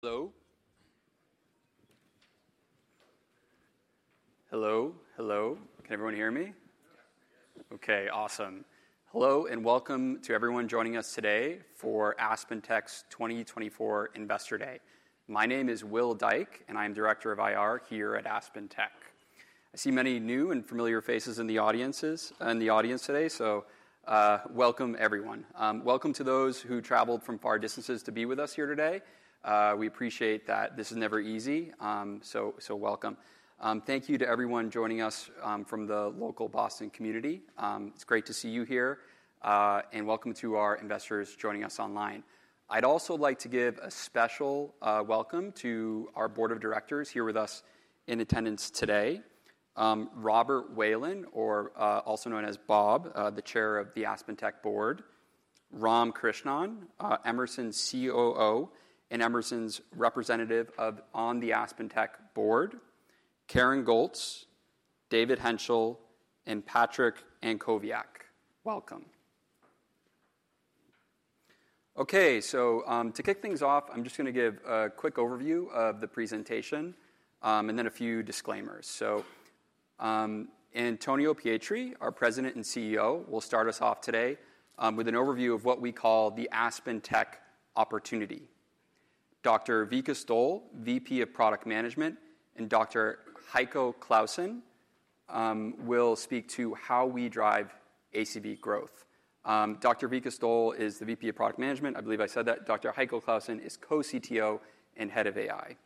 Hello? Hello, hello. Can everyone hear me? Yes. Okay, awesome. Hello, and welcome to everyone joining us today for AspenTech's 2024 Investor Day. My name is Will Dyke, and I'm Director of IR here at AspenTech. I see many new and familiar faces in the audiences, in the audience today, so welcome everyone. Welcome to those who traveled from far distances to be with us here today. We appreciate that. This is never easy, so, so welcome. Thank you to everyone joining us from the local Boston community. It's great to see you here, and welcome to our investors joining us online. I'd also like to give a special welcome to our board of directors here with us in attendance today. Robert Whelan, also known as Bob, the Chair of the AspenTech Board; Ram Krishnan, Emerson's COO, and Emerson's representative on the AspenTech board; Karen Golz, David Henshall, and Patrick Bartels. Welcome. Okay, so, to kick things off, I'm just gonna give a quick overview of the presentation, and then a few disclaimers. Antonio Pietri, our President and CEO, will start us off today, with an overview of what we call the AspenTech opportunity. Dr. Vikas Dole, VP of Product Management, and Dr. Heiko Claussen, will speak to how we drive ACV growth. Dr. Vikas Dole is the VP of Product Management. I believe I said that Dr. Heiko Claussen is Co-CTO and Head of AI.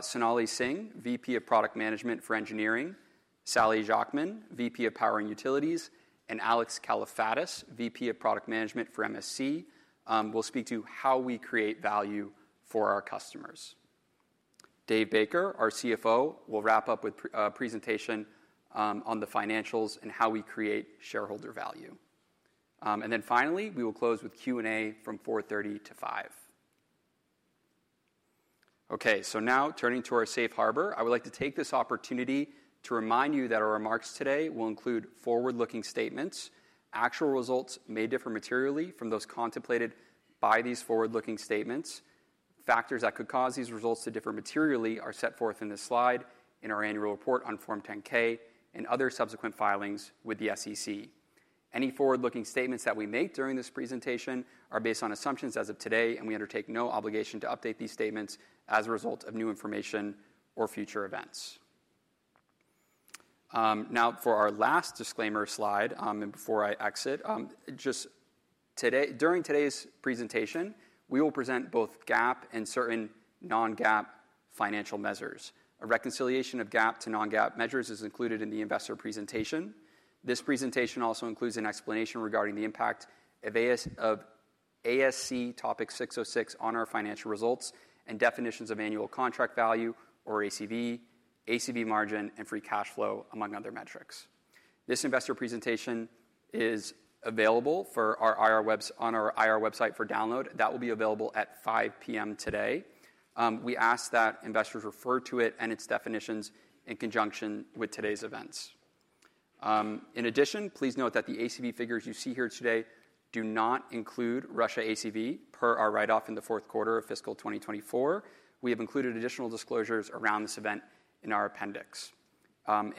Sonali Singh, VP of Product Management for Engineering, Sally Jacquemin, VP of Power and Utilities, and Alex Kalafatis, VP of Product Management for MSC, will speak to how we create value for our customers. David Baker, our CFO, will wrap up with presentation on the financials and how we create shareholder value. And then finally, we will close with Q&A from 4:30 P.M. to 5:00 P.M. Okay, so now turning to our safe harbor, I would like to take this opportunity to remind you that our remarks today will include forward-looking statements. Actual results may differ materially from those contemplated by these forward-looking statements. Factors that could cause these results to differ materially are set forth in this slide, in our annual report on Form 10-K, and other subsequent filings with the SEC. Any forward-looking statements that we make during this presentation are based on assumptions as of today, and we undertake no obligation to update these statements as a result of new information or future events. Now for our last disclaimer slide, and before I exit, just today, during today's presentation, we will present both GAAP and certain non-GAAP financial measures. A reconciliation of GAAP to non-GAAP measures is included in the investor presentation. This presentation also includes an explanation regarding the impact of ASC Topic 606 on our financial results, and definitions of annual contract value, or ACV, ACV margin, and free cash flow, among other metrics. This investor presentation is available on our IR website for download. That will be available at 5 P.M. today. We ask that investors refer to it and its definitions in conjunction with today's events. In addition, please note that the ACV figures you see here today do not include Russia ACV, per our write-off in the fourth quarter of fiscal 2024. We have included additional disclosures around this event in our appendix.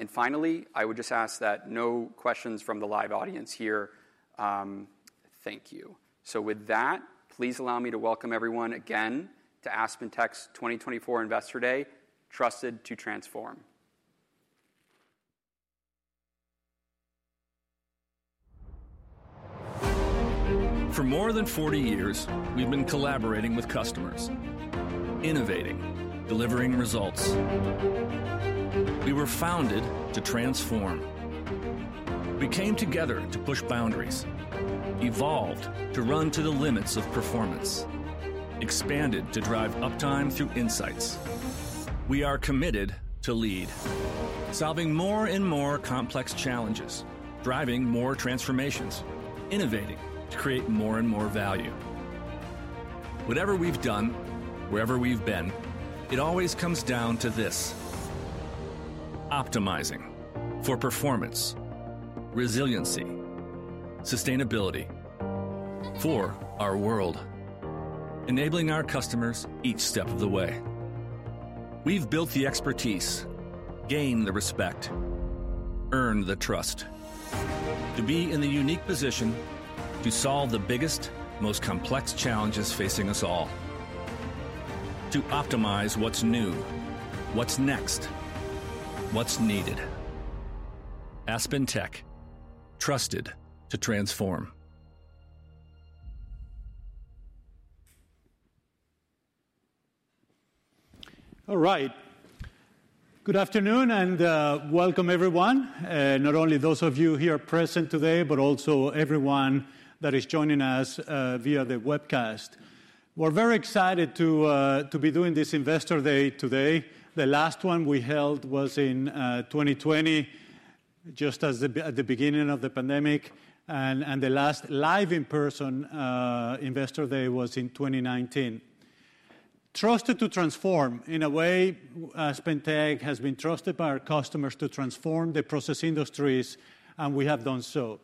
Finally, I would just ask that no questions from the live audience here. Thank you. With that, please allow me to welcome everyone again to AspenTech's 2024 Investor Day: Trusted to Transform. For more than forty years, we've been collaborating with customers, innovating, delivering results. We were founded to transform. We came together to push boundaries, evolved to run to the limits of performance, expanded to drive uptime through insights. We are committed to lead, solving more and more complex challenges, driving more transformations, innovating to create more and more value. Whatever we've done, wherever we've been, it always comes down to this: optimizing for performance, resiliency, sustainability for our world, enabling our customers each step of the way. We've built the expertise, gained the respect, earned the trust to be in the unique position to solve the biggest, most complex challenges facing us all, to optimize what's new, what's next, what's needed. AspenTech, trusted to transform. All right. Good afternoon, and welcome, everyone, not only those of you here present today, but also everyone that is joining us via the webcast. We're very excited to be doing this Investor Day today. The last one we held was in 2020, just as at the beginning of the pandemic, and the last live in-person Investor Day was in 2019. Trusted to transform. In a way, AspenTech has been trusted by our customers to transform the process industries, and we have done so.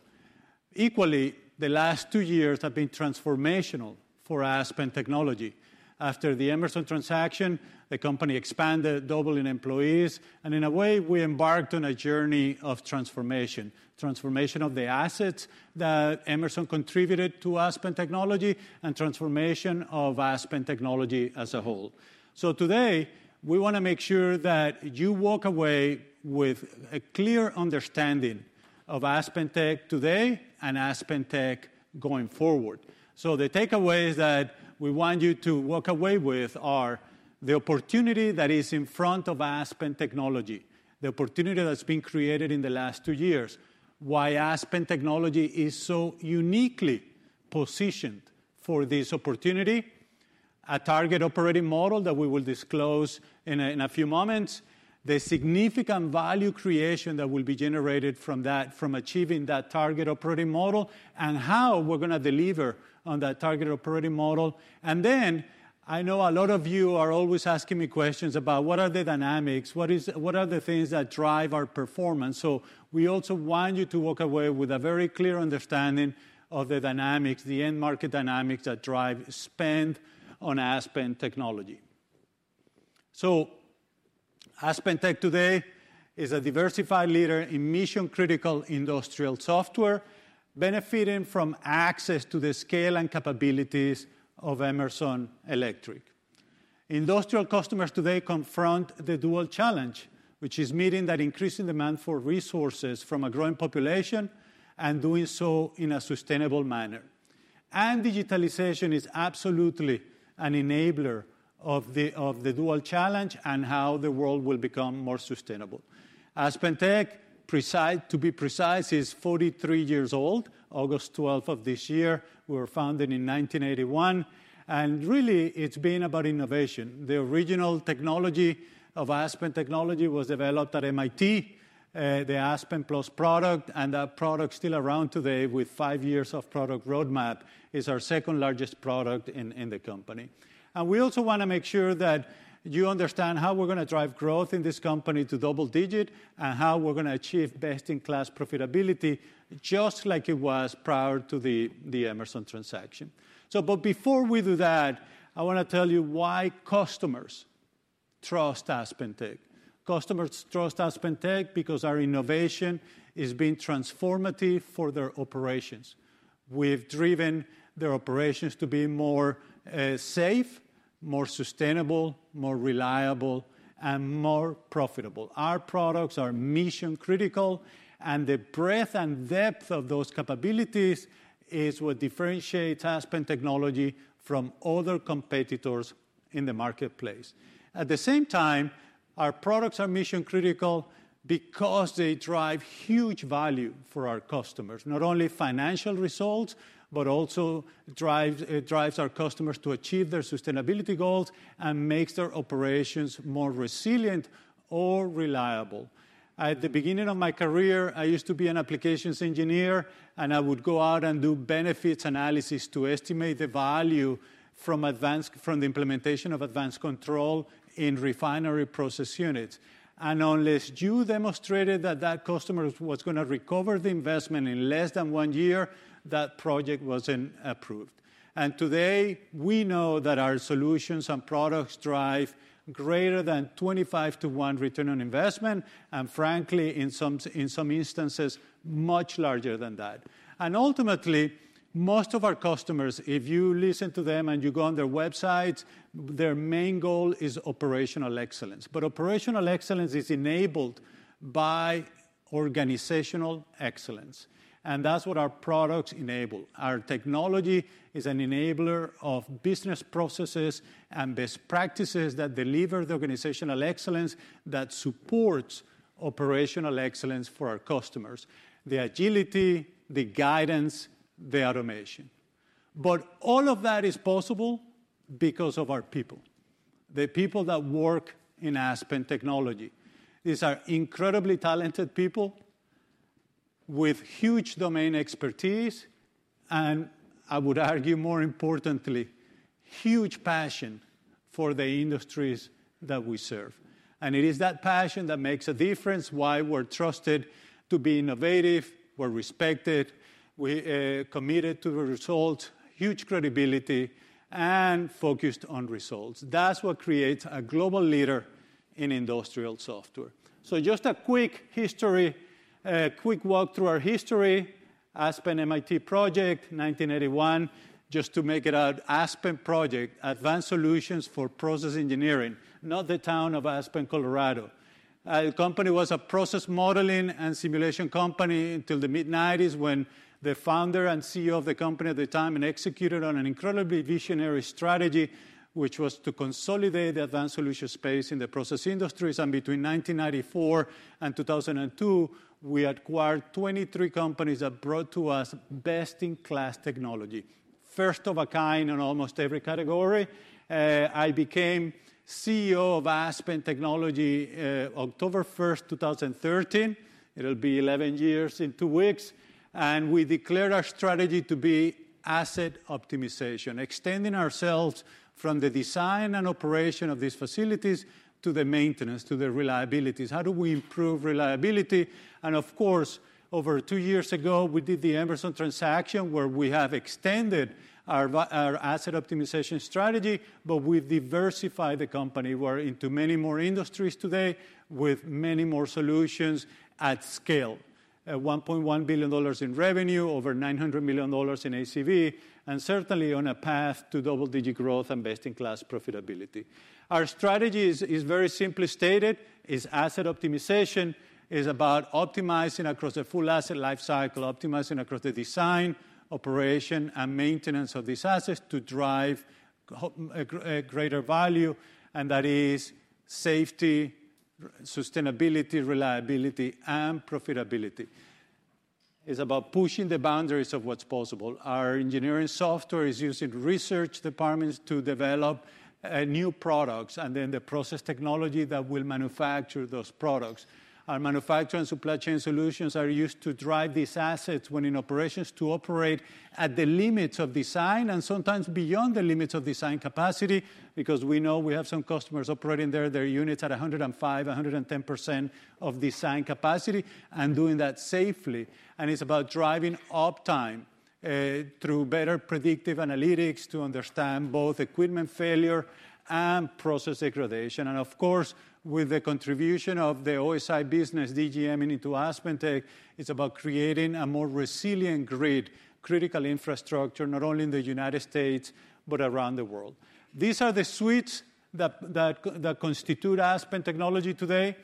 Equally, the last two years have been transformational for Aspen Technology. After the Emerson transaction, the company expanded, doubled in employees, and in a way, we embarked on a journey of transformation. Transformation of the assets that Emerson contributed to Aspen Technology, and transformation of Aspen Technology as a whole. So today, we wanna make sure that you walk away with a clear understanding of AspenTech today and AspenTech going forward. So the takeaways that we want you to walk away with are: the opportunity that is in front of Aspen Technology, the opportunity that's been created in the last two years, why Aspen Technology is so uniquely positioned for this opportunity, a target operating model that we will disclose in a few moments, the significant value creation that will be generated from that, from achieving that target operating model, and how we're gonna deliver on that target operating model. And then, I know a lot of you are always asking me questions about what are the dynamics, what are the things that drive our performance? So we also want you to walk away with a very clear understanding of the dynamics, the end market dynamics that drive spend on Aspen Technology. So AspenTech today is a diversified leader in mission-critical industrial software, benefiting from access to the scale and capabilities of Emerson Electric. Industrial customers today confront the dual challenge, which is meeting that increasing demand for resources from a growing population and doing so in a sustainable manner. And digitalization is absolutely an enabler of the dual challenge and how the world will become more sustainable. AspenTech, precisely, to be precise, is 43 years old, August twelfth of this year. We were founded in 1981, and really, it's been about innovation. The original technology of Aspen Technology was developed at MIT, the Aspen Plus product, and that product's still around today with five years of product roadmap, is our second-largest product in the company. And we also wanna make sure that you understand how we're gonna drive growth in this company to double digit, and how we're gonna achieve best-in-class profitability, just like it was prior to the Emerson transaction. But before we do that, I wanna tell you why customers trust AspenTech. Customers trust AspenTech because our innovation is being transformative for their operations. We've driven their operations to be more safe, more sustainable, more reliable, and more profitable. Our products are mission-critical, and the breadth and depth of those capabilities is what differentiates Aspen Technology from other competitors in the marketplace. At the same time, our products are mission-critical because they drive huge value for our customers. Not only financial results, but also drives our customers to achieve their sustainability goals and makes their operations more resilient or reliable. At the beginning of my career, I used to be an applications engineer, and I would go out and do benefits analysis to estimate the value from the implementation of advanced control in refinery process units. And unless you demonstrated that that customer was gonna recover the investment in less than one year, that project wasn't approved. And today, we know that our solutions and products drive greater than twenty-five to one return on investment, and frankly, in some instances, much larger than that. Ultimately, most of our customers, if you listen to them and you go on their websites, their main goal is operational excellence. Operational excellence is enabled by organizational excellence, and that's what our products enable. Our technology is an enabler of business processes and best practices that deliver the organizational excellence, that supports operational excellence for our customers. The agility, the guidance, the automation. All of that is possible because of our people, the people that work in Aspen Technology. These are incredibly talented people with huge domain expertise, and I would argue, more importantly, huge passion for the industries that we serve. It is that passion that makes a difference, why we're trusted to be innovative, we're respected, we committed to the results, huge credibility, and focused on results. That's what creates a global leader in industrial software. So just a quick history, a quick walk through our history. Aspen MIT Project, 1981, just to make it out, Aspen Project, Advanced Solutions for Process Engineering, not the town of Aspen, Colorado. The company was a process modeling and simulation company until the mid-nineties, when the founder and CEO of the company at the time executed on an incredibly visionary strategy, which was to consolidate the advanced solution space in the process industries. And between 1994 and 2002, we acquired 23 companies that brought to us best-in-class technology. First of a kind in almost every category. I became CEO of Aspen Technology, October 1st, 2013. It'll be 11 years in two weeks, and we declared our strategy to be asset optimization, extending ourselves from the design and operation of these facilities to the maintenance, to the reliabilities. How do we improve reliability? And of course, over two years ago, we did the Emerson transaction, where we have extended our our asset optimization strategy, but we've diversified the company. We're into many more industries today, with many more solutions at scale. $1.1 billion in revenue, over $900 million in ACV, and certainly on a path to double-digit growth and best-in-class profitability. Our strategy is very simply stated, is asset optimization, is about optimizing across the full asset lifecycle, optimizing across the design, operation, and maintenance of these assets to drive a greater value, and that is safety, sustainability, reliability, and profitability. It's about pushing the boundaries of what's possible. Our engineering software is used in research departments to develop new products and then the process technology that will manufacture those products. Our Manufacturing Supply Chain solutions are used to drive these assets when in operations, to operate at the limits of design and sometimes beyond the limits of design capacity, because we know we have some customers operating their units at 105%-110% of design capacity, and doing that safely. It's about driving uptime through better predictive analytics to understand both equipment failure and process degradation. Of course, with the contribution of the OSI business, DGM, into AspenTech, it's about creating a more resilient grid, critical infrastructure, not only in the United States, but around the world. These are the suites that constitute Aspen Technology today.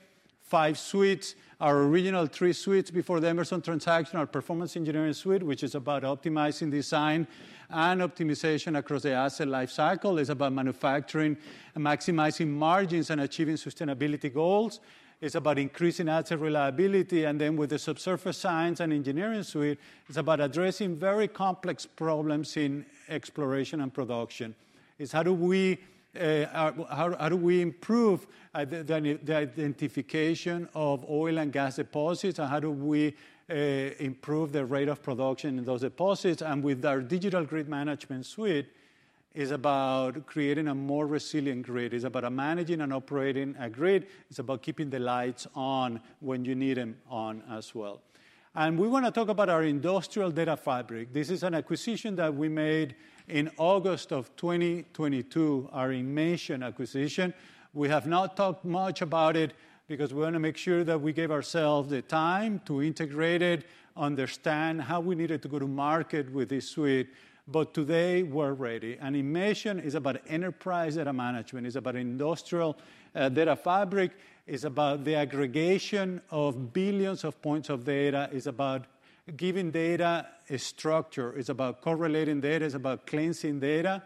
Five suites. Our original three suites before the Emerson transaction, our Performance Engineering suite, which is about optimizing design and optimization across the asset lifecycle. It's about manufacturing and maximizing margins and achieving sustainability goals. It's about increasing asset reliability, and then with the Subsurface Science and Engineering suite, it's about addressing very complex problems in exploration and production. It's how do we, how do we improve the identification of oil and gas deposits, and how do we improve the rate of production in those deposits? And with our Digital Grid Management suite, it's about creating a more resilient grid. It's about managing and operating a grid. It's about keeping the lights on when you need them on as well. And we wanna talk about our industrial data fabric. This is an acquisition that we made in August of 2022, our Inmation acquisition. We have not talked much about it, because we wanna make sure that we gave ourselves the time to integrate it, understand how we needed to go to market with this suite, but today, we're ready. Inmation is about enterprise data management. It's about industrial data fabric. It's about the aggregation of billions of points of data. It's about giving data a structure. It's about correlating data. It's about cleansing data.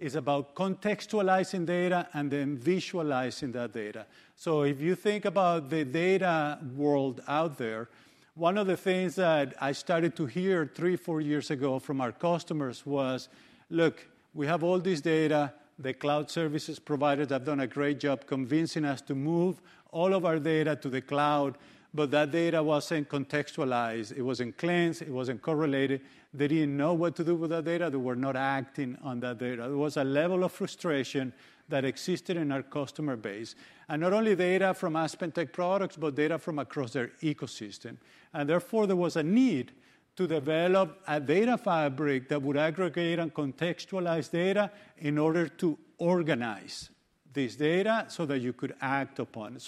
It's about contextualizing data and then visualizing that data. So if you think about the data world out there, one of the things that I started to hear three, four years ago from our customers was, "Look, we have all this data. The cloud services providers have done a great job convincing us to move all of our data to the cloud," but that data wasn't contextualized. It wasn't cleansed, it wasn't correlated. They didn't know what to do with that data. They were not acting on that data. There was a level of frustration that existed in our customer base, and not only data from AspenTech products, but data from across their ecosystem, and therefore, there was a need to develop a data fabric that would aggregate and contextualize data in order to organize this data so that you could act upon it,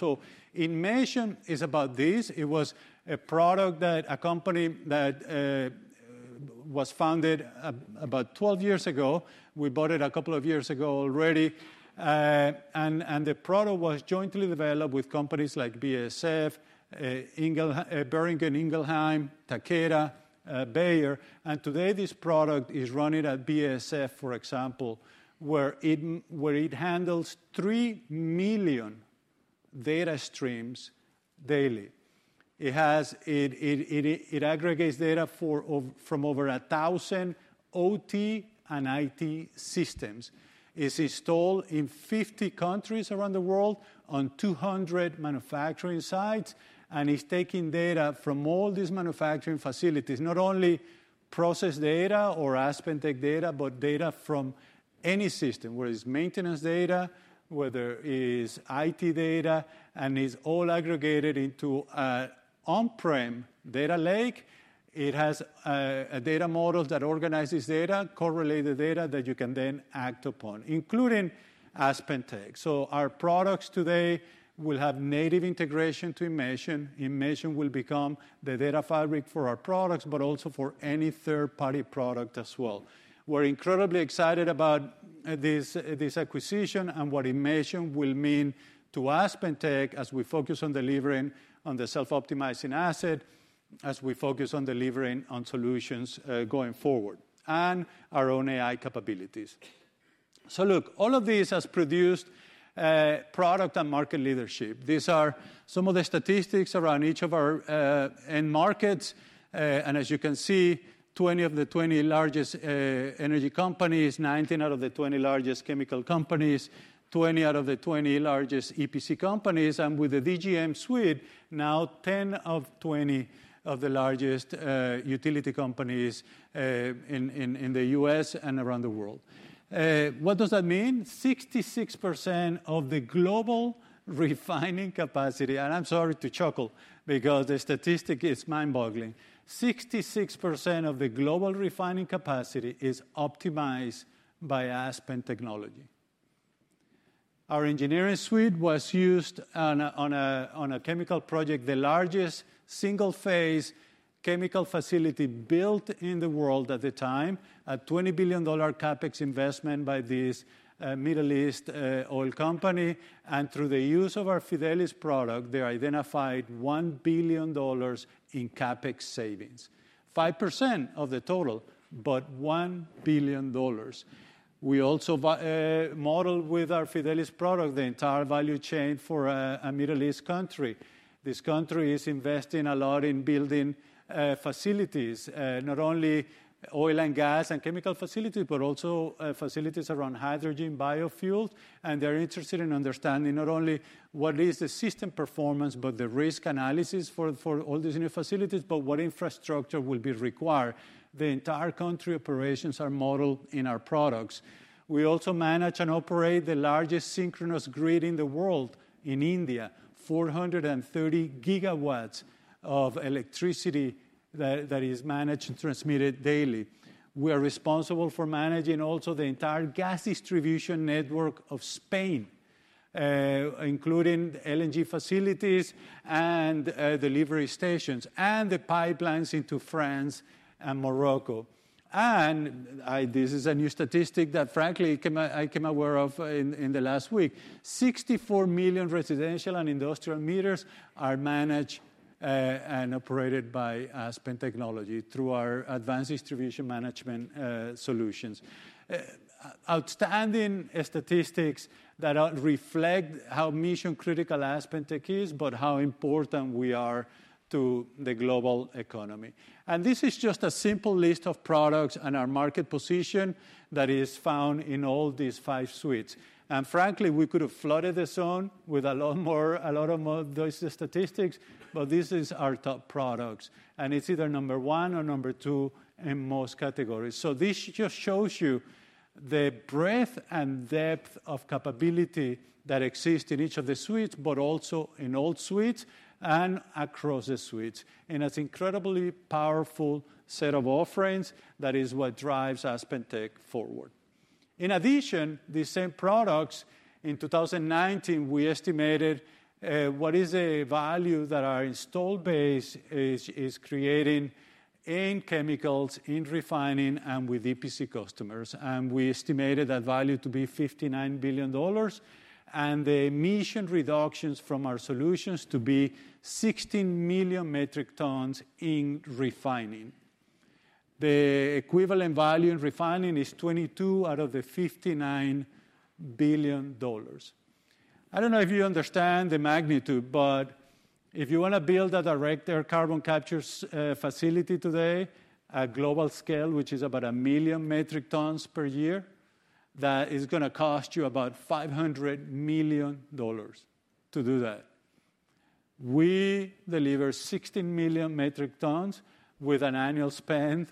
so Inmation is about this. It was a product that a company that was founded about 12 years ago. We bought it a couple of years ago already, and the product was jointly developed with companies like BASF, Boehringer Ingelheim, Takeda, Bayer, and today this product is running at BASF, for example, where it handles 3 million data streams daily. It aggregates data from over 1,000 OT and IT systems. It's installed in 50 countries around the world on 200 manufacturing sites, and it's taking data from all these manufacturing facilities, not only process data or AspenTech data, but data from any system, whether it's maintenance data, whether it's IT data, and it's all aggregated into a on-prem data lake. It has a data model that organizes data, correlated data that you can then act upon, including AspenTech. So our products today will have native integration to Inmation. Inmation will become the data fabric for our products, but also for any third-party product as well. We're incredibly excited about this acquisition and what Inmation will mean to AspenTech as we focus on delivering on the Self-Optimizing Asset, as we focus on delivering on solutions going forward, and our own AI capabilities. So look, all of this has produced product and market leadership. These are some of the statistics around each of our end markets. And as you can see, 20 of the 20 largest energy companies, 19 out of the 20 largest Chemicals companies, 20 out of the 20 largest EPC companies, and with the DGM suite, now 10 of 20 of the largest utility companies in the U.S. and around the world. What does that mean? 66% of the global refining capacity, and I'm sorry to chuckle, because the statistic is mind-boggling. 66% of the global refining capacity is optimized by Aspen Technology. Our engineering suite was used on a Chemicals project, the largest single-phase Chemicals facility built in the world at the time, a $20 billion CapEx investment by this Middle East oil company. And through the use of our Fidelis product, they identified $1 billion in CapEx savings. 5% of the total, but $1 billion. We also modeled with our Fidelis product, the entire value chain for a Middle East country. This country is investing a lot in building facilities, not only oil and gas and Chemicals facilities, but also facilities around hydrogen biofuels. And they're interested in understanding not only what is the system performance, but the risk analysis for all these new facilities, but what infrastructure will be required. The entire country operations are modeled in our products. We also manage and operate the largest synchronous grid in the world, in India, 430 gigawatts of electricity that is managed and transmitted daily. We are responsible for managing also the entire gas distribution network of Spain, including LNG facilities and delivery stations, and the pipelines into France and Morocco. This is a new statistic that, frankly, I became aware of in the last week. 64 million residential and industrial meters are managed and operated by Aspen Technology through our advanced distribution management solutions. Outstanding statistics that reflect how mission-critical AspenTech is, but how important we are to the global economy. This is just a simple list of products and our market position that is found in all these five suites. Frankly, we could have flooded this on with a lot more, a lot more those statistics, but this is our top products, and it's either number one or number two in most categories. This just shows you the breadth and depth of capability that exists in each of the suites, but also in all suites and across the suites. And it's incredibly powerful set of offerings that is what drives AspenTech forward. In addition, these same products, in 2019, we estimated what is a value that our install base is creating in Chemicals, in refining, and with EPC customers, and we estimated that value to be $59 billion, and the emission reductions from our solutions to be 16 million metric tons in refining. The equivalent value in refining is $22 out of the $59 billion. I don't know if you understand the magnitude, but if you wanna build a direct air carbon capture facility today, a global scale, which is about 1 million metric tons per year, that is gonna cost you about $500 million to do that. We deliver 16 million metric tons with an annual spend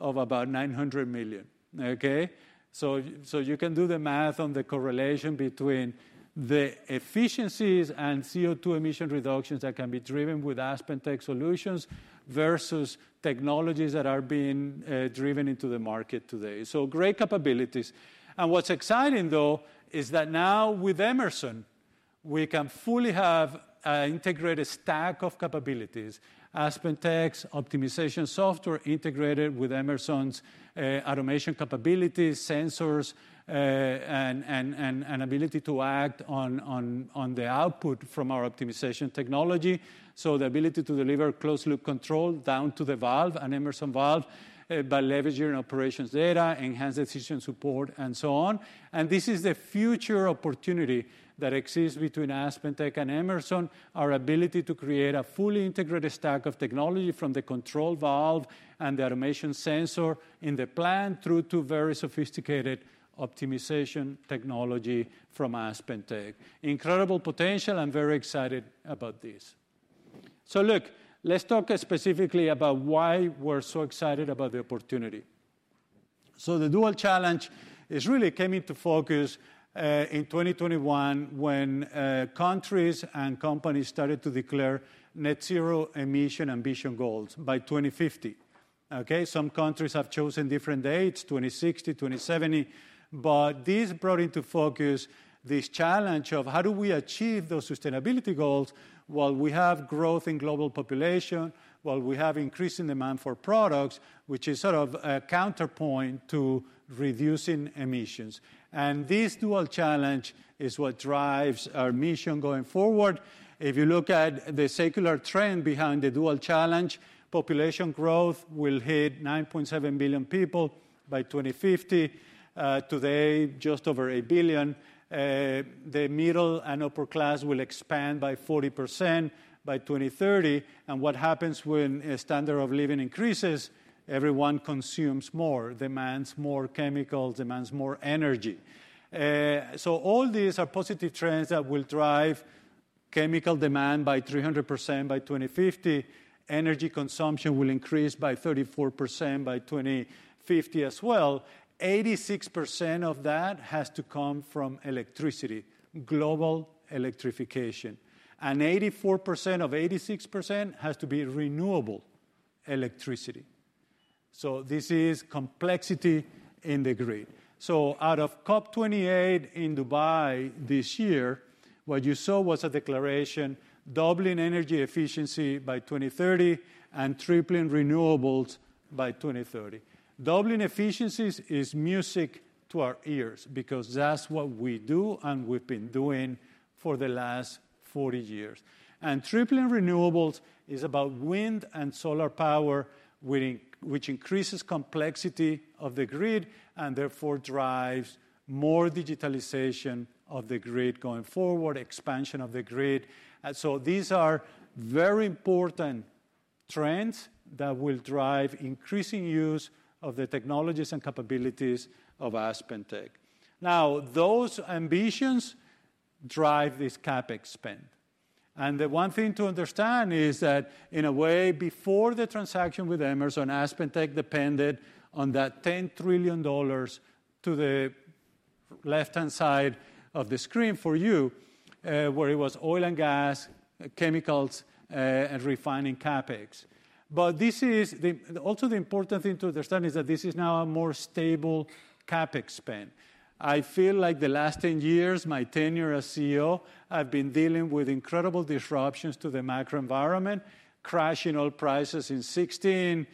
of about $900 million, okay? So you can do the math on the correlation between the efficiencies and CO2 emission reductions that can be driven with AspenTech solutions versus technologies that are being driven into the market today. So great capabilities. And what's exciting, though, is that now with Emerson, we can fully have an integrated stack of capabilities. AspenTech's optimization software integrated with Emerson's automation capabilities, sensors, and ability to act on the output from our optimization technology. The ability to deliver closed-loop control down to the valve, an Emerson valve, by leveraging operations data, enhanced decision support, and so on. And this is the future opportunity that exists between AspenTech and Emerson, our ability to create a fully integrated stack of technology from the control valve and the automation sensor in the plant through to very sophisticated optimization technology from AspenTech. Incredible potential, I'm very excited about this. So look, let's talk specifically about why we're so excited about the opportunity. The dual challenge really came into focus in 2021, when countries and companies started to declare net zero emission ambition goals by 2050. Okay, some countries have chosen different dates, 2060, 2070, but this brought into focus this challenge of: How do we achieve those sustainability goals while we have growth in global population, while we have increasing demand for products, which is sort of a counterpoint to reducing emissions? And this dual challenge is what drives our mission going forward. If you look at the secular trend behind the dual challenge, population growth will hit 9.7 billion people by 2050, today, just over 8 billion. The middle and upper class will expand by 40% by 2030. And what happens when a standard of living increases? Everyone consumes more, demands more Chemicals, demands more energy. So all these are positive trends that will drive-... Chemicals demand [will increase] by 300% by 2050. Energy consumption will increase by 34% by 2050 as well. 86% of that has to come from electricity, global electrification, and 84% of 86% has to be renewable electricity. This is complexity in the grid. Out of COP28 in Dubai this year, what you saw was a declaration, doubling energy efficiency by 2030 and tripling renewables by 2030. Doubling efficiencies is music to our ears because that's what we do, and we've been doing [it] for the last 40 years. Tripling renewables is about wind and solar power, which increases complexity of the grid, and therefore drives more digitalization of the grid going forward, expansion of the grid. These are very important trends that will drive increasing use of the technologies and capabilities of AspenTech. Now, those ambitions drive this CapEx spend. And the one thing to understand is that, in a way, before the transaction with Emerson, AspenTech depended on that $10 trillion to the left-hand side of the screen for you, where it was oil and gas, Chemicals, and refining CapEx. But also, the important thing to understand is that this is now a more stable CapEx spend. I feel like the last ten years, my tenure as CEO, I've been dealing with incredible disruptions to the macro environment, crash in oil prices in 2016,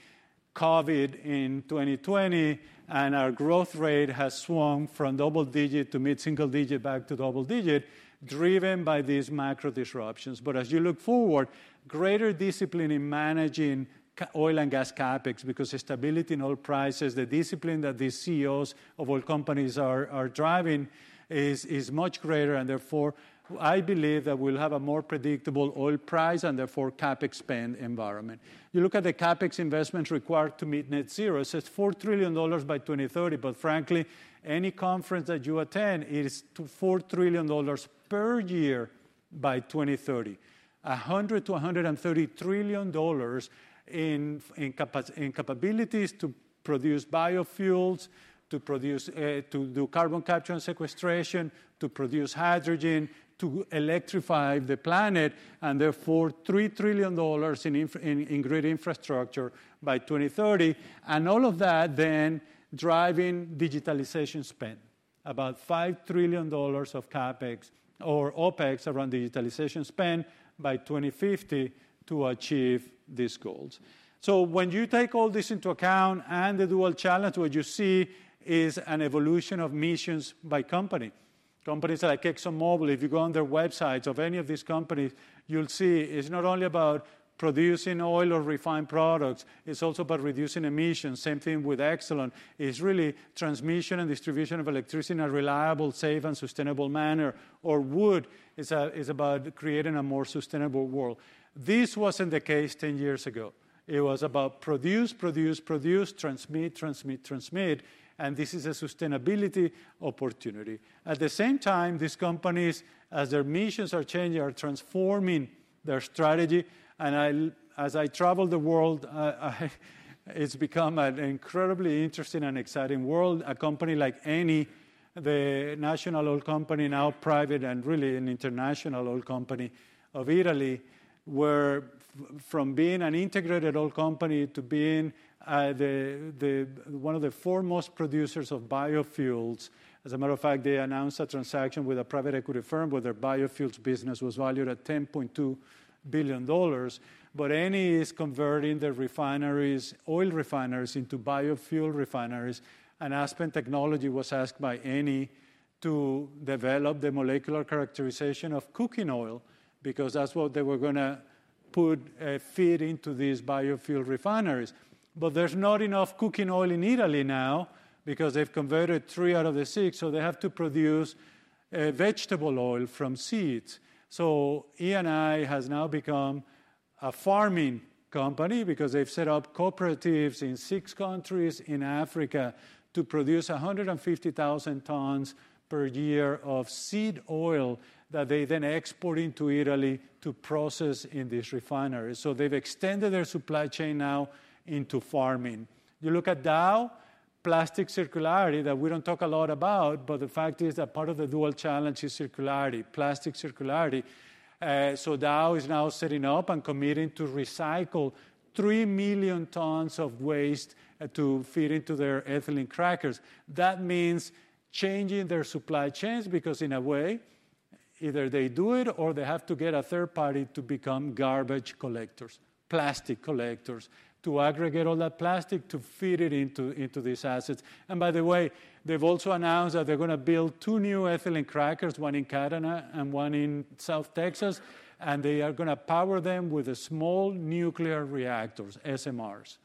COVID in 2020, and our growth rate has swung from double digit to mid-single digit back to double digit, driven by these macro disruptions. But as you look forward, greater discipline in managing oil and gas CapEx, because the stability in oil prices, the discipline that the CEOs of oil companies are driving is much greater, and therefore, I believe that we'll have a more predictable oil price and therefore, CapEx spend environment. You look at the CapEx investments required to meet net zero, it says $4 trillion by 2030. But frankly, any conference that you attend, it's two to four trillion dollars per year by 2030. $100-$130 trillion in capabilities to produce biofuels, to produce, to do carbon capture and sequestration, to produce hydrogen, to electrify the planet, and therefore, $3 trillion in grid infrastructure by 2030. And all of that then driving digitalization spend. About $5 trillion of CapEx or OpEx around digitalization spend by 2050 to achieve these goals. So when you take all this into account and the dual challenge, what you see is an evolution of missions by company. Companies like ExxonMobil, if you go on their websites, of any of these companies, you'll see it's not only about producing oil or refined products, it's also about reducing emissions. Same thing with Exelon, it's really transmission and distribution of electricity in a reliable, safe, and sustainable manner, or Wood is, is about creating a more sustainable world. This wasn't the case ten years ago. It was about produce, produce, produce, transmit, transmit, transmit, and this is a sustainability opportunity. At the same time, these companies, as their missions are changing, are transforming their strategy, and as I travel the world, it's become an incredibly interesting and exciting world. A company like Eni, the national oil company, now private and really an international oil company of Italy, were from being an integrated oil company to being the one of the foremost producers of biofuels. As a matter of fact, they announced a transaction with a private equity firm, where their biofuels business was valued at $10.2 billion. But Eni is converting their refineries, oil refineries into biofuel refineries, and Aspen Technology was asked by Eni to develop the molecular characterization of cooking oil, because that's what they were gonna put feed into these biofuel refineries. But there's not enough cooking oil in Italy now because they've converted three out of the six, so they have to produce vegetable oil from seeds. So Eni has now become a farming company because they've set up cooperatives in six countries in Africa to produce a hundred and fifty thousand tons per year of seed oil that they then export into Italy to process in these refineries. So they've extended their supply chain now into farming. You look at Dow, plastic circularity, that we don't talk a lot about, but the fact is that part of the dual challenge is circularity, plastic circularity. So Dow is now setting up and committing to recycle three million tons of waste to feed into their ethylene crackers. That means changing their supply chains, because in a way, either they do it or they have to get a third party to become garbage collectors, plastic collectors, to aggregate all that plastic, to feed it into these assets. And by the way, they've also announced that they're gonna build two new ethylene crackers, one in Carolina and one in South Texas, and they are gonna power them with small nuclear reactors, SMRs.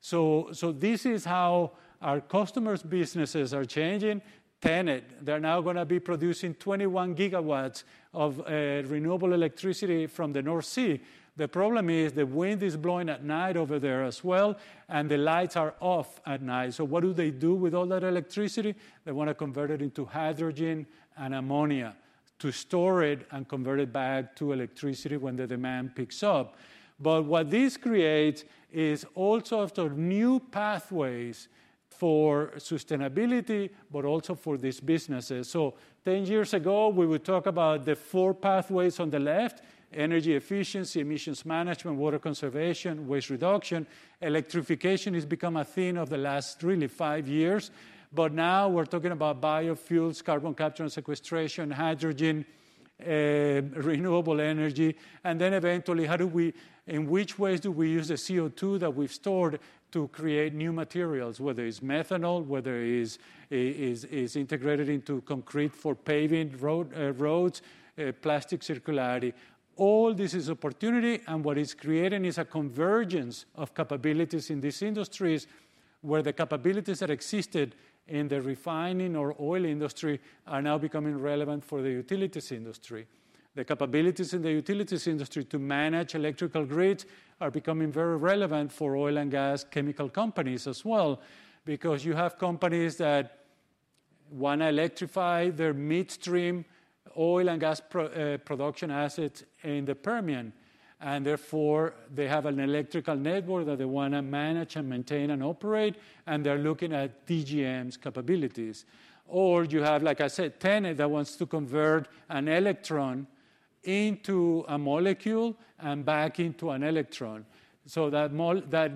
So, so this is how our customers' businesses are changing. TenneT, they're now gonna be producing twenty-one gigawatts of renewable electricity from the North Sea. The problem is, the wind is blowing at night over there as well, and the lights are off at night. So what do they do with all that electricity? They wanna convert it into hydrogen and ammonia to store it and convert it back to electricity when the demand picks up. But what this creates is also sort of new pathways for sustainability, but also for these businesses. So ten years ago, we would talk about the four pathways on the left: energy efficiency, emissions management, water conservation, waste reduction. Electrification has become a thing of the last really five years, but now we're talking about biofuels, carbon capture and sequestration, hydrogen, renewable energy, and then eventually, how do we—in which ways do we use the CO2 that we've stored to create new materials, whether it's methanol, whether it is integrated into concrete for paving roads, plastic circularity. All this is opportunity, and what it's creating is a convergence of capabilities in these industries, where the capabilities that existed in the refining or oil industry are now becoming relevant for the utilities industry. The capabilities in the utilities industry to manage electrical grids are becoming very relevant for oil and gas Chemicals companies as well, because you have companies that wanna electrify their midstream oil and gas production assets in the Permian, and therefore, they have an electrical network that they wanna manage and maintain and operate, and they're looking at DGM's capabilities. Or you have, like I said, TenneT, that wants to convert an electron into a molecule and back into an electron. So that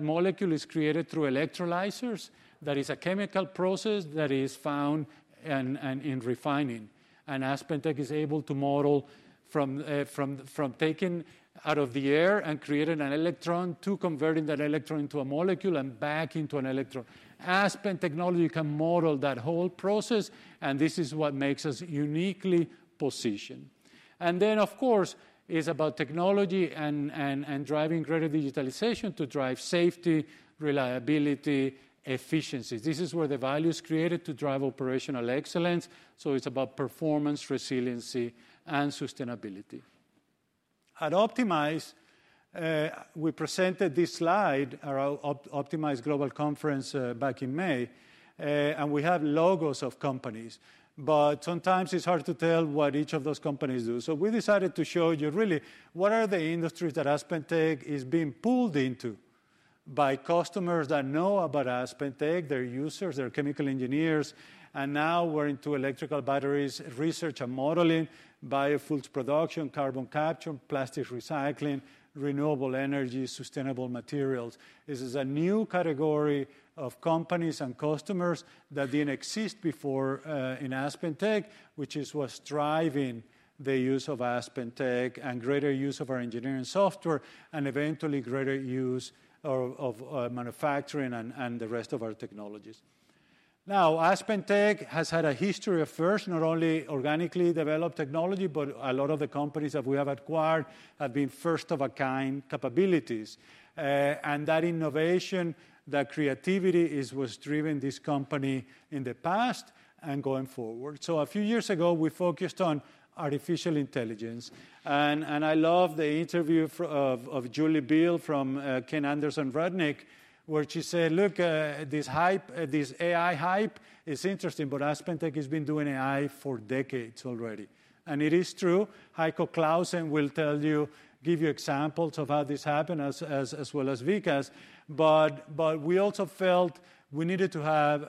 molecule is created through electrolyzers. That is a Chemicals process that is found and in refining, and AspenTech is able to model from taking out of the air and creating an electron to converting that electron into a molecule and back into an electron. Aspen Technology can model that whole process, and this is what makes us uniquely positioned. Then, of course, it's about technology and driving greater digitalization to drive safety, reliability, efficiency. This is where the value is created to drive operational excellence, so it's about performance, resiliency, and sustainability. At Optimize, we presented this slide around Optimize Global Conference back in May, and we have logos of companies. But sometimes it's hard to tell what each of those companies do. So we decided to show you really what are the industries that AspenTech is being pulled into by customers that know about AspenTech, they're users, they're Chemicals engineers, and now we're into electrical batteries, research and modeling, biofuels production, carbon capture, plastics recycling, renewable energy, sustainable materials. This is a new category of companies and customers that didn't exist before in AspenTech, which is what's driving the use of AspenTech and greater use of our engineering software, and eventually greater use of manufacturing and the rest of our technologies. Now, AspenTech has had a history of not only organically developed technology, but a lot of the companies that we have acquired have been first-of-a-kind capabilities. And that innovation, that creativity, is what's driven this company in the past and going forward. So a few years ago, we focused on artificial intelligence, and I love the interview of Julie Biel from Kayne Anderson Rudnick, where she said: "Look, this hype, this AI hype is interesting, but AspenTech has been doing AI for decades already." And it is true. Heiko Claussen will tell you, give you examples of how this happened, as well as Vikas. But we also felt we needed to have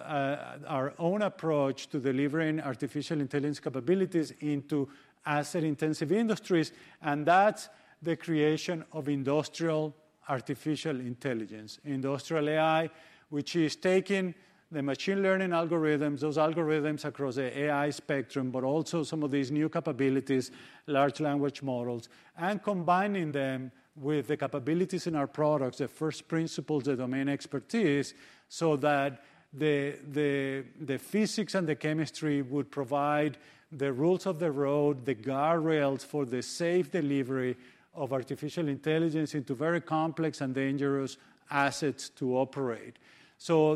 our own approach to delivering artificial intelligence capabilities into asset-intensive industries, and that's the creation of industrial artificial intelligence. Industrial AI, which is taking the machine learning algorithms, those algorithms across the AI spectrum, but also some of these new capabilities, large language models, and combining them with the capabilities in our products, the first principles, the domain expertise, so that the physics and the chemistry would provide the rules of the road, the guardrails for the safe delivery of artificial intelligence into very complex and dangerous assets to operate, so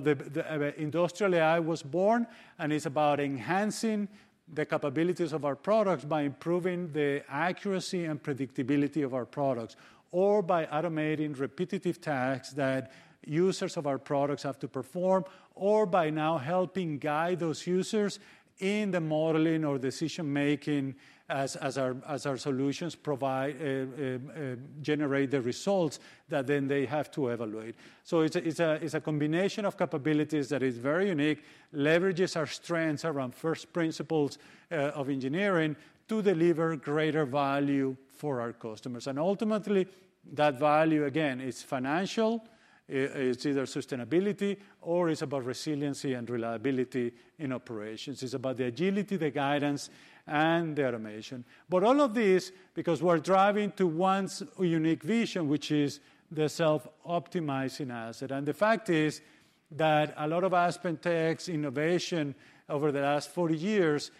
industrial AI was born, and it's about enhancing the capabilities of our products by improving the accuracy and predictability of our products, or by automating repetitive tasks that users of our products have to perform, or by now helping guide those users in the modeling or decision-making as our solutions provide generate the results that then they have to evaluate. It's a combination of capabilities that is very unique, leverages our strengths around first principles of engineering to deliver greater value for our customers. And ultimately, that value, again, is financial. It's either sustainability or it's about resiliency and reliability in operations. It's about the agility, the guidance, and the automation. All of this is because we're driving to our unique vision, which is the Self-Optimizing Asset. The fact is that a lot of AspenTech's innovation over the last forty years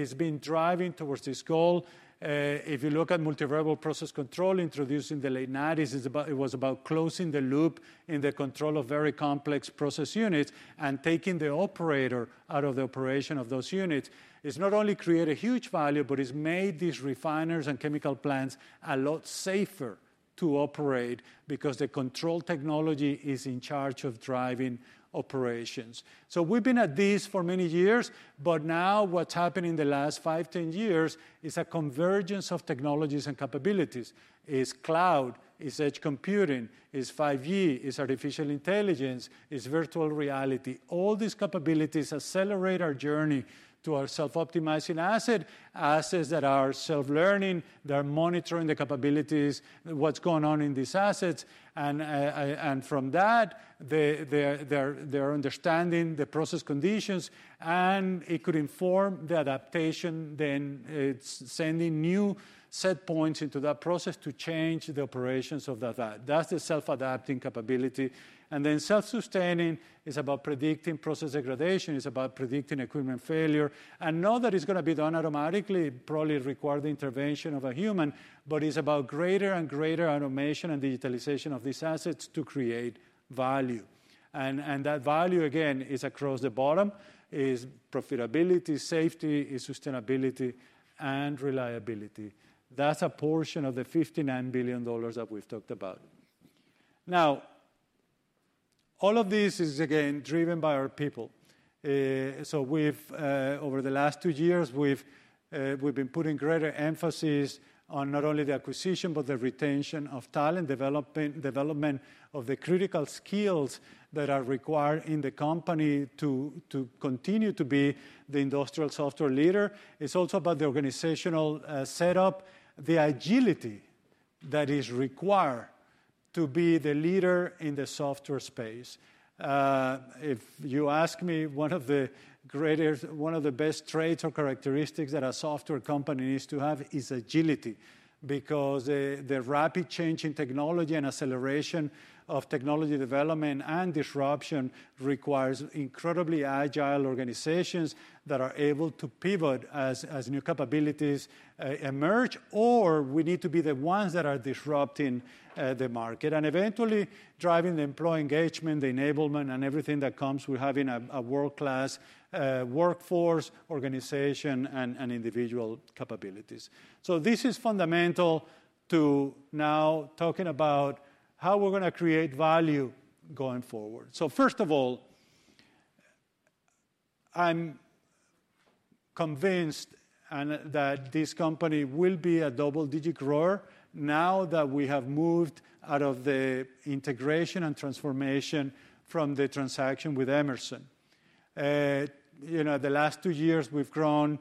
has been driving towards this goal. If you look at multivariable process control, introduced in the late 1990s, it was about closing the loop in the control of very complex process units, and taking the operator out of the operation of those units. It's not only created huge value, but it's made these refiners and Chemicals plants a lot safer to operate because the control technology is in charge of driving operations. So we've been at this for many years, but now what's happened in the last five, 10 years is a convergence of technologies and capabilities. It's cloud, it's edge computing, it's 5G, it's artificial intelligence, it's virtual reality. All these capabilities accelerate our journey to our Self-Optimizing Asset, assets that are self-learning, they're monitoring the capabilities, what's going on in these assets. And from that, they're understanding the process conditions, and it could inform the adaptation, then it's sending new set points into that process to change the operations of that. That's the self-adapting capability. And then self-sustaining is about predicting process degradation, it's about predicting equipment failure. None of that is gonna be done automatically, it probably require the intervention of a human, but it's about greater and greater automation and digitalization of these assets to create value. That value, again, is across the bottom, profitability, safety, sustainability, and reliability. That's a portion of the $59 billion that we've talked about. Now, all of this is, again, driven by our people. So we've over the last two years been putting greater emphasis on not only the acquisition, but the retention of talent, development of the critical skills that are required in the company to continue to be the industrial software leader. It's also about the organizational setup, the agility that is required to be the leader in the software space. If you ask me, one of the greatest, one of the best traits or characteristics that a software company needs to have is agility, because the rapid change in technology and acceleration of technology development and disruption requires incredibly agile organizations that are able to pivot as new capabilities emerge, or we need to be the ones that are disrupting the market, and eventually driving the employee engagement, the enablement, and everything that comes with having a world-class workforce, organization, and individual capabilities. So this is fundamental to now talking about how we're gonna create value going forward. So first of all, I'm convinced, and, that this company will be a double-digit grower now that we have moved out of the integration and transformation from the transaction with Emerson. You know, the last two years, we've grown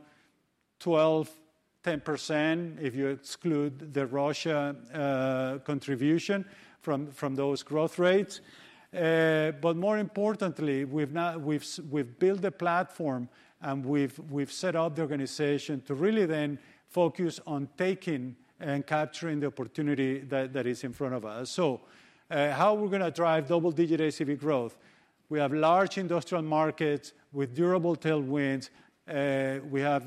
12%, 10% if you exclude the Russia contribution from those growth rates. But more importantly, we've now built a platform, and we've set up the organization to really then focus on taking and capturing the opportunity that is in front of us. So, how are we gonna drive double-digit ACV growth? We have large industrial markets with durable tailwinds. We have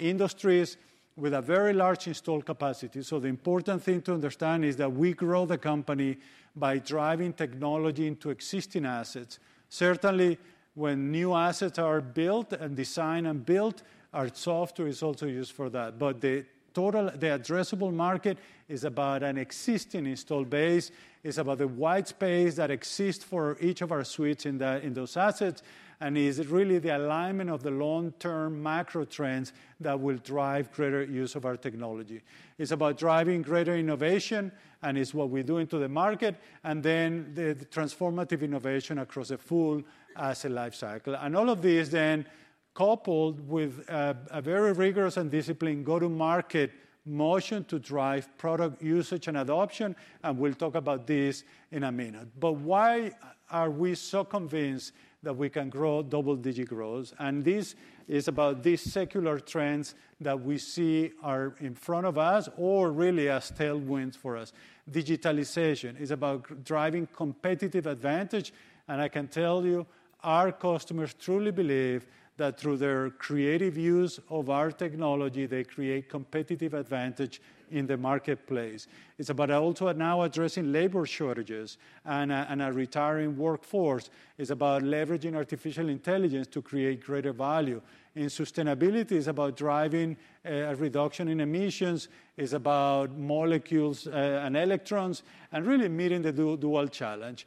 industries with a very large installed capacity. So the important thing to understand is that we grow the company by driving technology into existing assets. Certainly, when new assets are built and designed and built, our software is also used for that. The total addressable market is about an existing installed base. It's about the wide space that exists for each of our suites in the, in those assets, and is really the alignment of the long-term macro trends that will drive greater use of our technology. It's about driving greater innovation, and it's what we're doing to the market, and then the transformative innovation across the full asset lifecycle. All of this then coupled with a very rigorous and disciplined go-to-market motion to drive product usage and adoption, and we'll talk about this in a minute. Why are we so convinced that we can grow double-digit growth? This is about these secular trends that we see are in front of us or really as tailwinds for us. Digitalization is about driving competitive advantage, and I can tell you, our customers truly believe that through their creative use of our technology, they create competitive advantage in the marketplace. It's about also now addressing labor shortages and a retiring workforce. It's about leveraging artificial intelligence to create greater value. And sustainability is about driving a reduction in emissions, it's about molecules and electrons, and really meeting the dual challenge.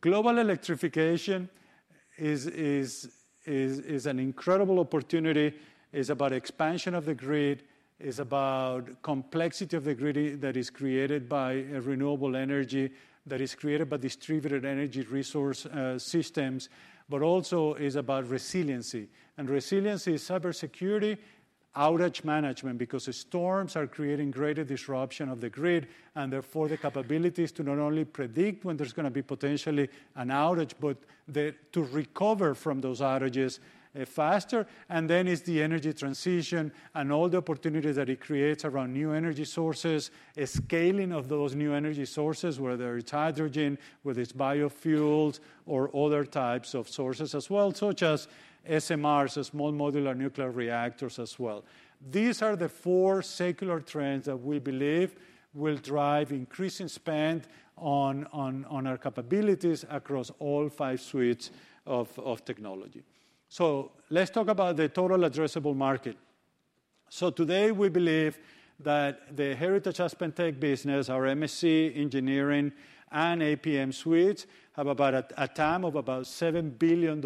Global electrification is an incredible opportunity, it's about expansion of the grid, it's about complexity of the grid that is created by renewable energy, that is created by distributed energy resource systems, but also is about resiliency. And resiliency is cybersecurity-... Outage management, because the storms are creating greater disruption of the grid, and therefore, the capabilities to not only predict when there's gonna be potentially an outage, but to recover from those outages faster. And then it's the energy transition and all the opportunities that it creates around new energy sources, a scaling of those new energy sources, whether it's hydrogen, whether it's biofuels or other types of sources as well, such as SMRs, so small modular nuclear reactors as well. These are the four secular trends that we believe will drive increasing spend on our capabilities across all five suites of technology. So let's talk about the total addressable market. So today, we believe that the heritage AspenTech business, our MSC, Engineering, and APM suites, have about a TAM of about $7 billion.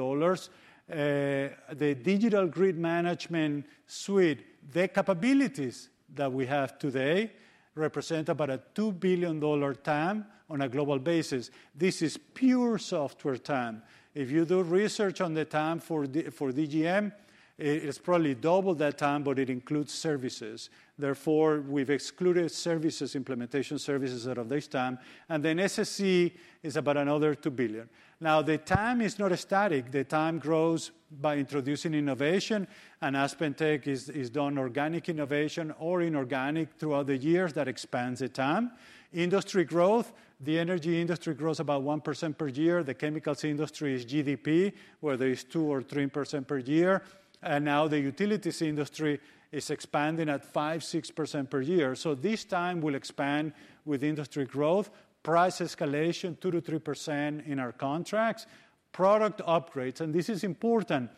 The Digital Grid Management suite, the capabilities that we have today represent about a $2 billion TAM on a global basis. This is pure software TAM. If you do research on the TAM for DGM, it's probably double that TAM, but it includes services. Therefore, we've excluded services, implementation services, out of this TAM, and then SSE is about another $2 billion. Now, the TAM is not static. The TAM grows by introducing innovation, and AspenTech has done organic innovation or inorganic throughout the years that expands the TAM. Industry growth, the energy industry grows about 1% per year. The chemicals industry is GDP, whether it's 2-3% per year, and now the utilities industry is expanding at 5-6% per year. So this TAM will expand with industry growth. Price escalation, 2-3% in our contracts. Product upgrades, and this is important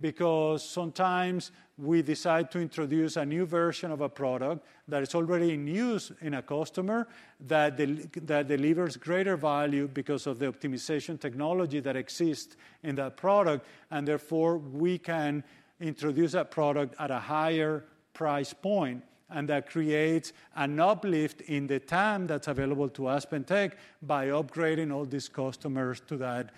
because sometimes we decide to introduce a new version of a product that is already in use in a customer, that that delivers greater value because of the optimization technology that exists in that product, and therefore, we can introduce that product at a higher price point, and that creates an uplift in the TAM that's available to AspenTech by upgrading all these customers to that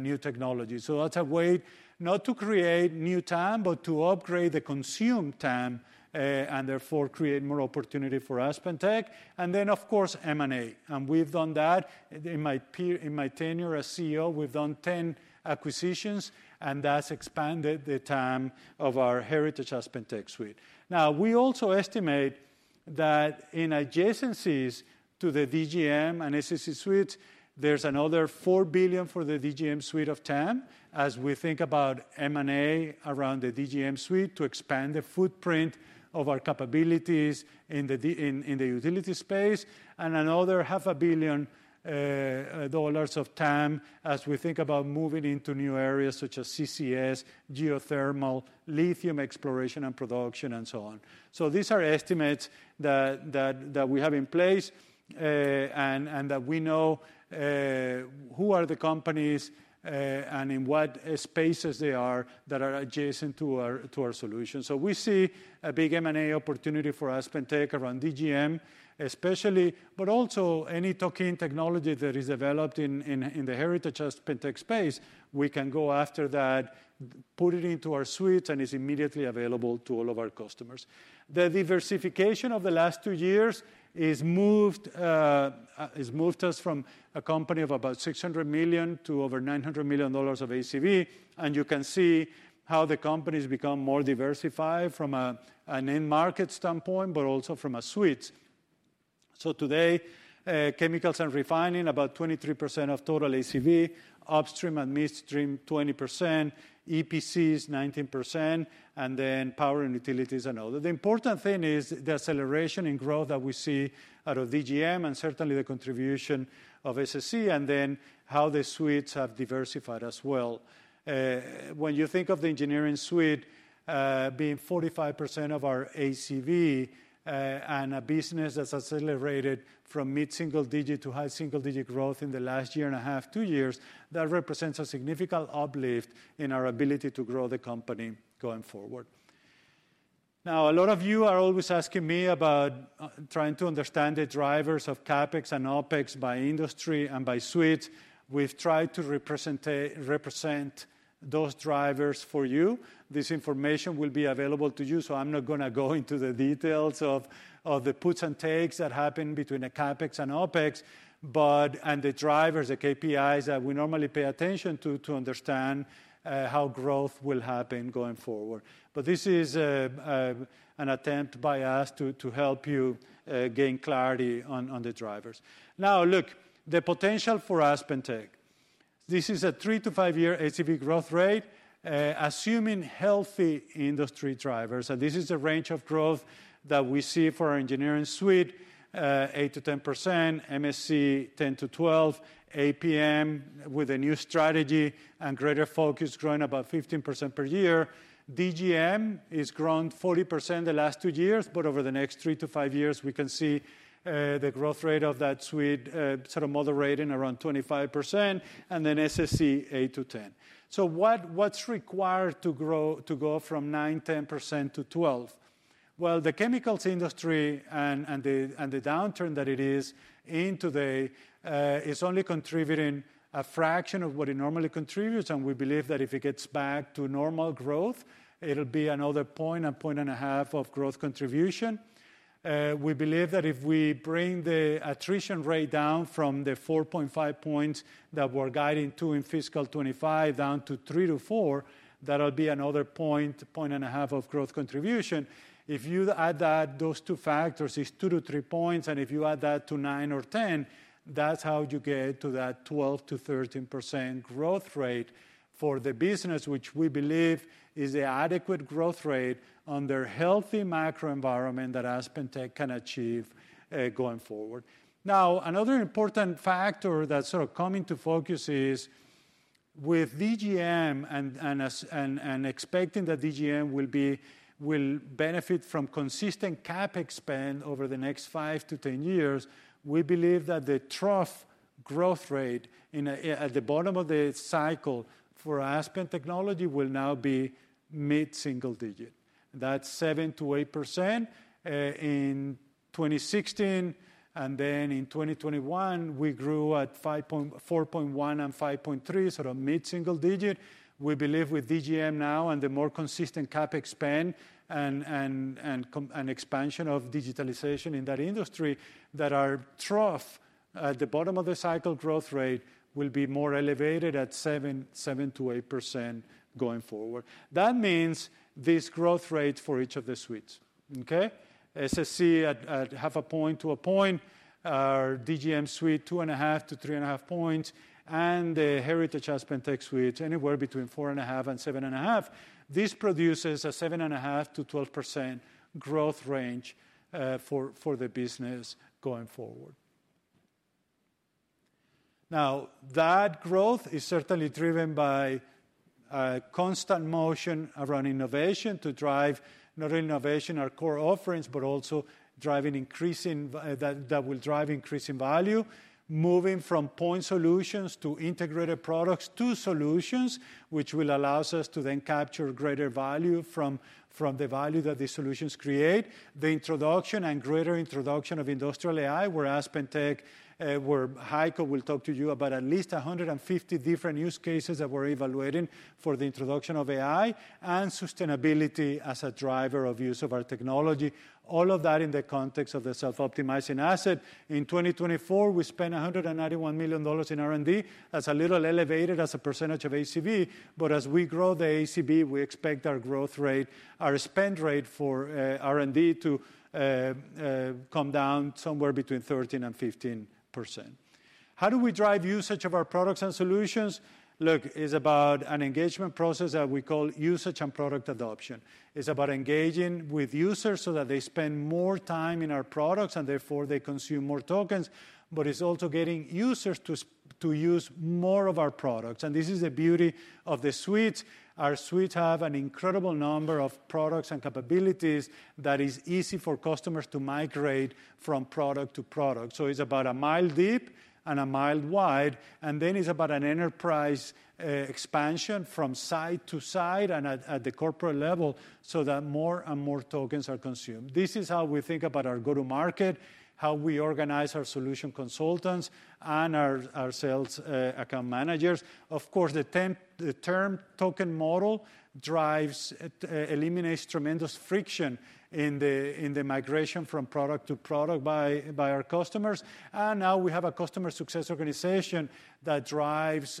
new technology. So that's a way not to create new TAM, but to upgrade the consumed TAM, and therefore create more opportunity for AspenTech. And then, of course, M&A, and we've done that. In my in my tenure as CEO, we've done 10 acquisitions, and that's expanded the TAM of our heritage AspenTech suite. Now, we also estimate that in adjacencies to the DGM and SSE suite, there's another $4 billion for the DGM suite of TAM as we think about M&A around the DGM suite to expand the footprint of our capabilities in the utility space, and another $500 million of TAM as we think about moving into new areas such as CCS, geothermal, lithium exploration and production, and so on. So these are estimates that we have in place, and that we know who are the companies and in what spaces they are, that are adjacent to our solution. So we see a big M&A opportunity for AspenTech around DGM especially, but also any talking technology that is developed in the heritage AspenTech space, we can go after that, put it into our suite, and it's immediately available to all of our customers. The diversification of the last two years has moved us from a company of about $600 million to over $900 million of ACV, and you can see how the company's become more diversified from an end market standpoint, but also from a suite. Today, chemicals and refining, about 23% of total ACV, upstream and midstream, 20%, EPCs, 19%, and then power and utilities and other. The important thing is the acceleration in growth that we see out of DGM and certainly the contribution of SSE, and then how the suites have diversified as well. When you think of the engineering suite, being 45% of our ACV, and a business that's accelerated from mid-single digit to high single digit growth in the last year and a half, two years, that represents a significant uplift in our ability to grow the company going forward. Now, a lot of you are always asking me about trying to understand the drivers of CapEx and OpEx by industry and by suite. We've tried to represent those drivers for you. This information will be available to you, so I'm not gonna go into the details of the puts and takes that happen between a CapEx and OpEx, but, and the drivers, the KPIs that we normally pay attention to, to understand how growth will happen going forward. But this is an attempt by us to help you gain clarity on the drivers. Now, look, the potential for AspenTech. This is a three- to five-year ACV growth rate, assuming healthy industry drivers, and this is the range of growth that we see for our engineering suite, 8-10%, MSC 10-12%, APM with a new strategy and greater focus, growing about 15% per year. DGM has grown 40% the last two years, but over the next three to five years, we can see, the growth rate of that suite, sort of moderating around 25%, and then SSE, 8-10%. So what, what's required to go from 9-10% to 12%? Well, the chemicals industry and, and the downturn that it is in today, is only contributing a fraction of what it normally contributes, and we believe that if it gets back to normal growth, it'll be another point, a point and a half of growth contribution. We believe that if we bring the attrition rate down from the 4.5 points that we're guiding to in fiscal 2025, down to 3-4, that'll be another point to point and a half of growth contribution. If you add that, those two factors, it's 2 to 3 points, and if you add that to 9 or 10, that's how you get to that 12 to 13% growth rate for the business, which we believe is the adequate growth rate on their healthy macro environment that AspenTech can achieve, going forward. Now, another important factor that's sort of coming to focus is with DGM and expecting that DGM will benefit from consistent CapEx spend over the next five to ten years, we believe that the trough growth rate at the bottom of the cycle for Aspen Technology will now be mid-single digit. That's 7 to 8%, in twenty sixteen, and then in twenty twenty-one, we grew at 5.41 and 5.3, sort of mid-single digit. We believe with DGM now and the more consistent CapEx spend and expansion of digitalization in that industry, that our trough at the bottom of the cycle growth rate will be more elevated at 7-8% going forward. That means this growth rate for each of the suites, okay? SSE at 0.5-1 point, our DGM suite, 2.5-3.5 points, and the heritage AspenTech suite, anywhere between 4.5 and 7.5. This produces a 7.5-12% growth range for the business going forward. Now, that growth is certainly driven by constant motion around innovation to drive not only innovation, our core offerings, but also drive an increase in value, that will drive increase in value, moving from point solutions to integrated products to solutions, which will allows us to then capture greater value from the value that these solutions create. The introduction and greater introduction of industrial AI, where AspenTech, where Heiko will talk to you about at least 150 different use cases that we're evaluating for the introduction of AI and sustainability as a driver of use of our technology, all of that in the context of the Self-Optimizing Asset. In 2024, we spent $191 million in R&D. That's a little elevated as a percentage of ACV, but as we grow the ACV, we expect our growth rate, our spend rate for R&D to come down somewhere between 13 and 15%. How do we drive usage of our products and solutions? Look, it's about an engagement process that we call usage and product adoption. It's about engaging with users so that they spend more time in our products, and therefore they consume more tokens, but it's also getting users to use more of our products. And this is the beauty of the suites. Our suites have an incredible number of products and capabilities that is easy for customers to migrate from product to product. It's about a mile deep and a mile wide, and then it's about an enterprise expansion from side to side and at the corporate level, so that more and more tokens are consumed. This is how we think about our go-to-market, how we organize our solution consultants and our sales account managers. Of course, the term token model drives eliminates tremendous friction in the migration from product to product by our customers. Now we have a customer success organization that drives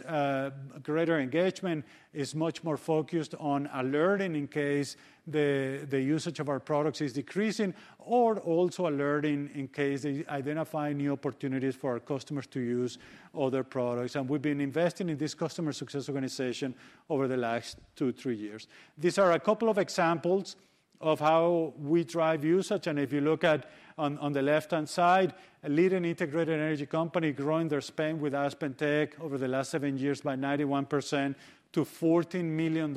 greater engagement, is much more focused on alerting in case the usage of our products is decreasing, or also alerting in case they identify new opportunities for our customers to use other products. We've been investing in this customer success organization over the last two, three years. These are a couple of examples of how we drive usage, and if you look at on the left-hand side, a leading integrated energy company growing their spend with AspenTech over the last seven years by 91% to $14 million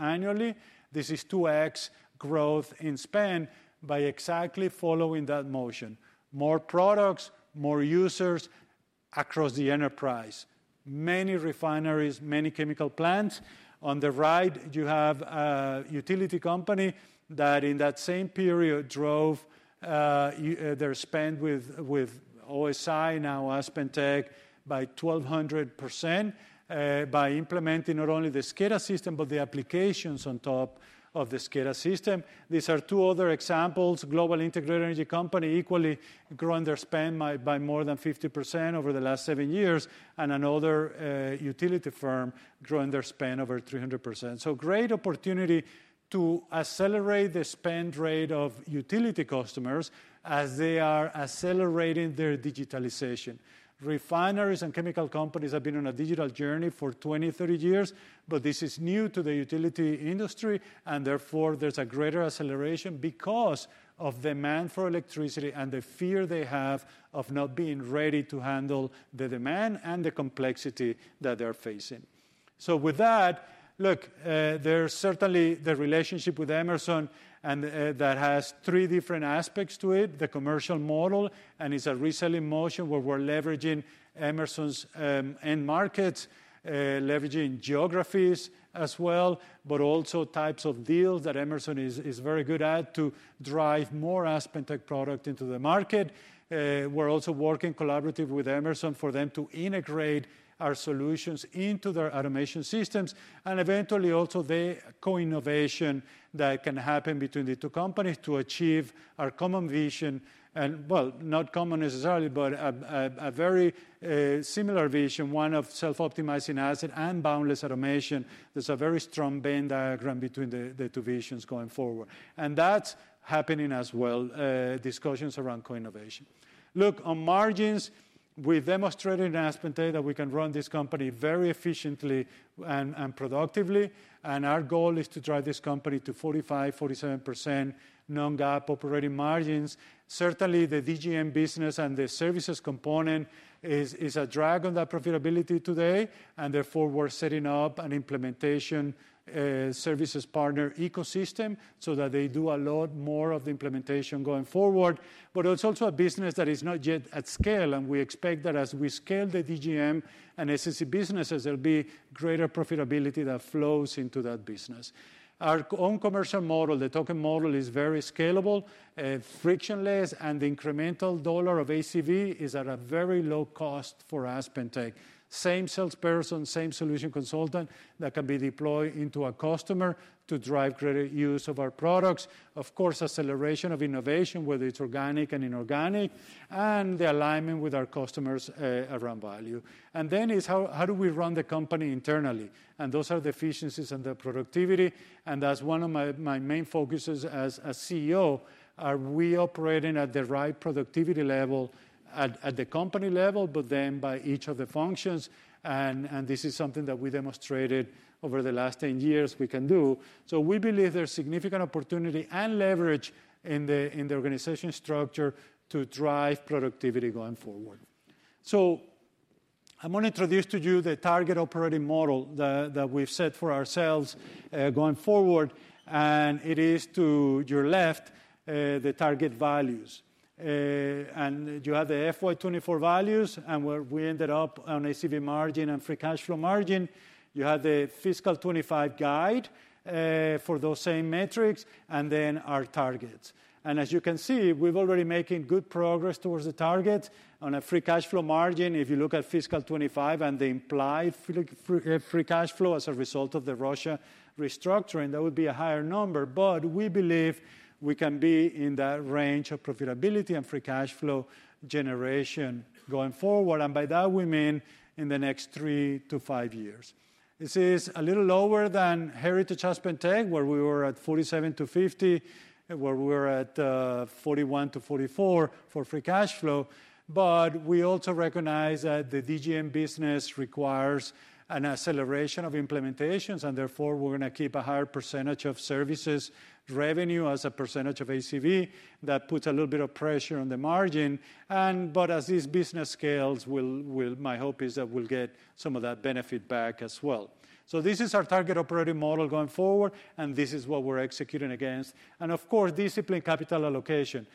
annually. This is 2X growth in spend by exactly following that motion. More products, more users across the enterprise. Many refineries, many chemical plants. On the right, you have a utility company that in that same period drove their spend with OSI, now AspenTech, by 1,200%, by implementing not only the SCADA system, but the applications on top of the SCADA system. These are two other examples: global integrated energy company equally growing their spend by more than 50% over the last seven years, and another utility firm growing their spend over 300%. So great opportunity to accelerate the spend rate of utility customers as they are accelerating their digitalization. Refineries and chemical companies have been on a digital journey for 20, 30 years, but this is new to the utility industry, and therefore, there's a greater acceleration because of demand for electricity and the fear they have of not being ready to handle the demand and the complexity that they're facing. So with that, look, there's certainly the relationship with Emerson, and that has three different aspects to it. The commercial model, and it's a reselling motion where we're leveraging Emerson's end markets, leveraging geographies as well, but also types of deals that Emerson is very good at to drive more AspenTech product into the market. We're also working collaboratively with Emerson for them to integrate our solutions into their automation systems, and eventually, also the co-innovation that can happen between the two companies to achieve our common vision and... Well, not common necessarily, but a very similar vision, one of Self-Optimizing Asset and Boundless Automation. There's a very strong Venn diagram between the two visions going forward, and that's happening as well, discussions around co-innovation. Look, on margins, we've demonstrated in AspenTech that we can run this company very efficiently and productively, and our goal is to drive this company to 45%-47% non-GAAP operating margins. Certainly, the DGM business and the services component is a drag on that profitability today, and therefore, we're setting up an implementation services partner ecosystem so that they do a lot more of the implementation going forward. But it's also a business that is not yet at scale, and we expect that as we scale the DGM and SSE businesses, there'll be greater profitability that flows into that business. Our own commercial model, the token model, is very scalable, frictionless, and the incremental dollar of ACV is at a very low cost for AspenTech. Same salesperson, same solution consultant that can be deployed into a customer to drive greater use of our products. Of course, acceleration of innovation, whether it's organic and inorganic, and the alignment with our customers, around value. And then it's how, how do we run the company internally? And those are the efficiencies and the productivity, and that's one of my, my main focuses as, as CEO. Are we operating at the right productivity level at, at the company level, but then by each of the functions? This is something that we demonstrated over the last 10 years we can do. So we believe there's significant opportunity and leverage in the organization structure to drive productivity going forward. So I want to introduce to you the target operating model that we've set for ourselves going forward, and it is to your left, the target values. And you have the FY 2024 values and where we ended up on ACV margin and free cash flow margin. You have the fiscal 2025 guide for those same metrics, and then our targets. As you can see, we're already making good progress towards the target on a free cash flow margin. If you look at fiscal 2025 and the implied free cash flow as a result of the Russia restructuring, that would be a higher number, but we believe we can be in that range of profitability and free cash flow generation going forward, and by that we mean in the next three to five years. This is a little lower than heritage AspenTech, where we were at 47-50, where we're at 41-44 for free cash flow. But we also recognize that the DGM business requires an acceleration of implementations, and therefore, we're gonna keep a higher percentage of services revenue as a percentage of ACV. That puts a little bit of pressure on the margin, and but as this business scales, we'll my hope is that we'll get some of that benefit back as well. This is our target operating model going forward, and this is what we're executing against. Of course, disciplined capital allocation,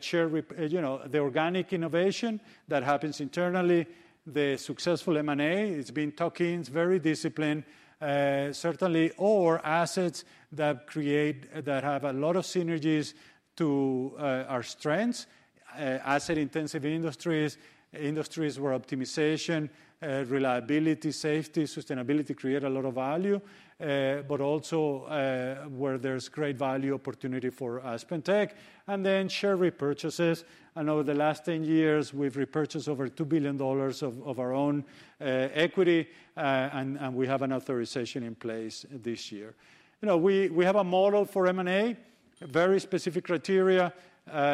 share repurchases, you know, the organic innovation that happens internally, the successful M&A, it's very disciplined, certainly, assets that create that have a lot of synergies to our strengths, asset-intensive industries, industries where optimization, reliability, safety, sustainability create a lot of value, but also where there's great value opportunity for AspenTech, and then share repurchases. Over the last 10 years, we've repurchased over $2 billion of our own equity, and we have an authorization in place this year. You know, we have a model for M&A, very specific criteria.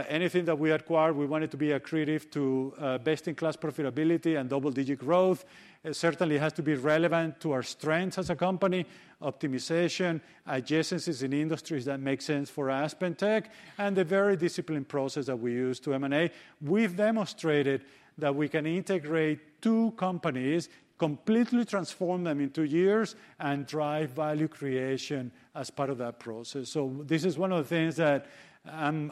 Anything that we acquire, we want it to be accretive to best-in-class profitability and double-digit growth. It certainly has to be relevant to our strengths as a company, optimization, adjacencies in industries that make sense for AspenTech, and the very disciplined process that we use to M&A. We've demonstrated that we can integrate two companies, completely transform them in two years, and drive value creation as part of that process. So this is one of the things that I'm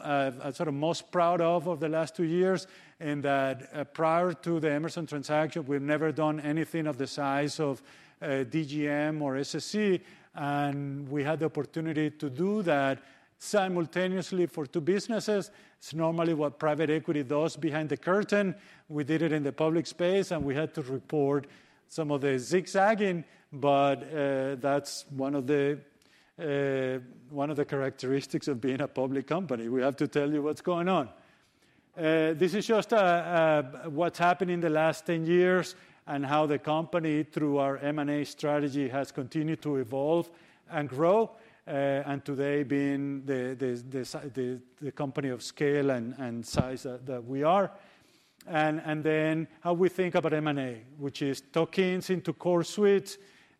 sort of most proud of, of the last two years, in that prior to the Emerson transaction, we've never done anything of the size of DGM or SSE, and we had the opportunity to do that simultaneously for two businesses. It's normally what private equity does behind the curtain. We did it in the public space, and we had to report some of the zigzagging, but that's one of the-... One of the characteristics of being a public company, we have to tell you what's going on. This is just what's happened in the last 10 years, and how the company, through our M&A strategy, has continued to evolve and grow. And today being the company of scale and size that we are. And then how we think about M&A, which is tokens into core suites,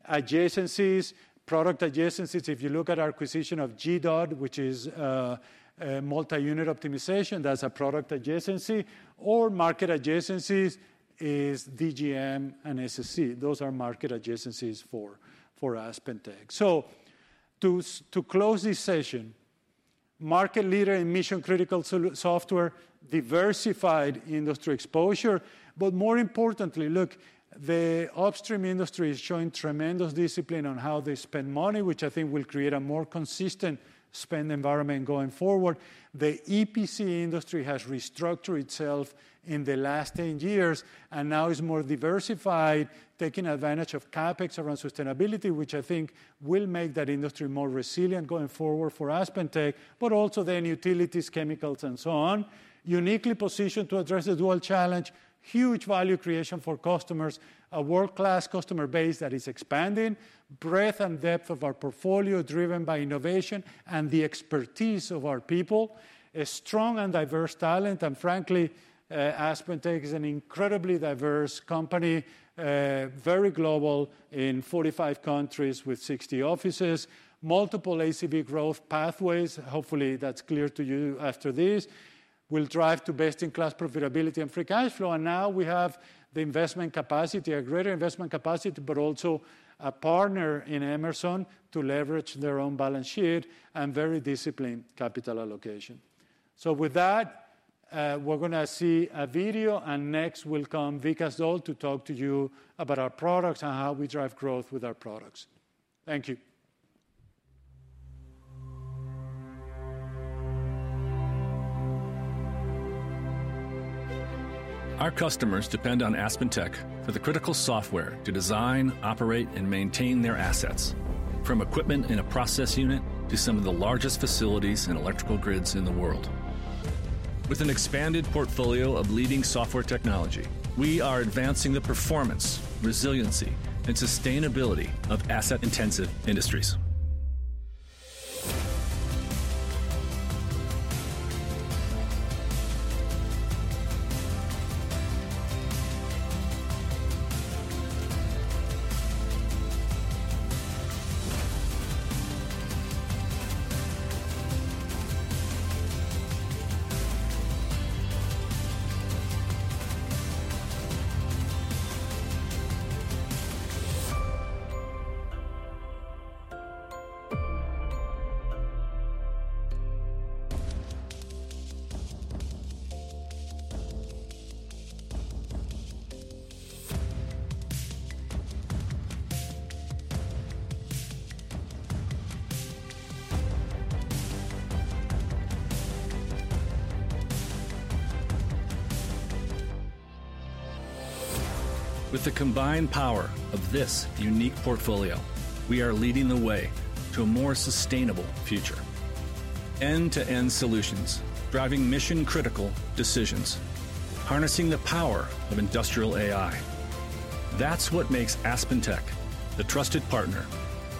adjacencies, product adjacencies. If you look at our acquisition of GDOT, which is a multi-unit optimization, that's a product adjacency or market adjacencies is DGM and SSE. Those are market adjacencies for AspenTech. So to close this session, market leader in mission-critical software, diversified industry exposure, but more importantly, look, the upstream industry is showing tremendous discipline on how they spend money, which I think will create a more consistent spend environment going forward. The EPC industry has restructured itself in the last 10 years and now is more diversified, taking advantage of CapEx around sustainability, which I think will make that industry more resilient going forward for AspenTech, but also then utilities, chemicals, and so on. Uniquely positioned to address the dual challenge, huge value creation for customers, a world-class customer base that is expanding, breadth and depth of our portfolio driven by innovation and the expertise of our people, a strong and diverse talent, and frankly, AspenTech is an incredibly diverse company, very global in 45 countries with 60 offices. Multiple ACV growth pathways, hopefully, that's clear to you after this, will drive to best-in-class profitability and free cash flow. And now we have the investment capacity, a greater investment capacity, but also a partner in Emerson to leverage their own balance sheet and very disciplined capital allocation. So with that, we're gonna see a video, and next will come Vikas Dole to talk to you about our products and how we drive growth with our products. Thank you. Our customers depend on AspenTech for the critical software to design, operate, and maintain their assets, from equipment in a process unit to some of the largest facilities and electrical grids in the world. With an expanded portfolio of leading software technology, we are advancing the performance, resiliency, and sustainability of asset-intensive industries. With the combined power of this unique portfolio, we are leading the way to a more sustainable future. End-to-end solutions, driving mission-critical decisions, harnessing the power of industrial AI. That's what makes AspenTech the trusted partner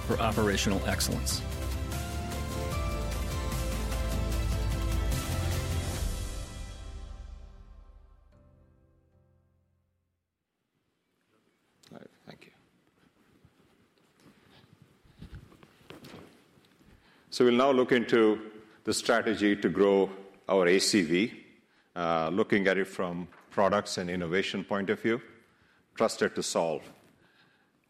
for operational excellence. All right, thank you. We'll now look into the strategy to grow our ACV, looking at it from products and innovation point of view, trusted to solve.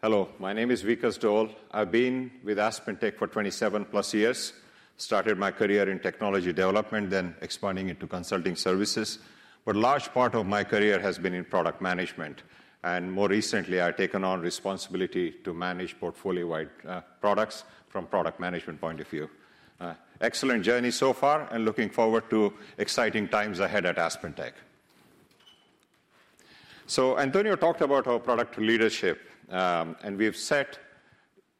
Hello, my name is Vikas Dole. I've been with AspenTech for 27 plus years. Started my career in technology development, then expanding into consulting services, but a large part of my career has been in product management, and more recently, I've taken on responsibility to manage portfolio-wide, products from product management point of view. Excellent journey so far, and looking forward to exciting times ahead at AspenTech. Antonio talked about our product leadership, and we've set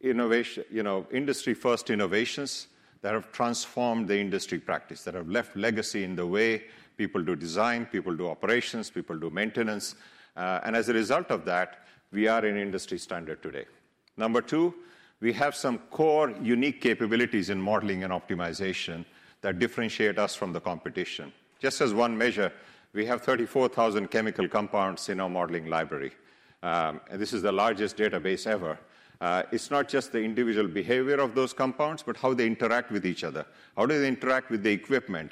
innovation, you know, industry-first innovations that have transformed the industry practice, that have left legacy in the way people do design, people do operations, people do maintenance, and as a result of that, we are an industry standard today. Number two, we have some core unique capabilities in modeling and optimization that differentiate us from the competition. Just as one measure, we have thirty-four thousand chemical compounds in our modeling library, and this is the largest database ever. It's not just the individual behavior of those compounds, but how they interact with each other. How do they interact with the equipment?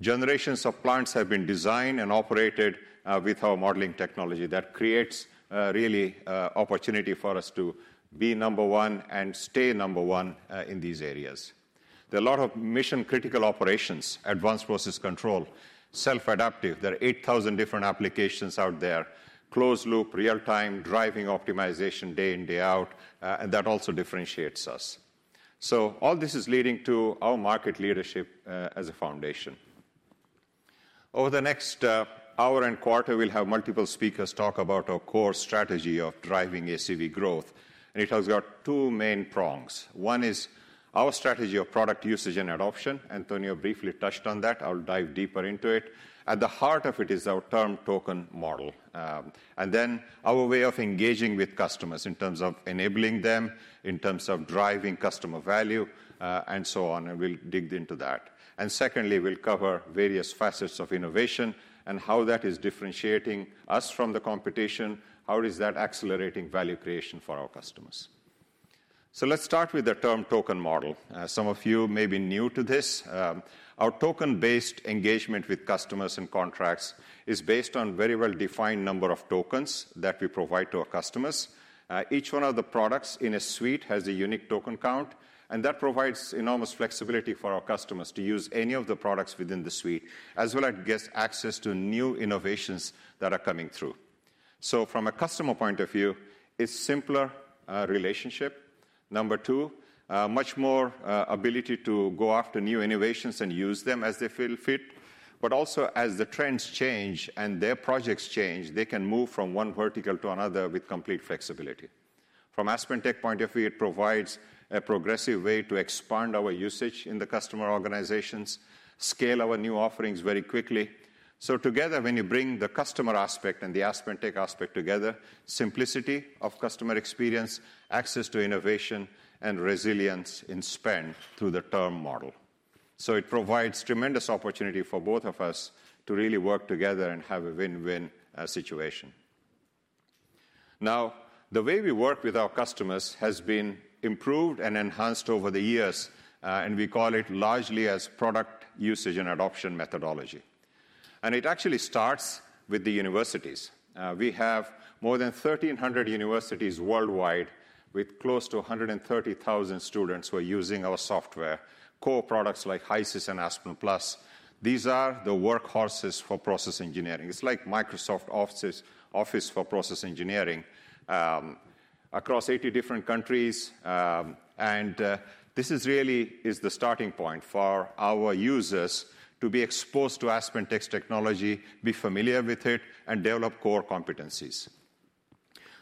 Generations of plants have been designed and operated with our modeling technology. That creates really opportunity for us to be number one and stay number one in these areas. There are a lot of mission-critical operations, advanced process control, self-adaptive. There are eight thousand different applications out there, closed loop, real-time, driving optimization, day in, day out, and that also differentiates us. So all this is leading to our market leadership as a foundation. Over the next hour and quarter, we'll have multiple speakers talk about our core strategy of driving ACV growth, and it has got two main prongs. One is our strategy of product usage and adoption. Antonio briefly touched on that. I'll dive deeper into it. At the heart of it is our term token model, and then our way of engaging with customers in terms of enabling them, in terms of driving customer value, and so on, and we'll dig into that, and secondly, we'll cover various facets of innovation and how that is differentiating us from the competition. How is that accelerating value creation for our customers, so let's start with the term token model. Some of you may be new to this. Our token-based engagement with customers and contracts is based on very well-defined number of tokens that we provide to our customers. Each one of the products in a suite has a unique token count, and that provides enormous flexibility for our customers to use any of the products within the suite, as well as gets access to new innovations that are coming through. So from a customer point of view, it's simpler relationship. Number two, much more ability to go after new innovations and use them as they feel fit. But also, as the trends change and their projects change, they can move from one vertical to another with complete flexibility. From AspenTech point of view, it provides a progressive way to expand our usage in the customer organizations, scale our new offerings very quickly. So together, when you bring the customer aspect and the AspenTech aspect together, simplicity of customer experience, access to innovation, and resilience in spend through the token model. So it provides tremendous opportunity for both of us to really work together and have a win-win situation. Now, the way we work with our customers has been improved and enhanced over the years, and we call it largely as product usage and adoption methodology. And it actually starts with the universities. We have more than 1,300 universities worldwide, with close to 130,000 students who are using our software, core products like HYSYS and Aspen Plus. These are the workhorses for process engineering. It's like Microsoft Office for process engineering across 80 different countries. And this really is the starting point for our users to be exposed to AspenTech's technology, be familiar with it, and develop core competencies.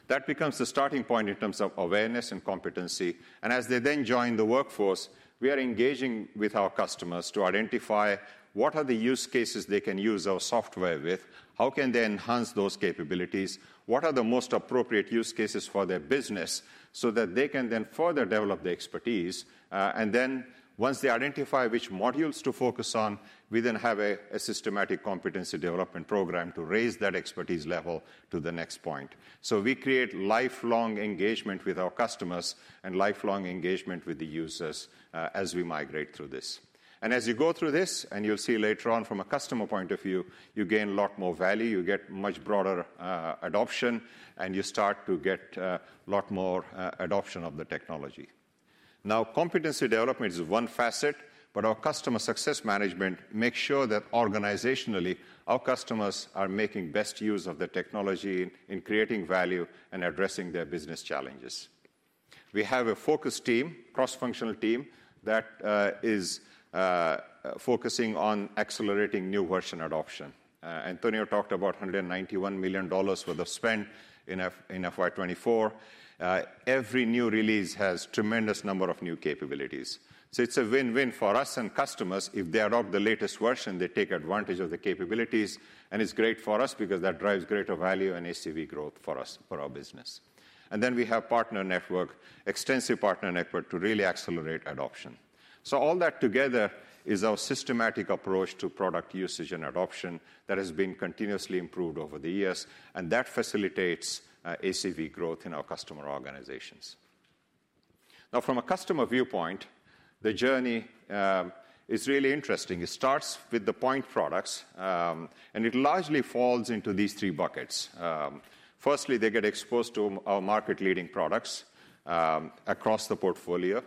That becomes the starting point in terms of awareness and competency, and as they then join the workforce, we are engaging with our customers to identify what are the use cases they can use our software with, how can they enhance those capabilities, what are the most appropriate use cases for their business, so that they can then further develop the expertise. And then once they identify which modules to focus on, we then have a systematic competency development program to raise that expertise level to the next point. So we create lifelong engagement with our customers and lifelong engagement with the users, as we migrate through this. As you go through this, and you'll see later on from a customer point of view, you gain a lot more value, you get much broader adoption, and you start to get a lot more adoption of the technology. Now, competency development is one facet, but our customer success management makes sure that organizationally, our customers are making best use of the technology in creating value and addressing their business challenges. We have a focus team, cross-functional team, that is focusing on accelerating new version adoption. Antonio talked about $191 million worth of spend in FY 2024. Every new release has tremendous number of new capabilities. So it's a win-win for us and customers. If they adopt the latest version, they take advantage of the capabilities, and it's great for us because that drives greater value and ACV growth for us, for our business. And then we have partner network, extensive partner network to really accelerate adoption. So all that together is our systematic approach to product usage and adoption that has been continuously improved over the years, and that facilitates ACV growth in our customer organizations. Now, from a customer viewpoint, the journey is really interesting. It starts with the point products, and it largely falls into these three buckets. Firstly, they get exposed to our market-leading products across the portfolio.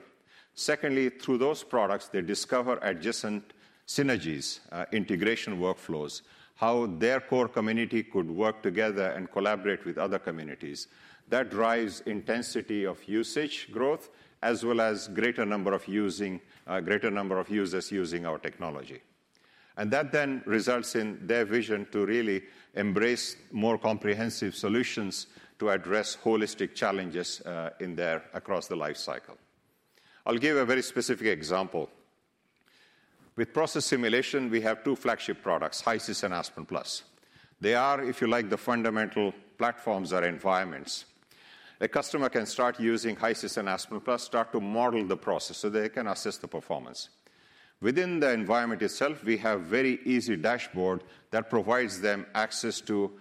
Secondly, through those products, they discover adjacent synergies, integration workflows, how their core community could work together and collaborate with other communities. That drives intensity of usage growth, as well as greater number of users using our technology. And that then results in their vision to really embrace more comprehensive solutions to address holistic challenges in their across the life cycle. I'll give a very specific example. With process simulation, we have two flagship products, HYSYS and Aspen Plus. They are, if you like, the fundamental platforms or environments. A customer can start using HYSYS and Aspen Plus, start to model the process so they can assess the performance. Within the environment itself, we have very easy dashboard that provides them access to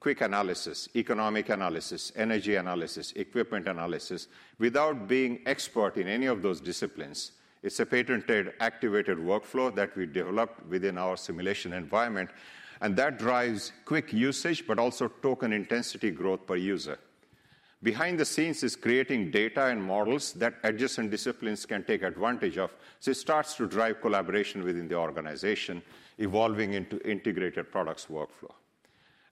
quick analysis, economic analysis, energy analysis, equipment analysis, without being expert in any of those disciplines. It's a patented, activated workflow that we developed within our simulation environment, and that drives quick usage, but also token intensity growth per user. Behind the scenes is creating data and models that adjacent disciplines can take advantage of, so it starts to drive collaboration within the organization, evolving into integrated products workflow,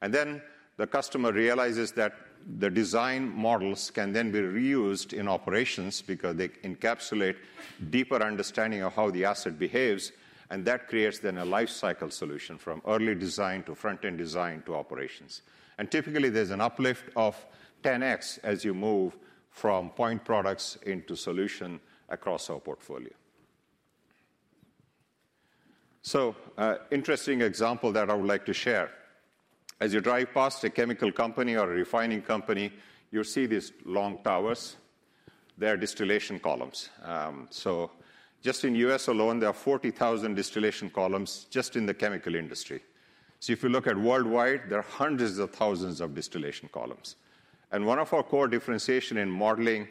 and then the customer realizes that the design models can then be reused in operations because they encapsulate deeper understanding of how the asset behaves, and that creates then a life cycle solution from early design to front-end design to operations. And typically, there's an uplift of 10X as you move from point products into solution across our portfolio, so interesting example that I would like to share. As you drive past a chemical company or a refining company, you'll see these long towers. They are distillation columns. So just in U.S. alone, there are 40,000 distillation columns just in the chemical industry, so if you look at worldwide, there are hundreds of thousands of distillation columns. One of our core differentiation in modeling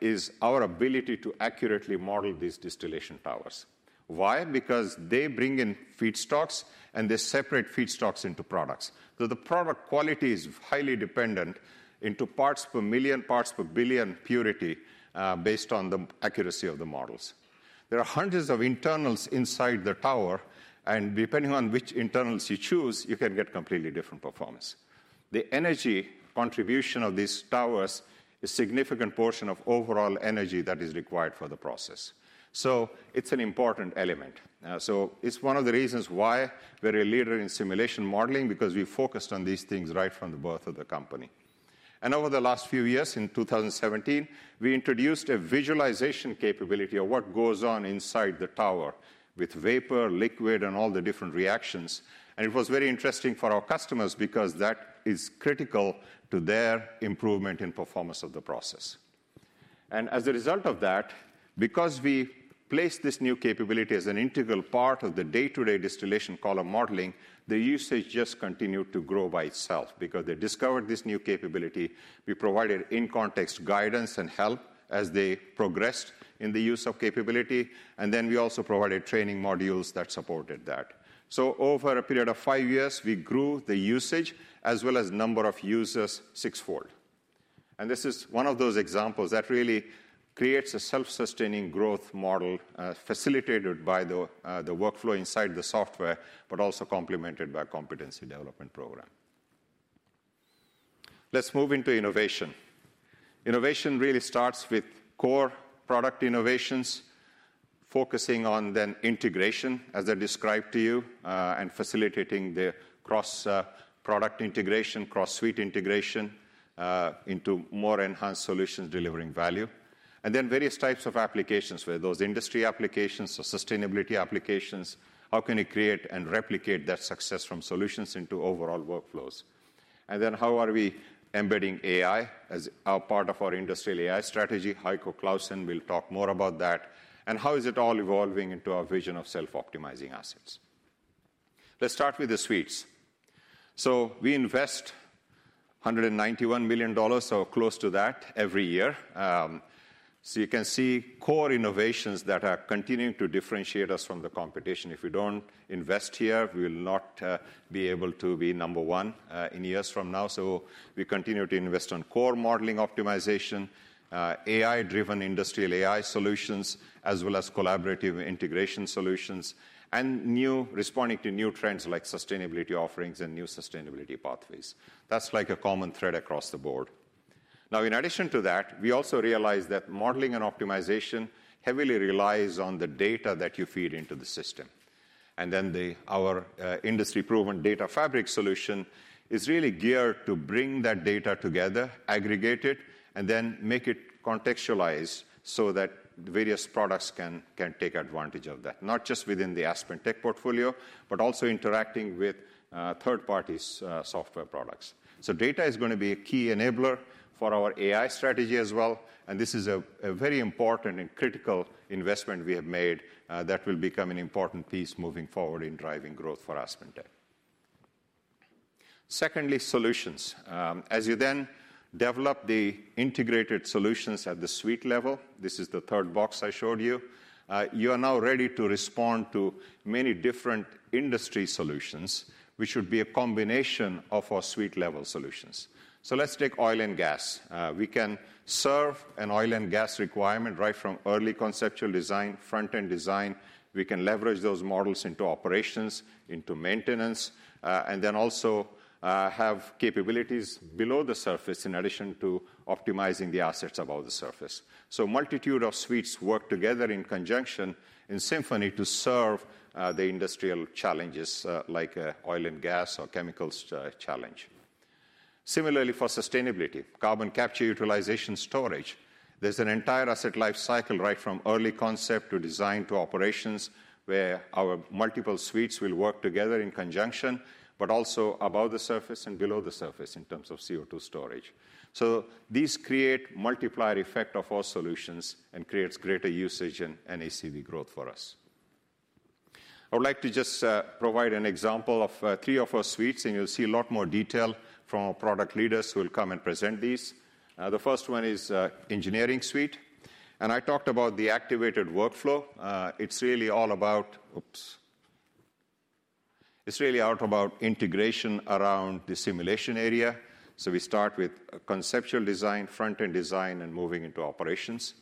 is our ability to accurately model these distillation towers. Why? Because they bring in feedstocks, and they separate feedstocks into products. So the product quality is highly dependent into parts per million, parts per billion purity, based on the accuracy of the models. There are hundreds of internals inside the tower, and depending on which internals you choose, you can get completely different performance. The energy contribution of these towers is significant portion of overall energy that is required for the process. So it's an important element. So it's one of the reasons why we're a leader in simulation modeling, because we focused on these things right from the birth of the company. Over the last few years, in 2017, we introduced a visualization capability of what goes on inside the tower with vapor, liquid, and all the different reactions. It was very interesting for our customers because that is critical to their improvement in performance of the process. As a result of that, because we placed this new capability as an integral part of the day-to-day distillation column modeling, the usage just continued to grow by itself. Because they discovered this new capability, we provided in-context guidance and help as they progressed in the use of capability, and then we also provided training modules that supported that. Over a period of five years, we grew the usage as well as number of users sixfold. This is one of those examples that really creates a self-sustaining growth model, facilitated by the workflow inside the software, but also complemented by competency development program. Let's move into innovation. Innovation really starts with core product innovations, focusing on then integration, as I described to you, and facilitating the cross product integration, cross-suite integration into more enhanced solutions delivering value. Then various types of applications, whether those industry applications or sustainability applications, how can you create and replicate that success from solutions into overall workflows? Then how are we embedding AI as a part of our industrial AI strategy? Heiko Claussen will talk more about that. How is it all evolving into our vision of Self-Optimizing Assets? Let's start with the suites. We invest $191 million or close to that every year. So you can see core innovations that are continuing to differentiate us from the competition. If we don't invest here, we will not be able to be number one in years from now. So we continue to invest on core modeling optimization, AI-driven industrial AI solutions, as well as collaborative integration solutions, and responding to new trends like sustainability offerings and new sustainability pathways. That's like a common thread across the board. Now, in addition to that, we also realize that modeling and optimization heavily relies on the data that you feed into the system. And then our industry-proven data fabric solution is really geared to bring that data together, aggregate it, and then make it contextualized so that various products can take advantage of that, not just within the AspenTech portfolio, but also interacting with third parties' software products. So data is gonna be a key enabler for our AI strategy as well, and this is a very important and critical investment we have made that will become an important piece moving forward in driving growth for AspenTech. Secondly, solutions. As you then develop the integrated solutions at the suite level, this is the third box I showed you, you are now ready to respond to many different industry solutions, which would be a combination of our suite-level solutions. So let's take oil and gas. We can serve an oil and gas requirement right from early conceptual design, front-end design. We can leverage those models into operations, into maintenance, and then also have capabilities below the surface in addition to optimizing the assets above the surface. So multitude of suites work together in conjunction, in symphony, to serve, the industrial challenges, like, oil and gas or chemicals, challenge. Similarly, for sustainability, carbon capture utilization storage, there's an entire asset life cycle, right from early concept to design to operations, where our multiple suites will work together in conjunction, but also above the surface and below the surface in terms of CO2 storage. So these create multiplier effect of our solutions and creates greater usage and ACV growth for us. I would like to just, provide an example of, three of our suites, and you'll see a lot more detail from our product leaders who will come and present these. The first one is, engineering suite, and I talked about the activated workflow. It's really all about... Oops. It's really all about integration around the simulation area. So we start with a conceptual design, front-end design, and moving into operations.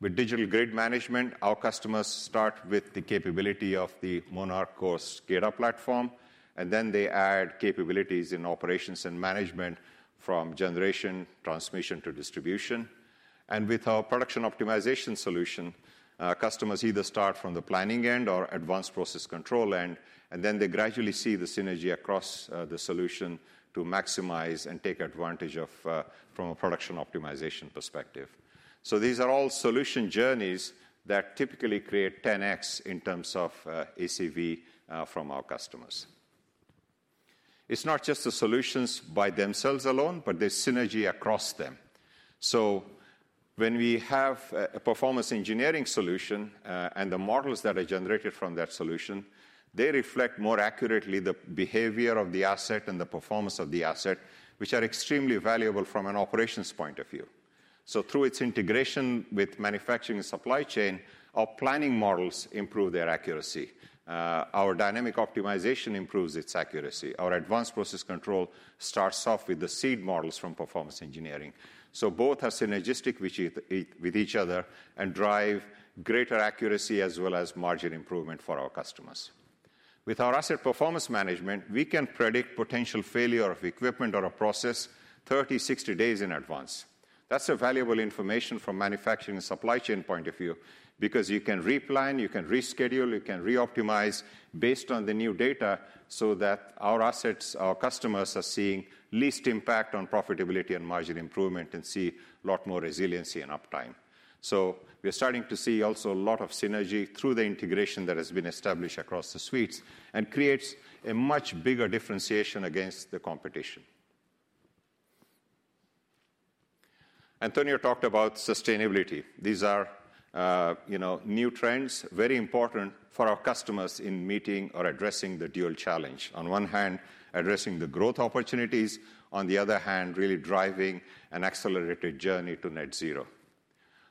With digital grid management, our customers start with the capability of the Monarch OSI SCADA platform, and then they add capabilities in operations and management from generation, transmission to distribution. And with our Production Optimization solution, customers either start from the planning end or advanced process control end, and then they gradually see the synergy across the solution to maximize and take advantage of from a Production Optimization perspective. So these are all solution journeys that typically create ten X in terms of ACV from our customers. It's not just the solutions by themselves alone, but the synergy across them. So when we have a performance engineering solution, and the models that are generated from that solution, they reflect more accurately the behavior of the asset and the performance of the asset, which are extremely valuable from an operations point of view. So through its integration with manufacturing and supply chain, our planning models improve their accuracy. Our dynamic optimization improves its accuracy. Our advanced process control starts off with the seed models from performance engineering. So both are synergistic with each other and drive greater accuracy as well as margin improvement for our customers. With our Asset Performance Management, we can predict potential failure of equipment or a process thirty, sixty days in advance. That's a valuable information from manufacturing and supply chain point of view, because you can replan, you can reschedule, you can reoptimize based on the new data so that our assets, our customers are seeing least impact on profitability and margin improvement, and see a lot more resiliency and uptime. So we are starting to see also a lot of synergy through the integration that has been established across the suites, and creates a much bigger differentiation against the competition. Antonio talked about sustainability. These are, you know, new trends, very important for our customers in meeting or addressing the dual challenge. On one hand, addressing the growth opportunities, on the other hand, really driving an accelerated journey to net zero.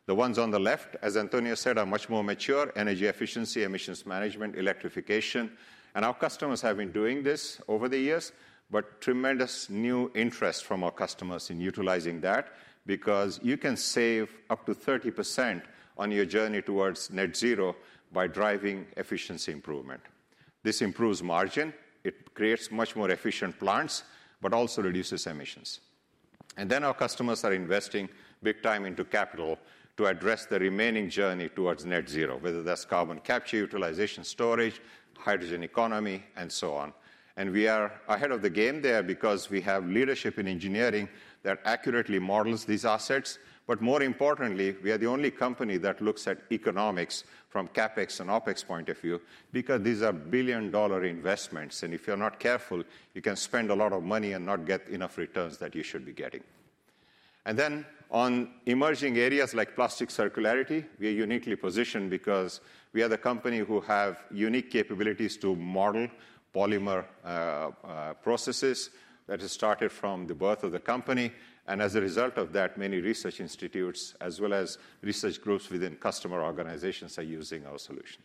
The ones on the left, as Antonio said, are much more mature: energy efficiency, emissions management, electrification. Our customers have been doing this over the years, but tremendous new interest from our customers in utilizing that, because you can save up to 30% on your journey towards net zero by driving efficiency improvement. This improves margin, it creates much more efficient plants, but also reduces emissions. Our customers are investing big time into capital to address the remaining journey towards net zero, whether that's carbon capture utilization storage, hydrogen economy, and so on. We are ahead of the game there because we have leadership in engineering that accurately models these assets. More importantly, we are the only company that looks at economics from CapEx and OpEx point of view, because these are billion-dollar investments, and if you're not careful, you can spend a lot of money and not get enough returns that you should be getting. And then on emerging areas like plastic circularity, we are uniquely positioned because we are the company who have unique capabilities to model polymer processes. That has started from the birth of the company, and as a result of that, many research institutes, as well as research groups within customer organizations, are using our solution.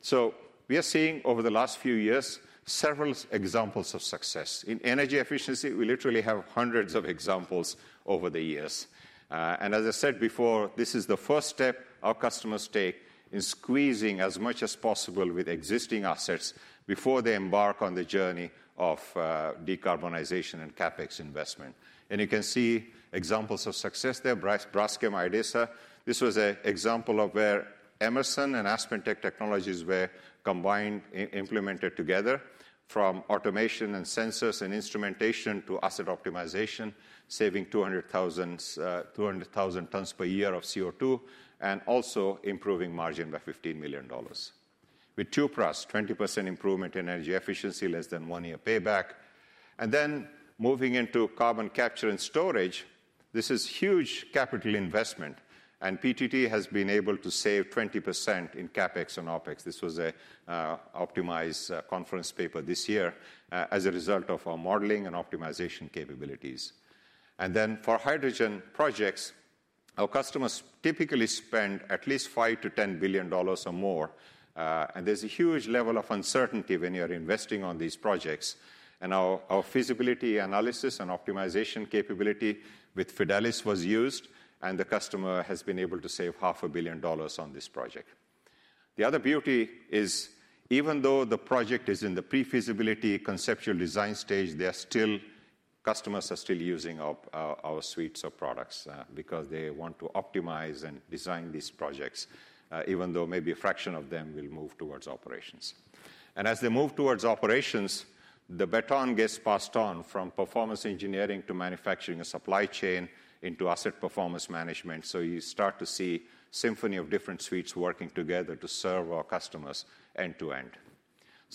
So we are seeing, over the last few years, several examples of success. In energy efficiency, we literally have hundreds of examples over the years. And as I said before, this is the first step our customers take in squeezing as much as possible with existing assets before they embark on the journey of decarbonization and CapEx investment. And you can see examples of success there, Braskem Idesa. This was an example of where Emerson and AspenTech technologies were combined, implemented together from automation and sensors and instrumentation to asset optimization, saving 200,000 tons per year of CO2, and also improving margin by $15 million. With Tubarão, 20% improvement in energy efficiency, less than 1 year payback. Then moving into carbon capture and storage, this is huge capital investment, and PTT has been able to save 20% in CapEx and OpEx. This was an Optimize conference paper this year as a result of our modeling and optimization capabilities. Then for hydrogen projects, our customers typically spend at least $5-10 billion or more, and there's a huge level of uncertainty when you're investing on these projects. Our feasibility analysis and optimization capability with Fidelis was used, and the customer has been able to save $500 million on this project. The other beauty is, even though the project is in the pre-feasibility conceptual design stage, customers are still using our suites of products, because they want to optimize and design these projects, even though maybe a fraction of them will move towards operations. As they move towards operations, the baton gets passed on from performance engineering to manufacturing and supply chain into Asset Performance Management. You start to see symphony of different suites working together to serve our customers end to end.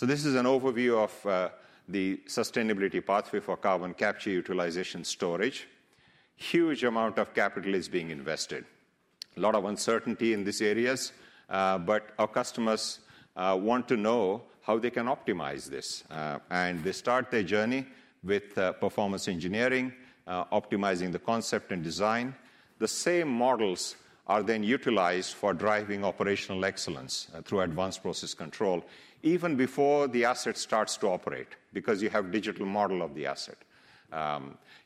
This is an overview of the sustainability pathway for carbon capture utilization storage. Huge amount of capital is being invested. A lot of uncertainty in these areas, but our customers want to know how they can optimize this, and they start their journey with performance engineering, optimizing the concept and design. The same models are then utilized for driving operational excellence through advanced process control, even before the asset starts to operate, because you have digital model of the asset.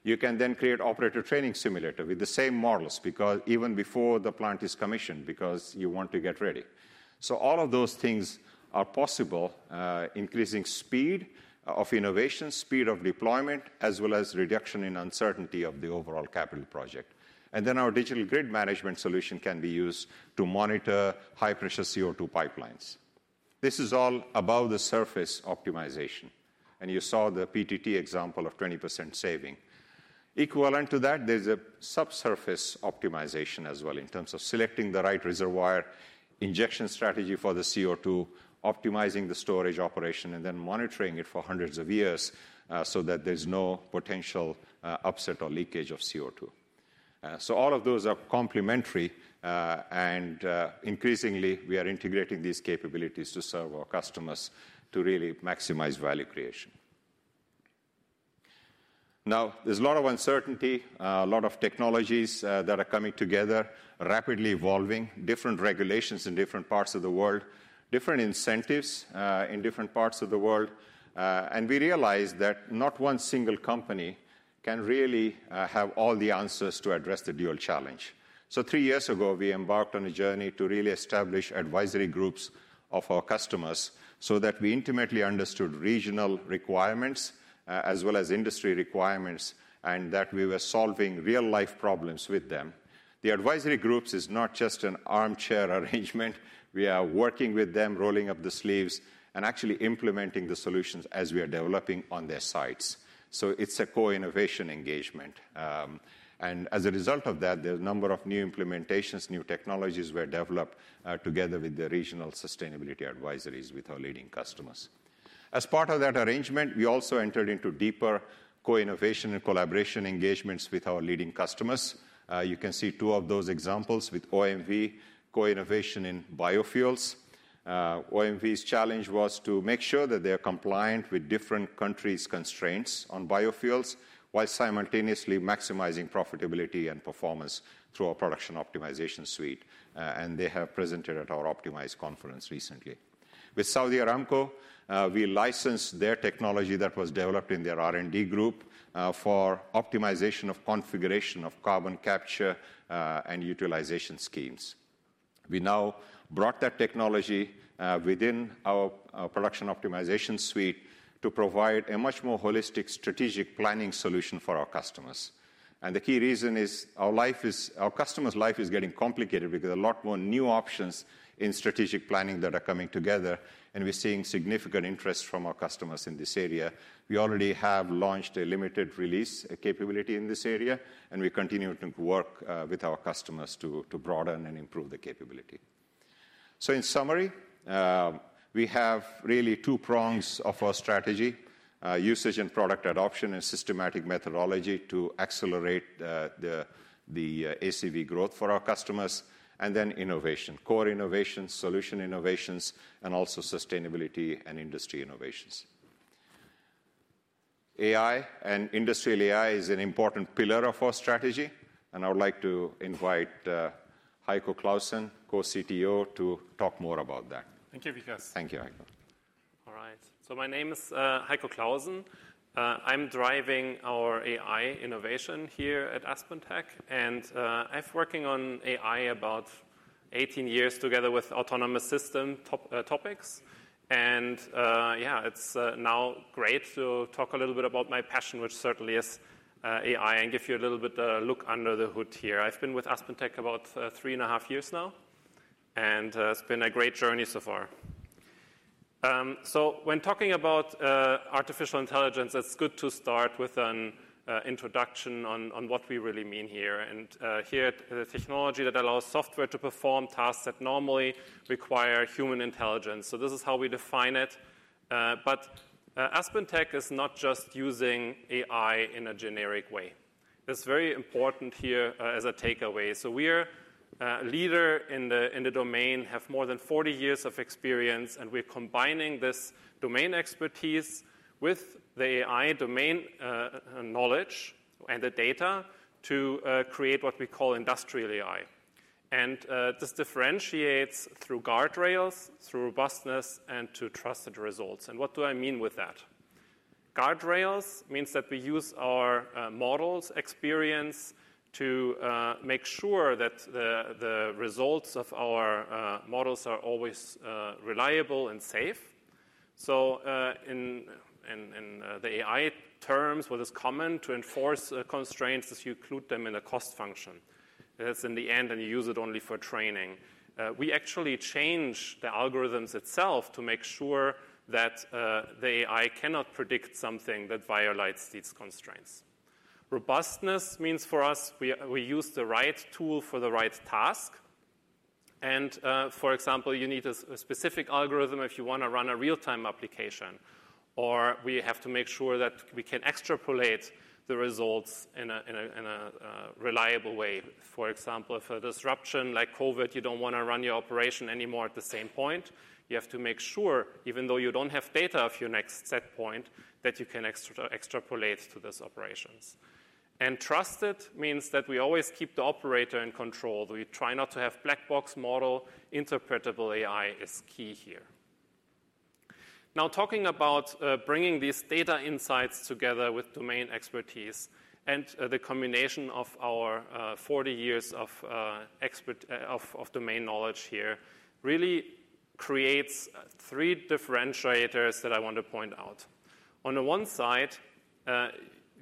You can then create operator training simulator with the same models because even before the plant is commissioned, because you want to get ready, so all of those things are possible, increasing speed of innovation, speed of deployment, as well as reduction in uncertainty of the overall capital project, and then our digital grid management solution can be used to monitor high-pressure CO2 pipelines. This is all above the surface optimization, and you saw the PTT example of 20% saving. Equivalent to that, there's a subsurface optimization as well in terms of selecting the right reservoir injection strategy for the CO2, optimizing the storage operation, and then monitoring it for hundreds of years, so that there's no potential upset or leakage of CO2. So all of those are complementary, and increasingly, we are integrating these capabilities to serve our customers to really maximize value creation. Now, there's a lot of uncertainty, a lot of technologies that are coming together, rapidly evolving, different regulations in different parts of the world, different incentives in different parts of the world, and we realize that not one single company can really have all the answers to address the dual challenge. So three years ago, we embarked on a journey to really establish advisory groups of our customers so that we intimately understood regional requirements, as well as industry requirements, and that we were solving real-life problems with them. The advisory groups is not just an armchair arrangement. We are working with them, rolling up the sleeves, and actually implementing the solutions as we are developing on their sites. So it's a co-innovation engagement. And as a result of that, there are a number of new implementations, new technologies were developed, together with the regional sustainability advisories with our leading customers. As part of that arrangement, we also entered into deeper co-innovation and collaboration engagements with our leading customers. You can see two of those examples with OMV, co-innovation in biofuels. OMV's challenge was to make sure that they are compliant with different countries' constraints on biofuels, while simultaneously maximizing profitability and performance through our Production Optimization suite. And they have presented at our Optimize Conference recently. With Saudi Aramco, we licensed their technology that was developed in their R&D group, for optimization of configuration of carbon capture, and utilization schemes. We now brought that technology, within our Production Optimization suite to provide a much more holistic strategic planning solution for our customers. And the key reason is our customers' life is getting complicated because a lot more new options in strategic planning that are coming together, and we're seeing significant interest from our customers in this area. We already have launched a limited release, a capability in this area, and we continue to work with our customers to broaden and improve the capability. So in summary, we have really two prongs of our strategy: usage and product adoption and systematic methodology to accelerate the ACV growth for our customers, and then innovation, core innovations, solution innovations, and also sustainability and industry innovations. AI and industrial AI is an important pillar of our strategy, and I would like to invite Heiko Claussen, Co-CTO, to talk more about that. Thank you, Vikas. Thank you, Heiko. All right, so my name is Heiko Claussen. I'm driving our AI innovation here at AspenTech, and I've working on AI about 18 years together with autonomous system top topics, and yeah, it's now great to talk a little bit about my passion, which certainly is AI, and give you a little bit look under the hood here. I've been with AspenTech about three and a half years now, and it's been a great journey so far. So when talking about artificial intelligence, it's good to start with an introduction on what we really mean here, and here the technology that allows software to perform tasks that normally require human intelligence. So this is how we define it. But AspenTech is not just using AI in a generic way. It's very important here as a takeaway. We're a leader in the domain, have more than 40 years of experience, and we're combining this domain expertise with the AI domain knowledge and the data to create what we call industrial AI. This differentiates through guardrails, through robustness, and to trusted results. What do I mean with that? Guardrails means that we use our models' experience to make sure that the results of our models are always reliable and safe. In the AI terms, where it's common to enforce constraints, is you include them in a cost function. It's in the end, and you use it only for training. We actually change the algorithms itself to make sure that the AI cannot predict something that violates these constraints. Robustness means for us we use the right tool for the right task, and for example, you need a specific algorithm if you wanna run a real-time application, or we have to make sure that we can extrapolate the results in a reliable way. For example, if a disruption like COVID, you don't wanna run your operation anymore at the same point, you have to make sure, even though you don't have data of your next set point, that you can extrapolate to those operations, and trusted means that we always keep the operator in control. We try not to have black box model. Interpretable AI is key here... Now, talking about bringing these data insights together with domain expertise and the combination of our forty years of expert-- of domain knowledge here, really creates three differentiators that I want to point out. On the one side,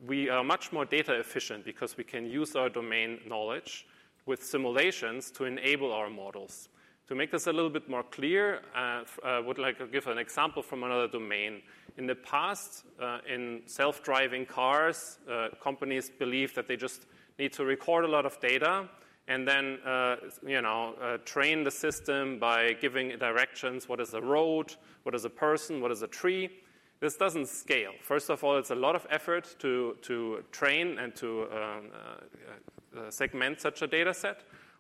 we are much more data efficient because we can use our domain knowledge with simulations to enable our models. To make this a little bit more clear, I would like to give an example from another domain. In the past, in self-driving cars, companies believed that they just need to record a lot of data and then, you know, train the system by giving directions: What is a road? What is a person? What is a tree? This doesn't scale. First of all, it's a lot of effort to to segment such a dataset.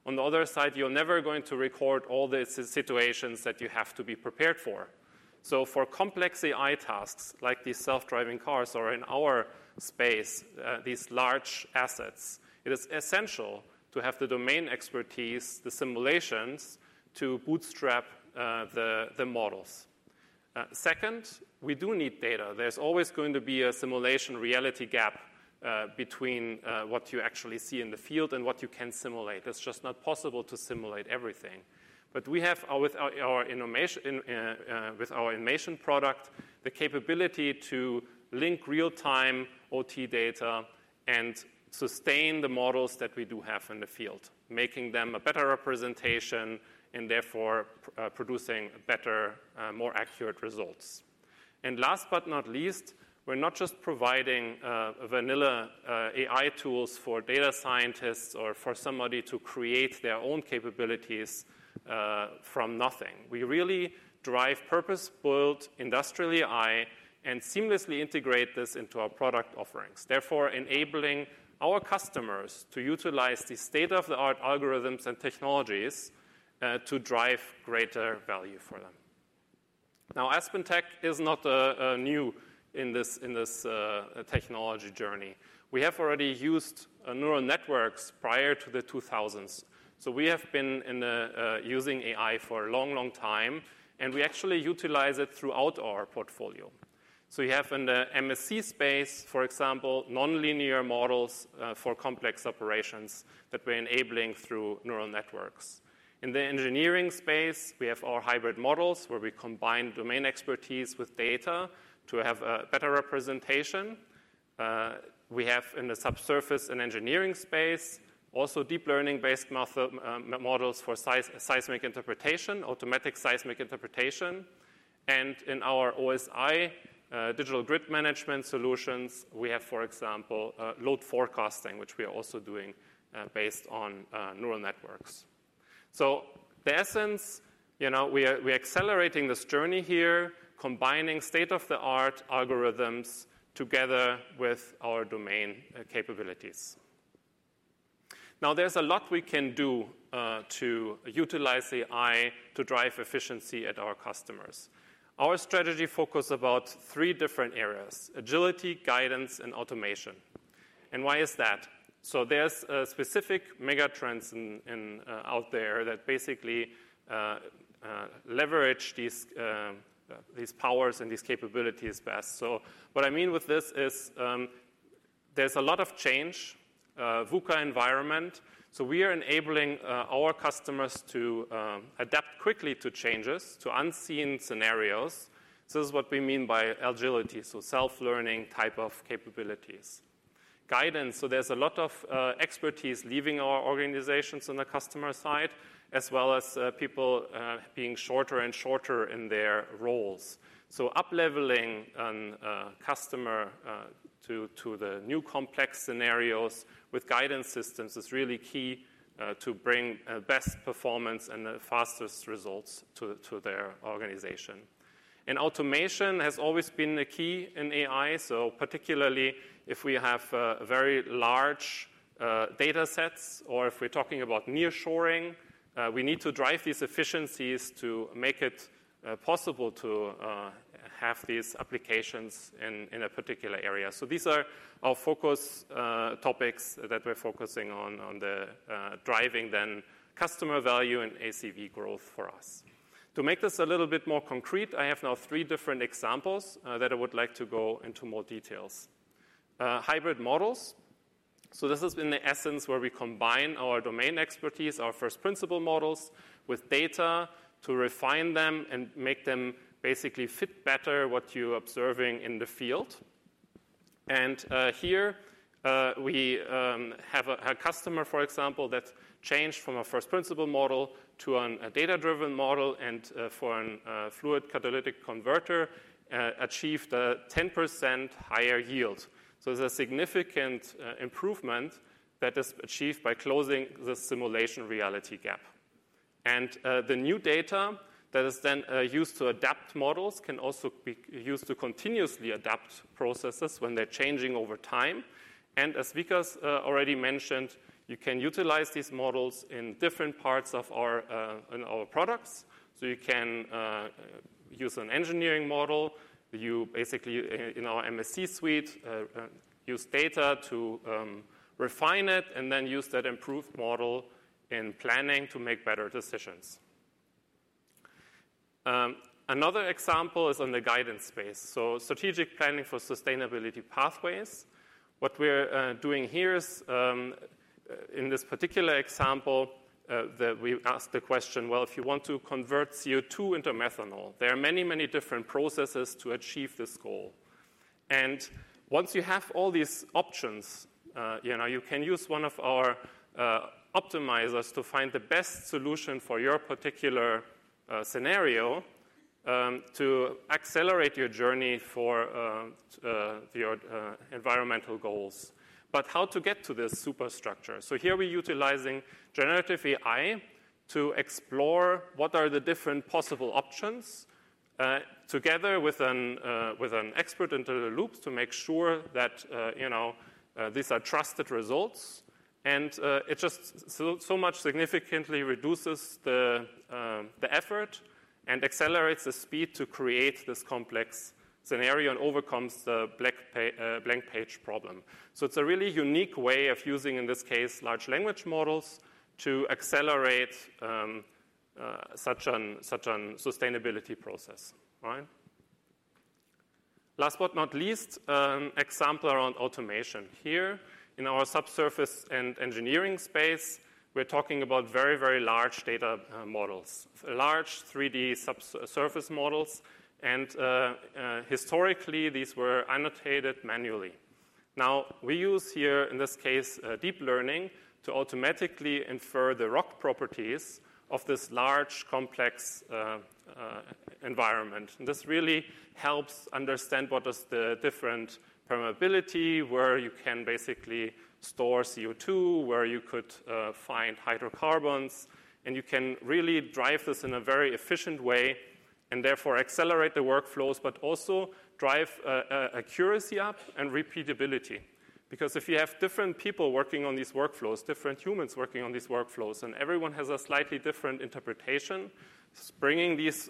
On the other side, you're never going to record all the situations that you have to be prepared for. So for complex AI tasks, like these self-driving cars or in our space, these large assets, it is essential to have the domain expertise, the simulations, to bootstrap the models. Second, we do need data. There's always going to be a simulation reality gap between what you actually see in the field and what you can simulate. It's just not possible to simulate everything. But we have, with our Inmation product, the capability to link real-time OT data and sustain the models that we do have in the field, making them a better representation, and therefore, producing better, more accurate results. And last but not least, we're not just providing vanilla AI tools for data scientists or for somebody to create their own capabilities from nothing. We really drive purpose-built industrial AI and seamlessly integrate this into our product offerings, therefore enabling our customers to utilize the state-of-the-art algorithms and technologies to drive greater value for them. Now, AspenTech is not new in this technology journey. We have already used neural networks prior to the 2000s, so we have been using AI for a long, long time, and we actually utilize it throughout our portfolio. So we have in the MSC space, for example, nonlinear models for complex operations that we're enabling through neural networks. In the engineering space, we have our hybrid models, where we combine domain expertise with data to have a better representation. We have, in the subsurface and engineering space, also deep learning-based math models for seismic interpretation, automatic seismic interpretation. In our OSI digital grid management solutions, we have, for example, load forecasting, which we are also doing based on neural networks. The essence, you know, we are accelerating this journey here, combining state-of-the-art algorithms together with our domain capabilities. Now, there's a lot we can do to utilize AI to drive efficiency at our customers. Our strategy focus about three different areas: agility, guidance, and automation. Why is that? There's specific megatrends in out there that basically leverage these powers and these capabilities best. So what I mean with this is, there's a lot of change, VUCA environment, so we are enabling, our customers to, adapt quickly to changes, to unseen scenarios. So this is what we mean by agility, so self-learning type of capabilities. Guidance, so there's a lot of, expertise leaving our organizations on the customer side, as well as, people, being shorter and shorter in their roles. So upleveling an, customer, to, to the new complex scenarios with guidance systems is really key, to bring, best performance and the fastest results to, to their organization. Automation has always been the key in AI, so particularly if we have very large datasets, or if we're talking about nearshoring, we need to drive these efficiencies to make it possible to have these applications in a particular area. These are our focus topics that we're focusing on, on driving the customer value and ACV growth for us. To make this a little bit more concrete, I have now three different examples that I would like to go into more details. Hybrid models. This is in essence, where we combine our domain expertise, our first-principles models, with data to refine them and make them basically fit better what you're observing in the field. Here we have a customer, for example, that changed from a first-principle model to a data-driven model and for a fluid catalytic converter achieved a 10% higher yield. It's a significant improvement that is achieved by closing the simulation reality gap. The new data that is then used to adapt models can also be used to continuously adapt processes when they're changing over time. As Vikas already mentioned, you can utilize these models in different parts of our products. You can use an engineering model. You basically in our MSC suite use data to refine it and then use that improved model in planning to make better decisions. Another example is on the guidance space. Strategic planning for sustainability pathways. What we're doing here is, in this particular example, that we asked the question: well, if you want to convert CO2 into methanol, there are many, many different processes to achieve this goal. And once you have all these options, you know, you can use one of our optimizers to find the best solution for your particular scenario, to accelerate your journey for your environmental goals. But how to get to this superstructure? So here we're utilizing generative AI to explore what are the different possible options, together with an expert into the loop to make sure that, you know, these are trusted results. It just so, so much significantly reduces the effort and accelerates the speed to create this complex scenario and overcomes the blank page problem. It's a really unique way of using, in this case, large language models to accelerate such a sustainability process, right? Last but not least, example around automation. Here, in our subsurface and engineering space, we're talking about very, very large data models, large 3D subsurface models, and historically, these were annotated manually. Now, we use here, in this case, deep learning to automatically infer the rock properties of this large, complex environment. This really helps understand what is the different permeability, where you can basically store CO2, where you could find hydrocarbons, and you can really drive this in a very efficient way, and therefore accelerate the workflows, but also drive accuracy up and repeatability. Because if you have different people working on these workflows, different humans working on these workflows, and everyone has a slightly different interpretation, bringing these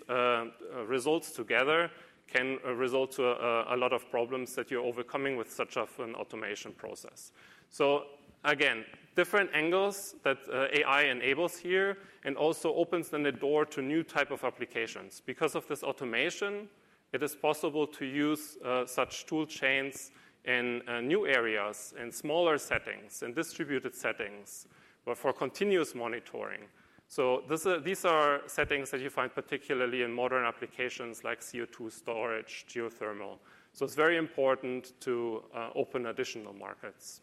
results together can result to a lot of problems that you're overcoming with such of an automation process. So again, different angles that AI enables here and also opens the door to new type of applications. Because of this automation, it is possible to use such tool chains in new areas, in smaller settings, in distributed settings, but for continuous monitoring. So these are settings that you find particularly in modern applications like CO2 storage, geothermal. It's very important to open additional markets.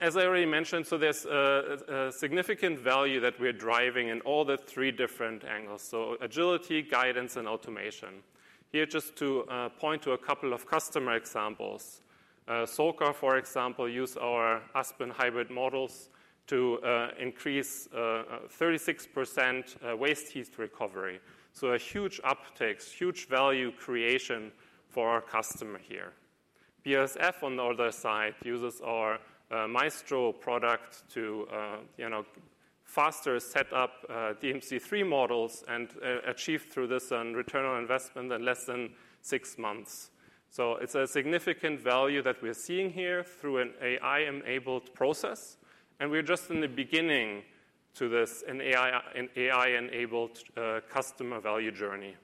As I already mentioned, so there's a significant value that we are driving in all the three different angles: so agility, guidance, and automation. Here, just to point to a couple of customer examples. Solvay, for example, use our Aspen Hybrid Models to increase 36% waste heat recovery. So a huge uptakes, huge value creation for our customer here. BASF, on the other side, uses our Aspen Maestro product to, you know, faster set up DMC3 models and achieve through this a return on investment in less than six months. It's a significant value that we're seeing here through an AI-enabled process, and we're just in the beginning to this, an AI-enabled customer value journey.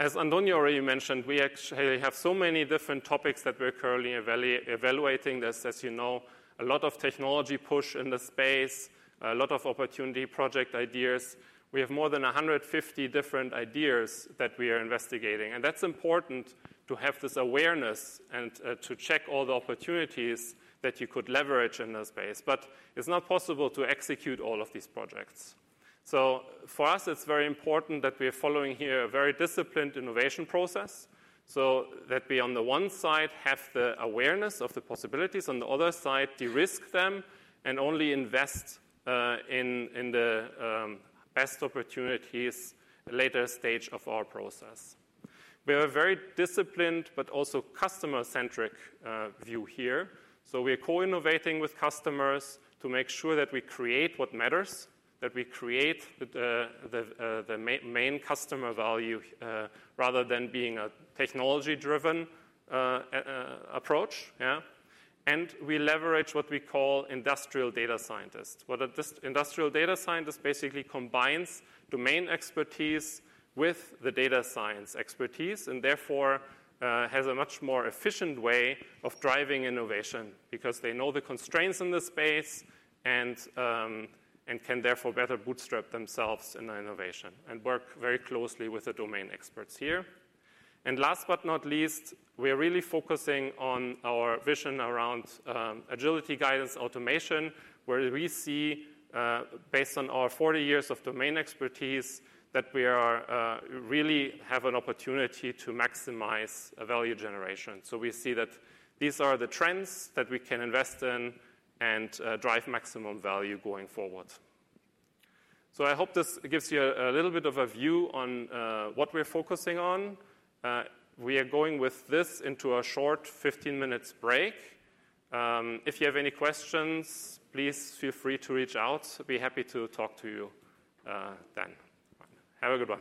As Antonio already mentioned, we actually have so many different topics that we're currently evaluating this. As you know, a lot of technology push in the space, a lot of opportunity, project ideas. We have more than 150 different ideas that we are investigating, and that's important to have this awareness and to check all the opportunities that you could leverage in this space. But it's not possible to execute all of these projects. So for us, it's very important that we are following here a very disciplined innovation process. So that we, on the one side, have the awareness of the possibilities, on the other side, de-risk them, and only invest in the best opportunities later stage of our process. We are very disciplined but also customer-centric view here. So we are co-innovating with customers to make sure that we create what matters, that we create the main customer value, rather than being a technology-driven approach, yeah. And we leverage what we call industrial data scientists. What an industrial data scientist basically combines domain expertise with the data science expertise and therefore has a much more efficient way of driving innovation because they know the constraints in the space and can therefore better bootstrap themselves in the innovation and work very closely with the domain experts here. And last but not least, we are really focusing on our vision around agility, guidance, automation, where we see based on our forty years of domain expertise that we are really have an opportunity to maximize value generation. So we see that these are the trends that we can invest in and drive maximum value going forward. So I hope this gives you a little bit of a view on what we're focusing on. We are going with this into a short fifteen minutes break. If you have any questions, please feel free to reach out. I'll be happy to talk to you then. Have a good one! ...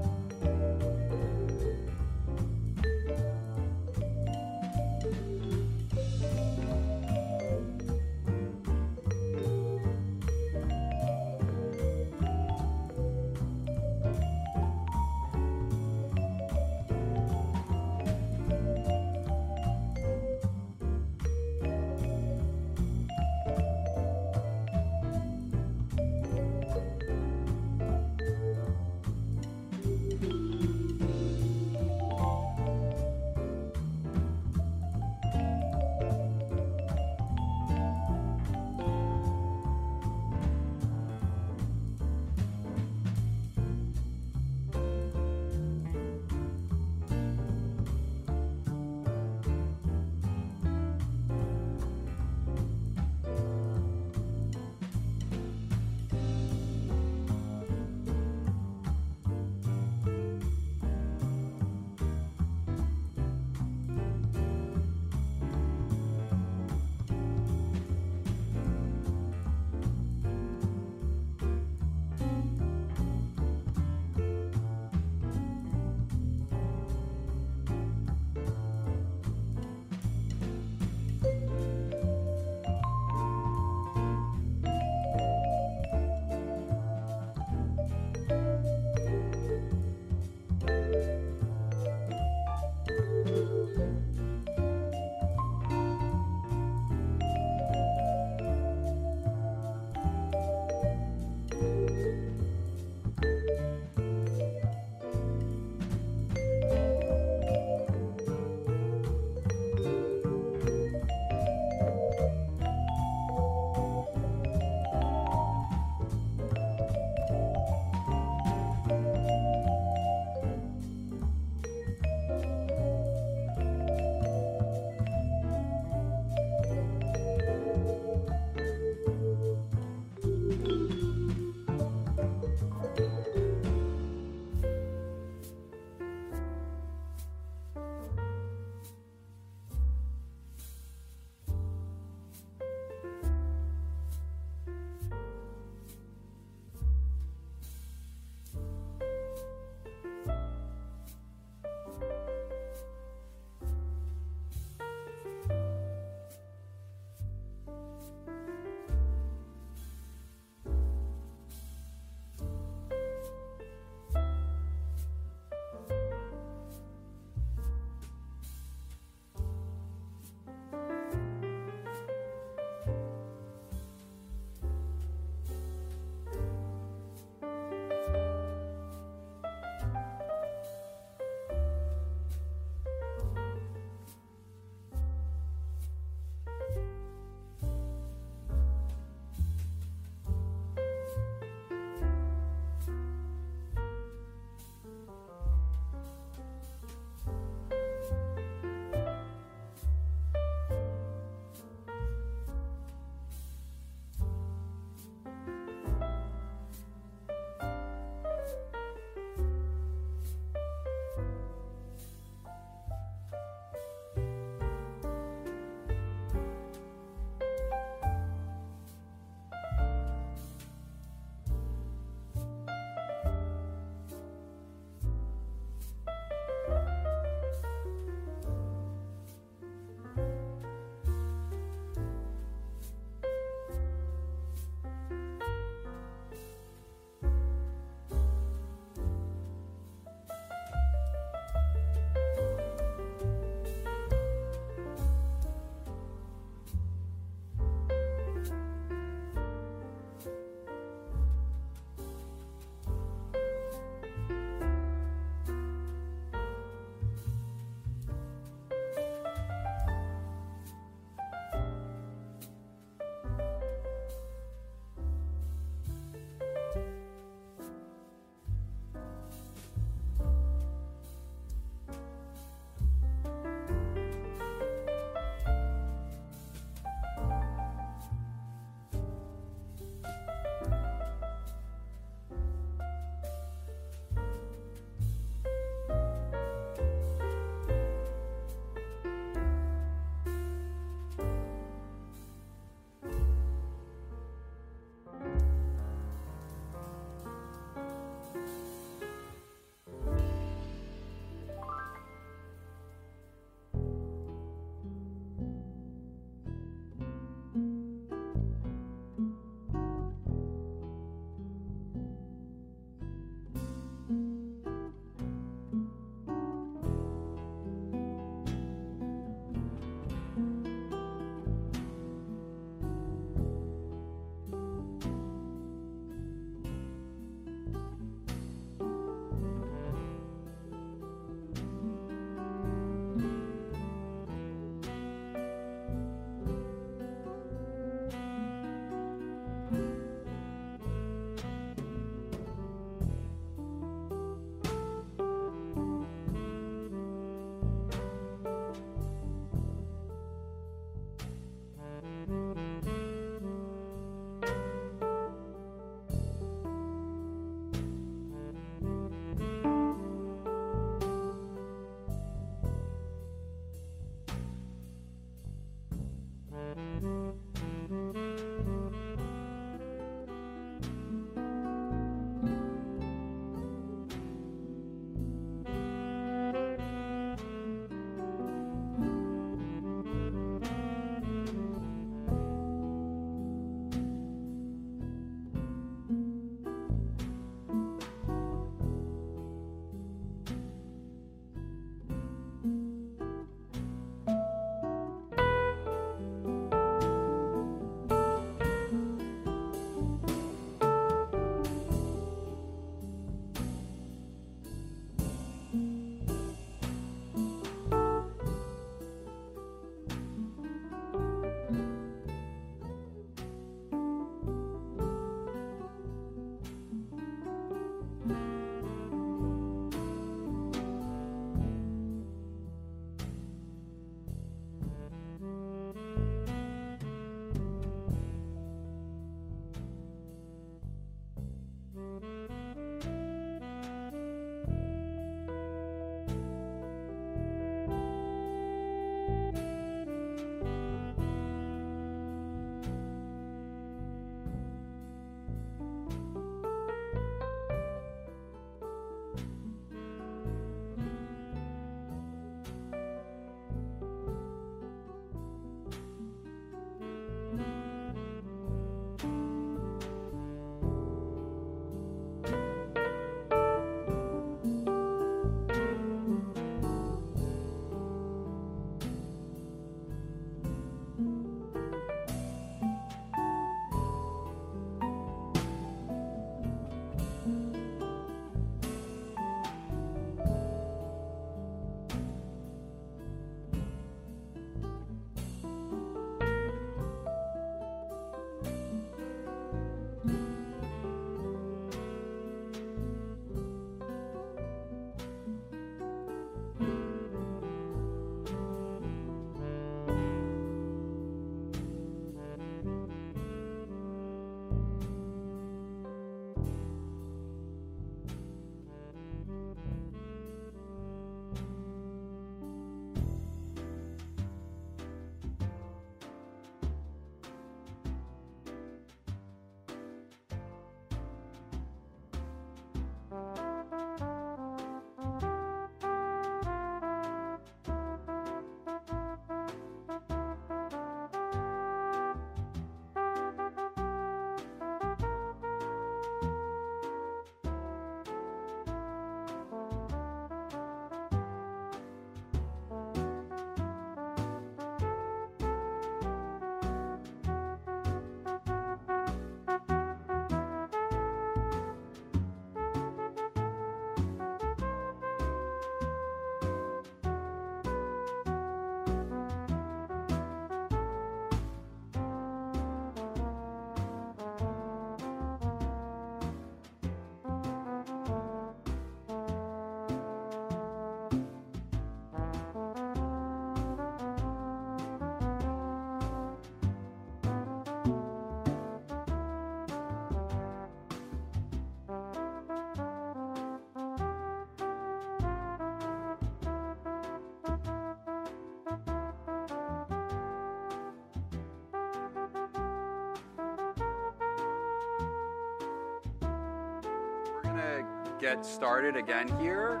We're gonna get started again here.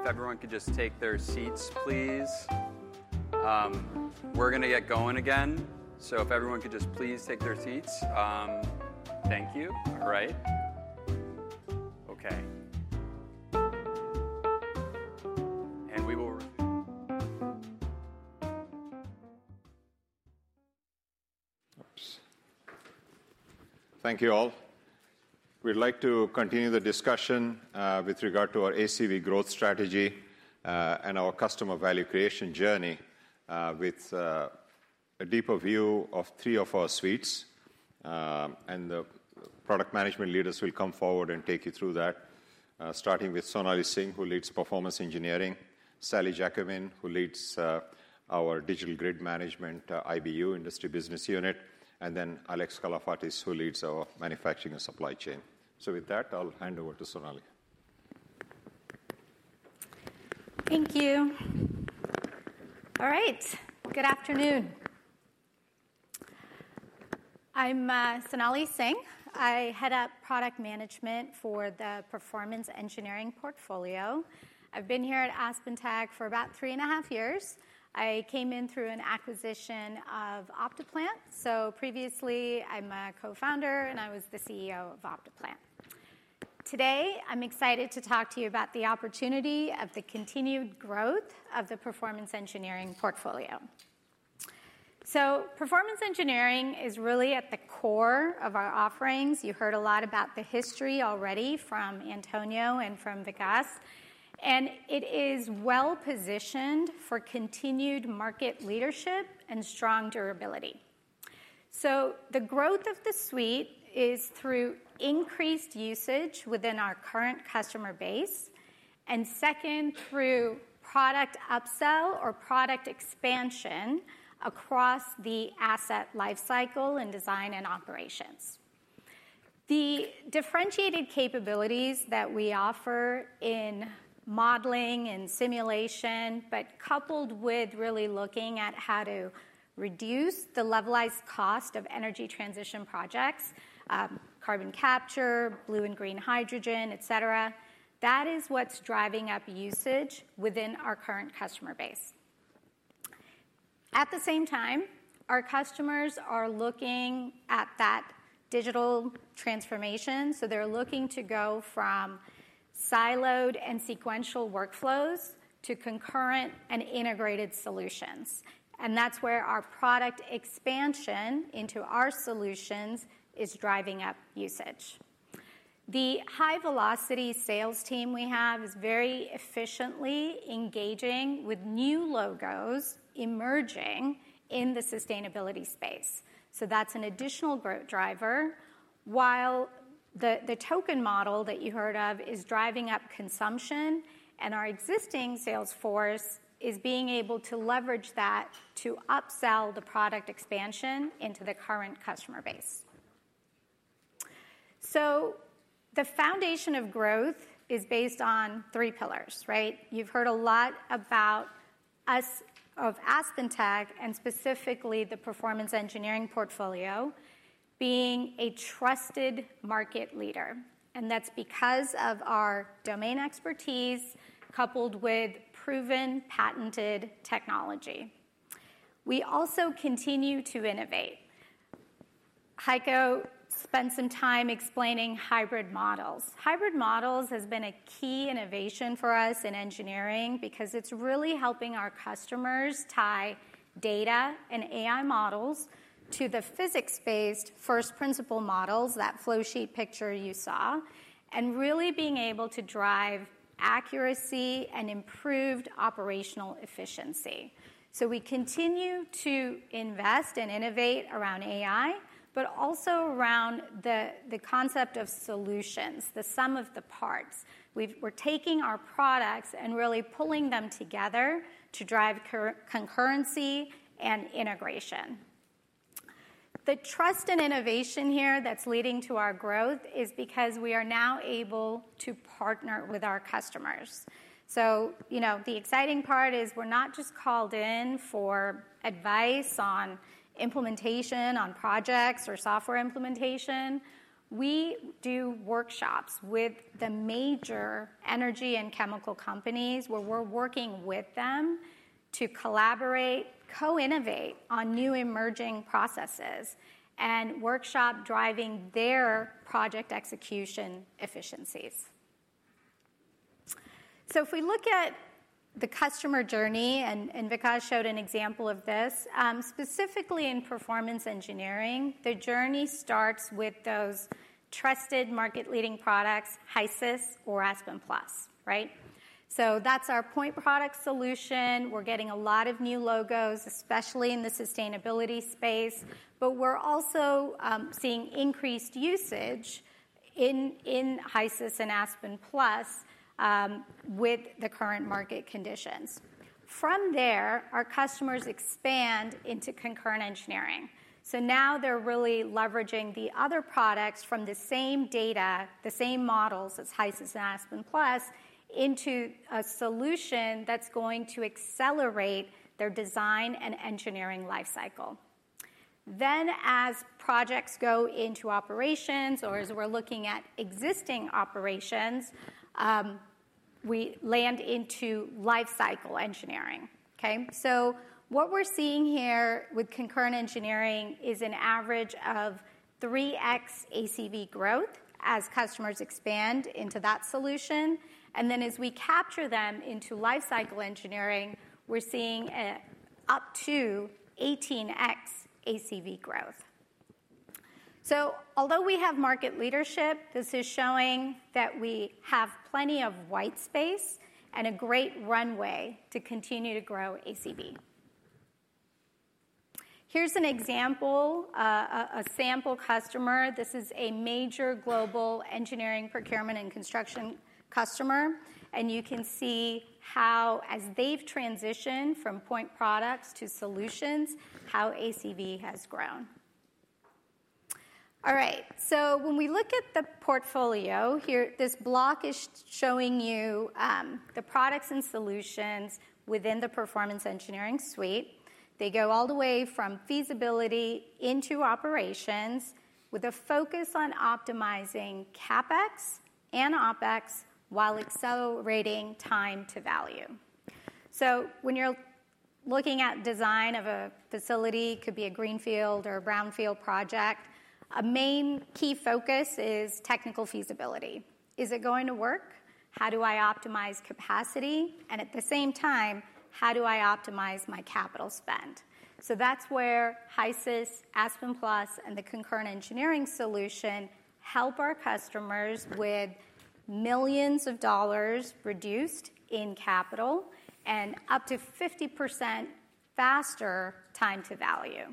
If everyone could just take their seats, please. We're gonna get going again, so if everyone could just please take their seats. Thank you. All right. Okay. And we will- Oops. Thank you all. We'd like to continue the discussion with regard to our ACV growth strategy and our customer value creation journey with a deeper view of three of our suites. The product management leaders will come forward and take you through that, starting with Sonali Singh, who leads Performance Engineering, Sally Jacquemin, who leads our Digital Grid Management IBU, Industry Business Unit, and then Alex Kalafatis, who leads our Manufacturing and Supply Chain. So with that, I'll hand over to Sonali. Thank you. All right. Good afternoon. I'm Sonali Singh. I head up Product Management for the Performance Engineering portfolio. I've been here at AspenTech for about three and a half years. I came in through an acquisition of OptiPlant. So previously, I'm a co-founder, and I was the CEO of OptiPlant. Today, I'm excited to talk to you about the opportunity of the continued growth of the Performance Engineering portfolio. So Performance Engineering is really at the core of our offerings. You heard a lot about the history already from Antonio and from Vikas, and it is well-positioned for continued market leadership and strong durability. So the growth of the suite is through increased usage within our current customer base, and second, through product upsell or product expansion across the asset lifecycle in design and operations. The differentiated capabilities that we offer in modeling and simulation, but coupled with really looking at how to reduce the levelized cost of energy transition projects, carbon capture, blue and green hydrogen, et cetera, that is what's driving up usage within our current customer base. At the same time, our customers are looking at that digital transformation, so they're looking to go from siloed and sequential workflows to concurrent and integrated solutions, and that's where our product expansion into our solutions is driving up usage. The high-velocity sales team we have is very efficiently engaging with new logos emerging in the sustainability space. So that's an additional growth driver. While the token model that you heard of is driving up consumption, and our existing sales force is being able to leverage that to upsell the product expansion into the current customer base. So the foundation of growth is based on three pillars, right? You've heard a lot about us, of AspenTech, and specifically the Performance Engineering portfolio, being a trusted market leader, and that's because of our domain expertise, coupled with proven patented technology. We also continue to innovate. Heiko spent some time explaining hybrid models. Hybrid models has been a key innovation for us in engineering because it's really helping our customers tie data and AI models to the physics-based first principle models, that flow sheet picture you saw, and really being able to drive accuracy and improved operational efficiency. So we continue to invest and innovate around AI... but also around the concept of solutions, the sum of the parts. We're taking our products and really pulling them together to drive concurrency and integration. The trust and innovation here that's leading to our growth is because we are now able to partner with our customers. So, you know, the exciting part is we're not just called in for advice on implementation, on projects or software implementation. We do workshops with the major energy and chemical companies, where we're working with them to collaborate, co-innovate on new emerging processes, and workshop driving their project execution efficiencies. So if we look at the customer journey, and Vikas showed an example of this, specifically in Performance Engineering, the journey starts with those trusted market-leading products, HYSYS or Aspen Plus, right? So that's our point product solution. We're getting a lot of new logos, especially in the sustainability space, but we're also seeing increased usage in HYSYS and Aspen Plus with the current market conditions. From there, our customers expand into Concurrent Engineering. So now they're really leveraging the other products from the same data, the same models as HYSYS and Aspen Plus, into a solution that's going to accelerate their design and engineering life cycle. Then, as projects go into operations or as we're looking at existing operations, we land into life cycle engineering. Okay? So what we're seeing here with Concurrent Engineering is an average of 3x ACV growth as customers expand into that solution, and then as we capture them into life cycle engineering, we're seeing up to 18x ACV growth. So although we have market leadership, this is showing that we have plenty of white space and a great runway to continue to grow ACV. Here's an example, a sample customer. This is a major global engineering, procurement, and construction customer, and you can see how, as they've transitioned from point products to solutions, how ACV has grown. All right, so when we look at the portfolio, here, this block is showing you the products and solutions within the performance engineering suite. They go all the way from feasibility into operations with a focus on optimizing CapEx and OpEx while accelerating time to value. So when you're looking at design of a facility, could be a greenfield or a brownfield project, a main key focus is technical feasibility. Is it going to work? How do I optimize capacity? And at the same time, how do I optimize my capital spend? So that's where HYSYS, Aspen Plus, and the Concurrent Engineering solution help our customers with millions of dollars reduced in capital and up to 50% faster time to value.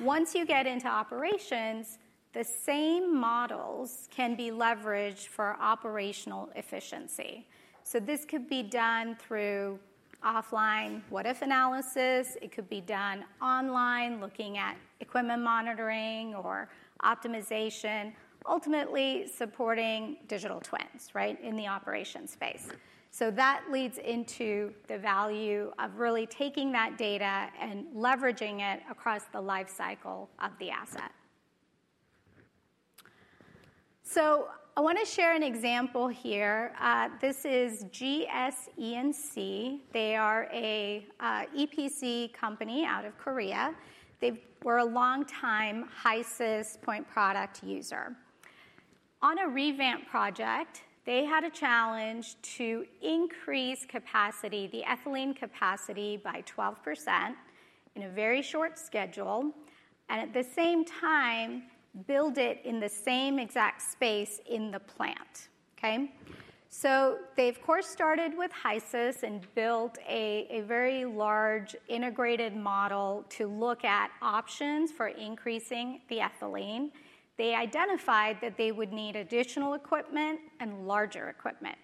Once you get into operations, the same models can be leveraged for operational efficiency. So this could be done through offline what-if analysis. It could be done online, looking at equipment monitoring or optimization, ultimately supporting digital twins, right, in the operation space. So that leads into the value of really taking that data and leveraging it across the life cycle of the asset. So I wanna share an example here. This is GS E&C. They are a EPC company out of Korea. They were a long-time HYSYS point product user. On a revamp project, they had a challenge to increase capacity, the ethylene capacity, by 12% in a very short schedule, and at the same time, build it in the same exact space in the plant, okay? So they, of course, started with HYSYS and built a very large integrated model to look at options for increasing the ethylene. They identified that they would need additional equipment and larger equipment.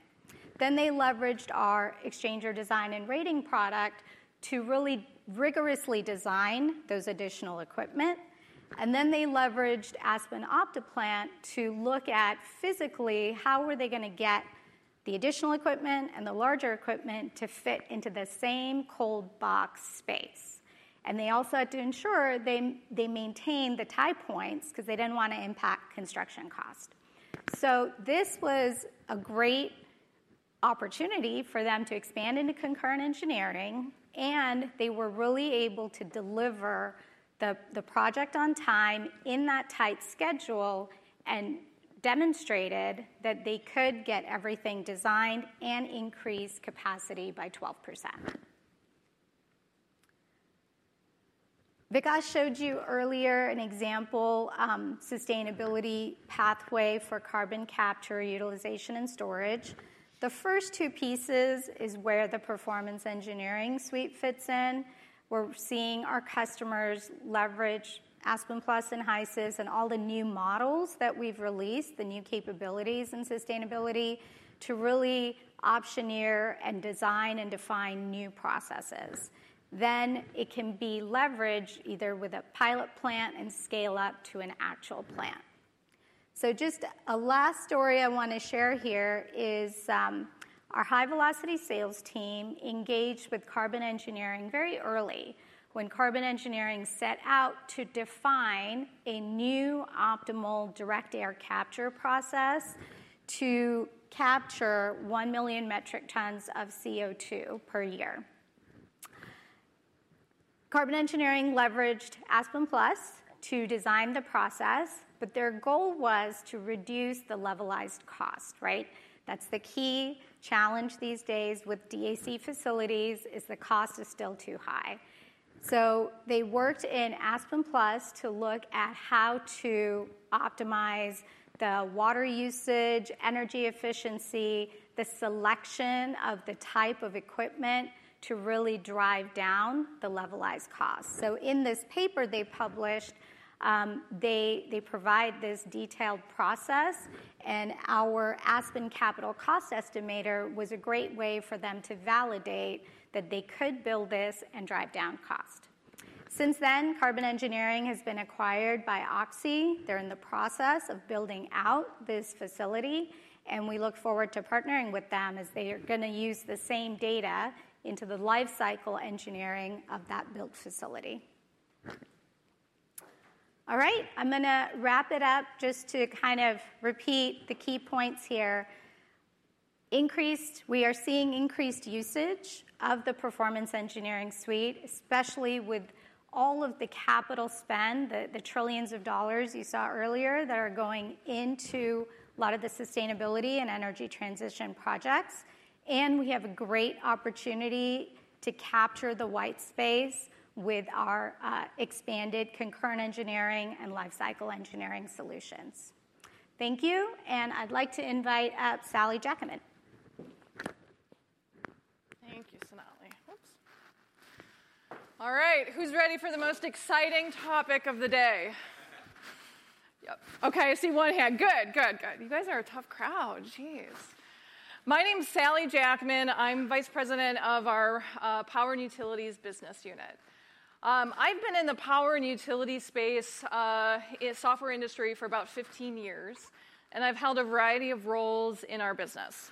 Then they leveraged our Exchanger Design and Rating product to really rigorously design those additional equipment, and then they leveraged Aspen OptiPlant to look at, physically, how were they gonna get the additional equipment and the larger equipment to fit into the same cold box space. And they also had to ensure they maintained the tie points 'cause they didn't wanna impact construction cost. So this was a great opportunity for them to expand into Concurrent Engineering, and they were really able to deliver the project on time in that tight schedule and demonstrated that they could get everything designed and increase capacity by 12%. Vikas showed you earlier an example, sustainability pathway for carbon capture, utilization, and storage. The first two pieces is where the Performance Engineering suite fits in.... We're seeing our customers leverage Aspen Plus and HYSYS and all the new models that we've released, the new capabilities and sustainability, to really optioneer and design and define new processes. Then it can be leveraged either with a pilot plant and scale up to an actual plant. So just a last story I wanna share here is, our high-velocity sales team engaged with Carbon Engineering very early when Carbon Engineering set out to define a new optimal direct air capture process to capture one million metric tons of CO2 per year. Carbon Engineering leveraged Aspen Plus to design the process, but their goal was to reduce the levelized cost, right? That's the key challenge these days with DAC facilities, is the cost is still too high. So they worked in Aspen Plus to look at how to optimize the water usage, energy efficiency, the selection of the type of equipment to really drive down the levelized cost. So in this paper they published, they provide this detailed process, and our Aspen Capital Cost Estimator was a great way for them to validate that they could build this and drive down cost. Since then, Carbon Engineering has been acquired by Oxy. They're in the process of building out this facility, and we look forward to partnering with them as they are gonna use the same data into the lifecycle engineering of that built facility. All right, I'm gonna wrap it up just to kind of repeat the key points here. We are seeing increased usage of the Performance Engineering suite, especially with all of the capital spend, the trillions of dollars you saw earlier, that are going into a lot of the sustainability and energy transition projects. And we have a great opportunity to capture the white space with our expanded Concurrent Engineering and lifecycle engineering solutions. Thank you, and I'd like to invite up Sally Jacquemin. Thank you, Sonali. Oops! All right, who's ready for the most exciting topic of the day? Yep. Okay, I see one hand. Good, good, good. You guys are a tough crowd, jeez. My name's Sally Jacquemin. I'm Vice President of our Power and Utilities business unit. I've been in the power and utility space in software industry for about 15 years, and I've held a variety of roles in our business,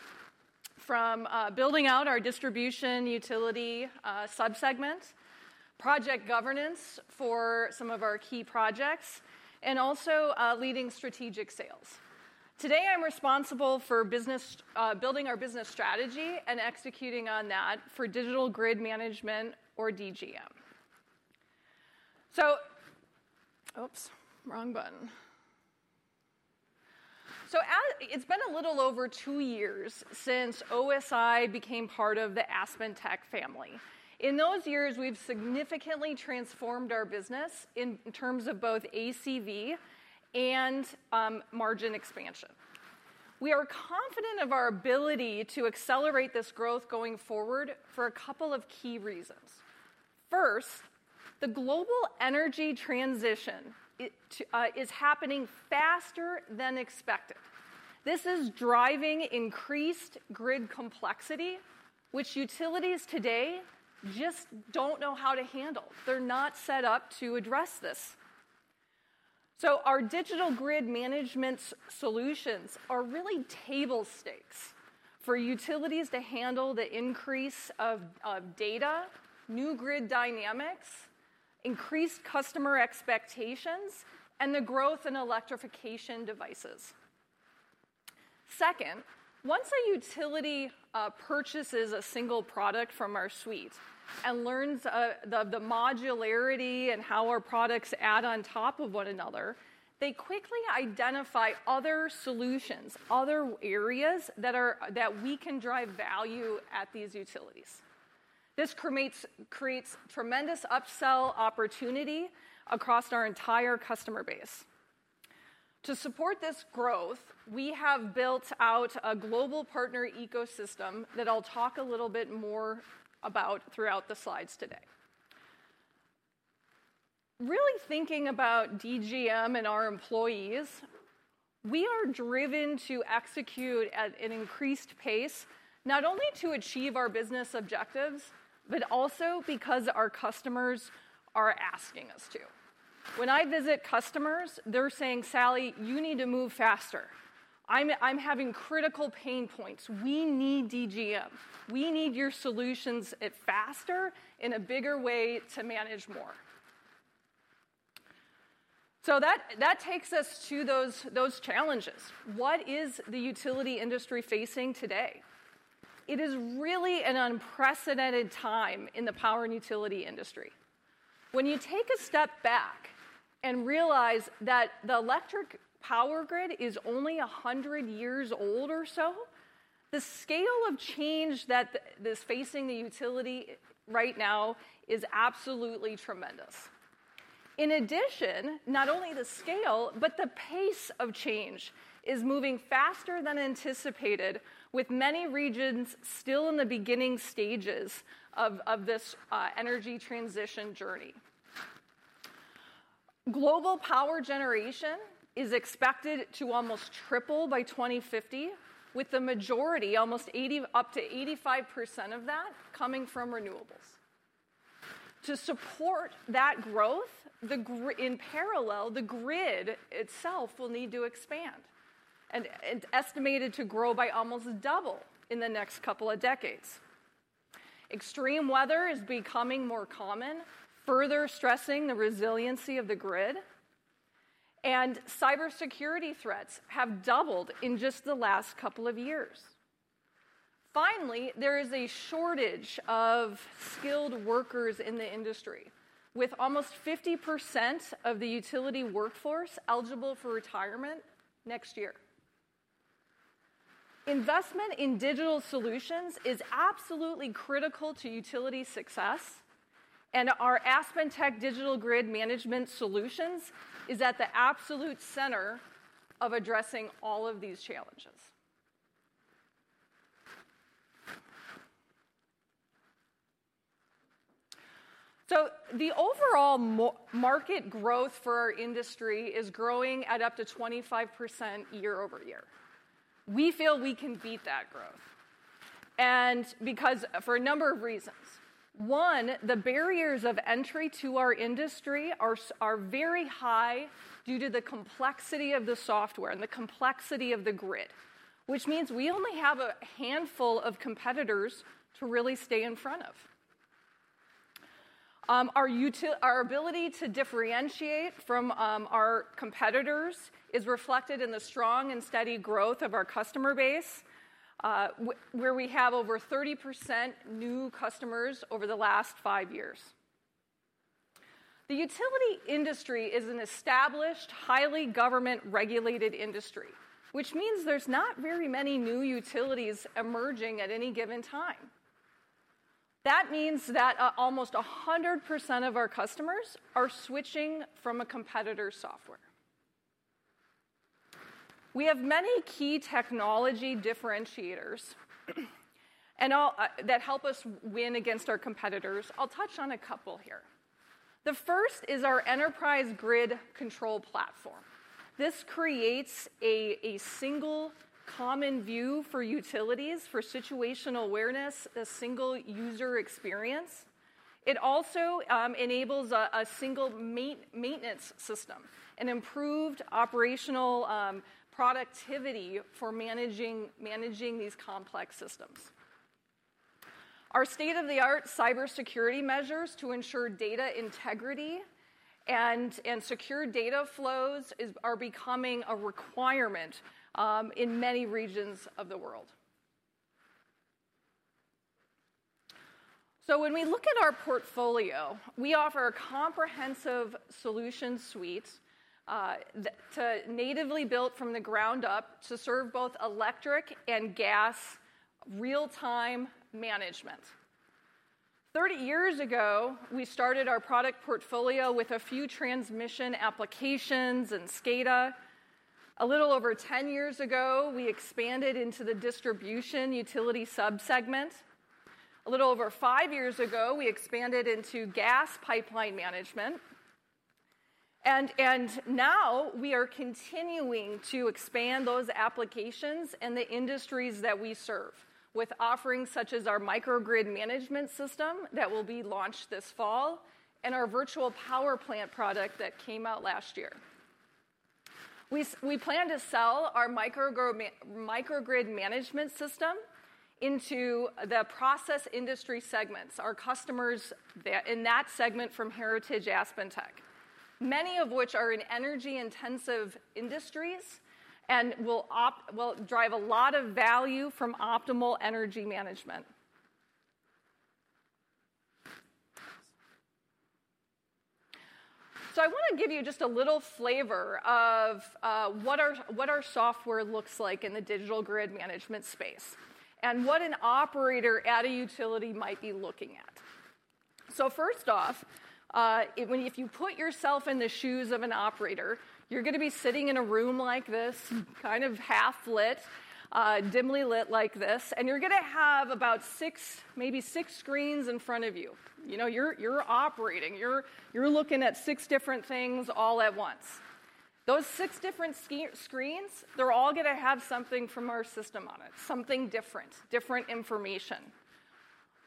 from building out our distribution utility sub-segments, project governance for some of our key projects, and also leading strategic sales. Today, I'm responsible for building our business strategy and executing on that for Digital Grid Management or DGM. Oops, wrong button. So it's been a little over 2 years since OSI became part of the AspenTech family. In those years, we've significantly transformed our business in terms of both ACV and margin expansion. We are confident of our ability to accelerate this growth going forward for a couple of key reasons. First, the global energy transition is happening faster than expected. This is driving increased grid complexity, which utilities today just don't know how to handle. They're not set up to address this. So our digital grid management solutions are really table stakes for utilities to handle the increase of data, new grid dynamics, increased customer expectations, and the growth in electrification devices. Second, once a utility purchases a single product from our suite and learns the modularity and how our products add on top of one another, they quickly identify other solutions, other areas that we can drive value at these utilities. This creates tremendous upsell opportunity across our entire customer base. To support this growth, we have built out a global partner ecosystem that I'll talk a little bit more about throughout the slides today. Really thinking about DGM and our employees, we are driven to execute at an increased pace, not only to achieve our business objectives, but also because our customers are asking us to. When I visit customers, they're saying, "Sally, you need to move faster. I'm having critical pain points. We need DGM. We need your solutions at a faster, in a bigger way to manage more." So that takes us to those challenges. What is the utility industry facing today? It is really an unprecedented time in the power and utility industry. When you take a step back and realize that the electric power grid is only a hundred years old or so, the scale of change that's facing the utility right now is absolutely tremendous. In addition, not only the scale, but the pace of change is moving faster than anticipated, with many regions still in the beginning stages of this energy transition journey. Global power generation is expected to almost triple by twenty fifty, with the majority, almost 80 up to 85% of that, coming from renewables. To support that growth, in parallel, the grid itself will need to expand, and it's estimated to grow by almost double in the next couple of decades. Extreme weather is becoming more common, further stressing the resiliency of the grid, and cybersecurity threats have doubled in just the last couple of years. Finally, there is a shortage of skilled workers in the industry, with almost 50% of the utility workforce eligible for retirement next year. Investment in digital solutions is absolutely critical to utility success, and our AspenTech Digital Grid Management solutions is at the absolute center of addressing all of these challenges. So the overall market growth for our industry is growing at up to 25% year over year. We feel we can beat that growth, and because for a number of reasons. One, the barriers of entry to our industry are very high due to the complexity of the software and the complexity of the grid, which means we only have a handful of competitors to really stay in front of. Our ability to differentiate from our competitors is reflected in the strong and steady growth of our customer base, where we have over 30% new customers over the last five years. The utility industry is an established, highly government-regulated industry, which means there's not very many new utilities emerging at any given time. That means that almost 100% of our customers are switching from a competitor's software. We have many key technology differentiators that help us win against our competitors. I'll touch on a couple here. The first is our Enterprise Grid Control platform. This creates a single common view for utilities, for situational awareness, a single user experience. It also enables a single maintenance system, an improved operational productivity for managing these complex systems. Our state-of-the-art cybersecurity measures to ensure data integrity and secure data flows are becoming a requirement in many regions of the world. So when we look at our portfolio, we offer a comprehensive solution suite that's natively built from the ground up to serve both electric and gas real-time management. 30 years ago, we started our product portfolio with a few transmission applications and SCADA. A little over 10 years ago, we expanded into the distribution utility sub-segment. A little over 5 years ago, we expanded into gas pipeline management, and now we are continuing to expand those applications and the industries that we serve with offerings such as our Microgrid Management System that will be launched this fall, and our Virtual Power Plant product that came out last year. We plan to sell our microgrid management system into the process industry segments. Our customers in that segment from Heritage AspenTech, many of which are in energy-intensive industries and will drive a lot of value from optimal energy management. So I wanna give you just a little flavor of what our software looks like in the digital grid management space, and what an operator at a utility might be looking at. So first off, if you put yourself in the shoes of an operator, you're gonna be sitting in a room like this, kind of half lit, dimly lit like this, and you're gonna have about six, maybe six screens in front of you. You know, you're operating, you're looking at six different things all at once. Those six different screens, they're all gonna have something from our system on it, something different, different information.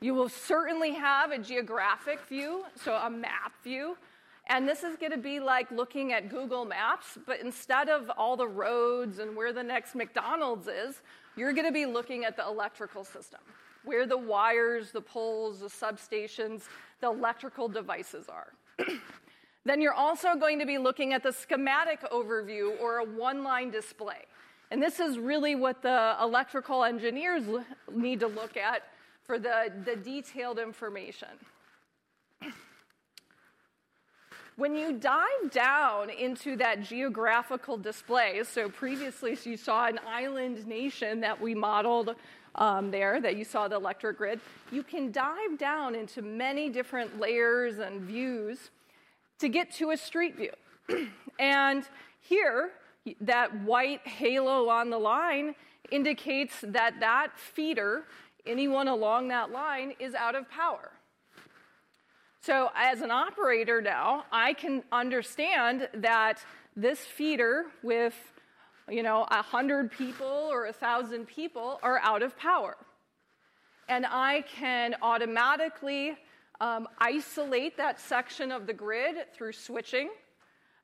You will certainly have a geographic view, so a map view, and this is gonna be like looking at Google Maps, but instead of all the roads and where the next McDonald's is, you're gonna be looking at the electrical system, where the wires, the poles, the substations, the electrical devices are. Then you're also going to be looking at the schematic overview or a one-line display, and this is really what the electrical engineers need to look at for the, the detailed information. When you dive down into that geographical display. So previously, so you saw an island nation that we modeled, there, that you saw the electric grid. You can dive down into many different layers and views to get to a street view. And here, that white halo on the line indicates that that feeder, anyone along that line, is out of power. As an operator now, I can understand that this feeder with, you know, a hundred people or a thousand people are out of power. I can automatically isolate that section of the grid through switching.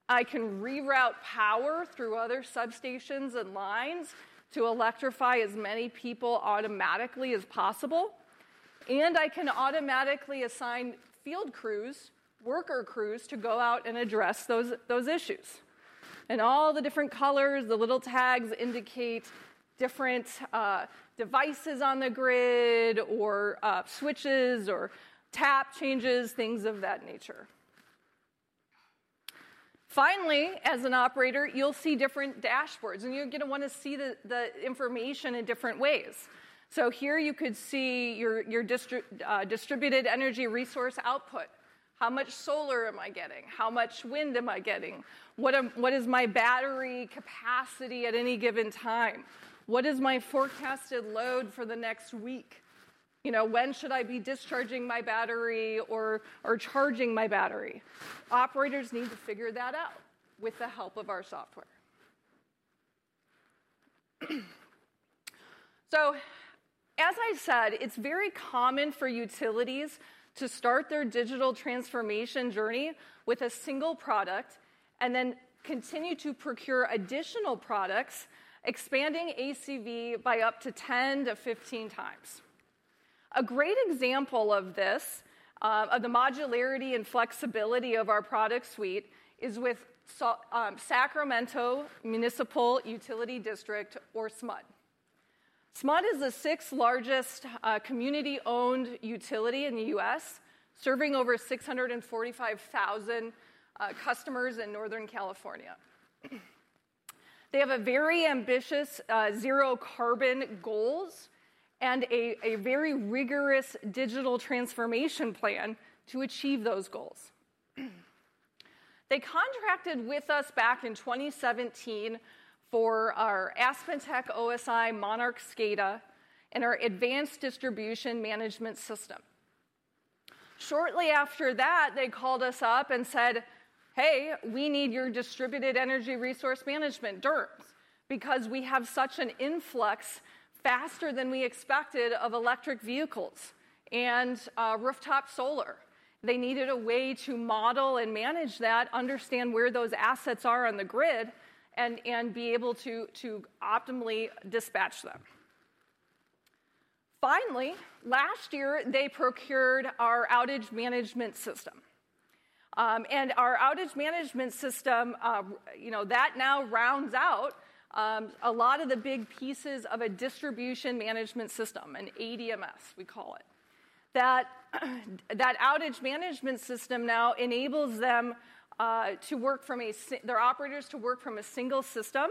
I can reroute power through other substations and lines to electrify as many people automatically as possible, and I can automatically assign field crews, worker crews, to go out and address those issues. All the different colors, the little tags indicate different devices on the grid or switches or tap changes, things of that nature. Finally, as an operator, you'll see different dashboards, and you're gonna wanna see the information in different ways. Here you could see your distributed energy resource output. How much solar am I getting? How much wind am I getting? What is my battery capacity at any given time? What is my forecasted load for the next week? You know, when should I be discharging my battery or, or charging my battery? Operators need to figure that out with the help of our software. So, as I said, it's very common for utilities to start their digital transformation journey with a single product, and then continue to procure additional products, expanding ACV by up to ten to fifteen times. A great example of this, of the modularity and flexibility of our product suite, is with Sacramento Municipal Utility District, or SMUD. SMUD is the sixth largest, community-owned utility in the U.S., serving over six hundred and forty-five thousand, customers in Northern California. They have a very ambitious zero carbon goals and a very rigorous digital transformation plan to achieve those goals. They contracted with us back in 2017 for our AspenTech OSI Monarch SCADA and our advanced distribution management system. Shortly after that, they called us up and said: "Hey, we need your distributed energy resource management, DERMS, because we have such an influx, faster than we expected, of electric vehicles and rooftop solar." They needed a way to model and manage that, understand where those assets are on the grid, and be able to optimally dispatch them. Finally, last year, they procured our outage management system, and our outage management system, you know, that now rounds out a lot of the big pieces of a distribution management system, an ADMS, we call it. That outage management system now enables them, their operators, to work from a single system,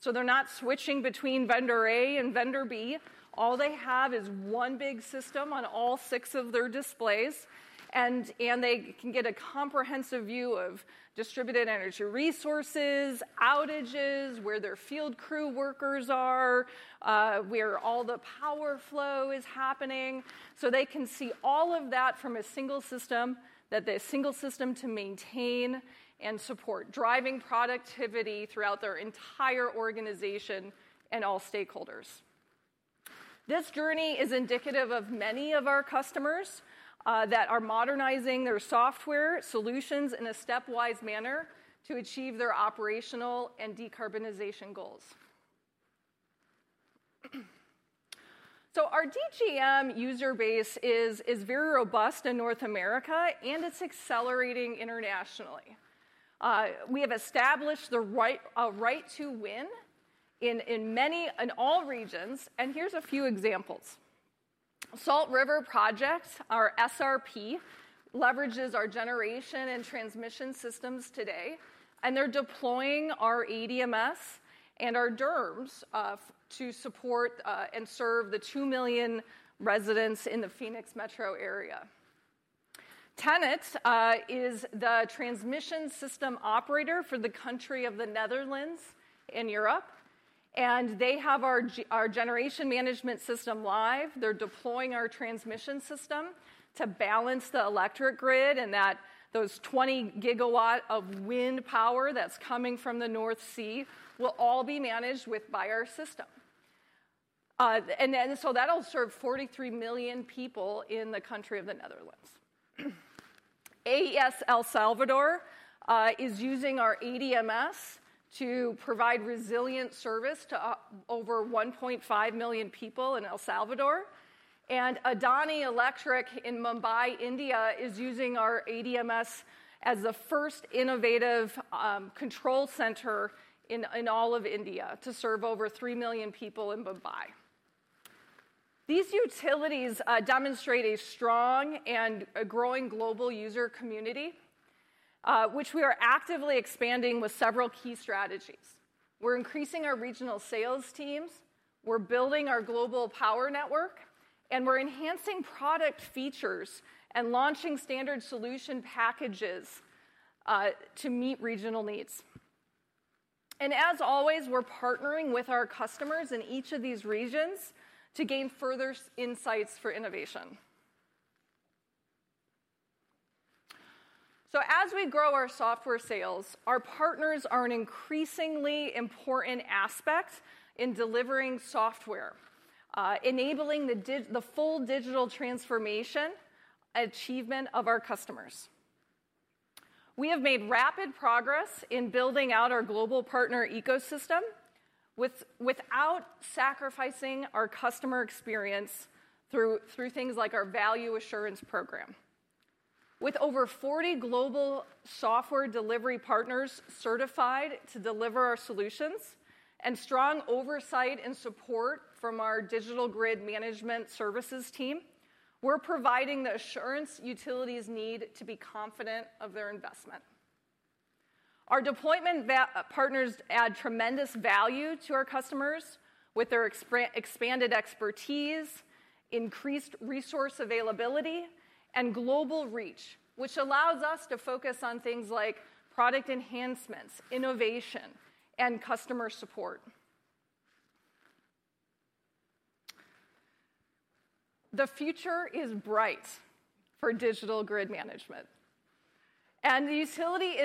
so they're not switching between vendor A and vendor B. All they have is one big system on all six of their displays, and they can get a comprehensive view of distributed energy resources, outages, where their field crew workers are, where all the power flow is happening, so they can see all of that from a single system, that's the single system to maintain and support, driving productivity throughout their entire organization and all stakeholders. This journey is indicative of many of our customers that are modernizing their software solutions in a stepwise manner to achieve their operational and decarbonization goals, so our DGM user base is very robust in North America, and it's accelerating internationally. We have established a right to win in all regions, and here's a few examples. Salt River Project, or SRP, leverages our generation and transmission systems today, and they're deploying our ADMS and our DERMS to support and serve the two million residents in the Phoenix metro area. TenneT is the transmission system operator for the country of the Netherlands in Europe, and they have our generation management system live. They're deploying our transmission system to balance the electric grid, and those twenty gigawatt of wind power that's coming from the North Sea will all be managed by our system. So that'll serve forty-three million people in the country of the Netherlands. AES El Salvador is using our ADMS to provide resilient service to over 1.5 million people in El Salvador. Adani Electric in Mumbai, India, is using our ADMS as the first innovative control center in all of India to serve over three million people in Mumbai. These utilities demonstrate a strong and a growing global user community, which we are actively expanding with several key strategies. We're increasing our regional sales teams, we're building our global power network, and we're enhancing product features and launching standard solution packages to meet regional needs. And as always, we're partnering with our customers in each of these regions to gain further insights for innovation. So as we grow our software sales, our partners are an increasingly important aspect in delivering software, enabling the full digital transformation achievement of our customers. We have made rapid progress in building out our global partner ecosystem, without sacrificing our customer experience through things like our Value Assurance program. With over forty global software delivery partners certified to deliver our solutions, and strong oversight and support from our digital grid management services team, we're providing the assurance utilities need to be confident of their investment. Our deployment partners add tremendous value to our customers with their expanded expertise, increased resource availability, and global reach, which allows us to focus on things like product enhancements, innovation, and customer support. The future is bright for digital grid management, and the utility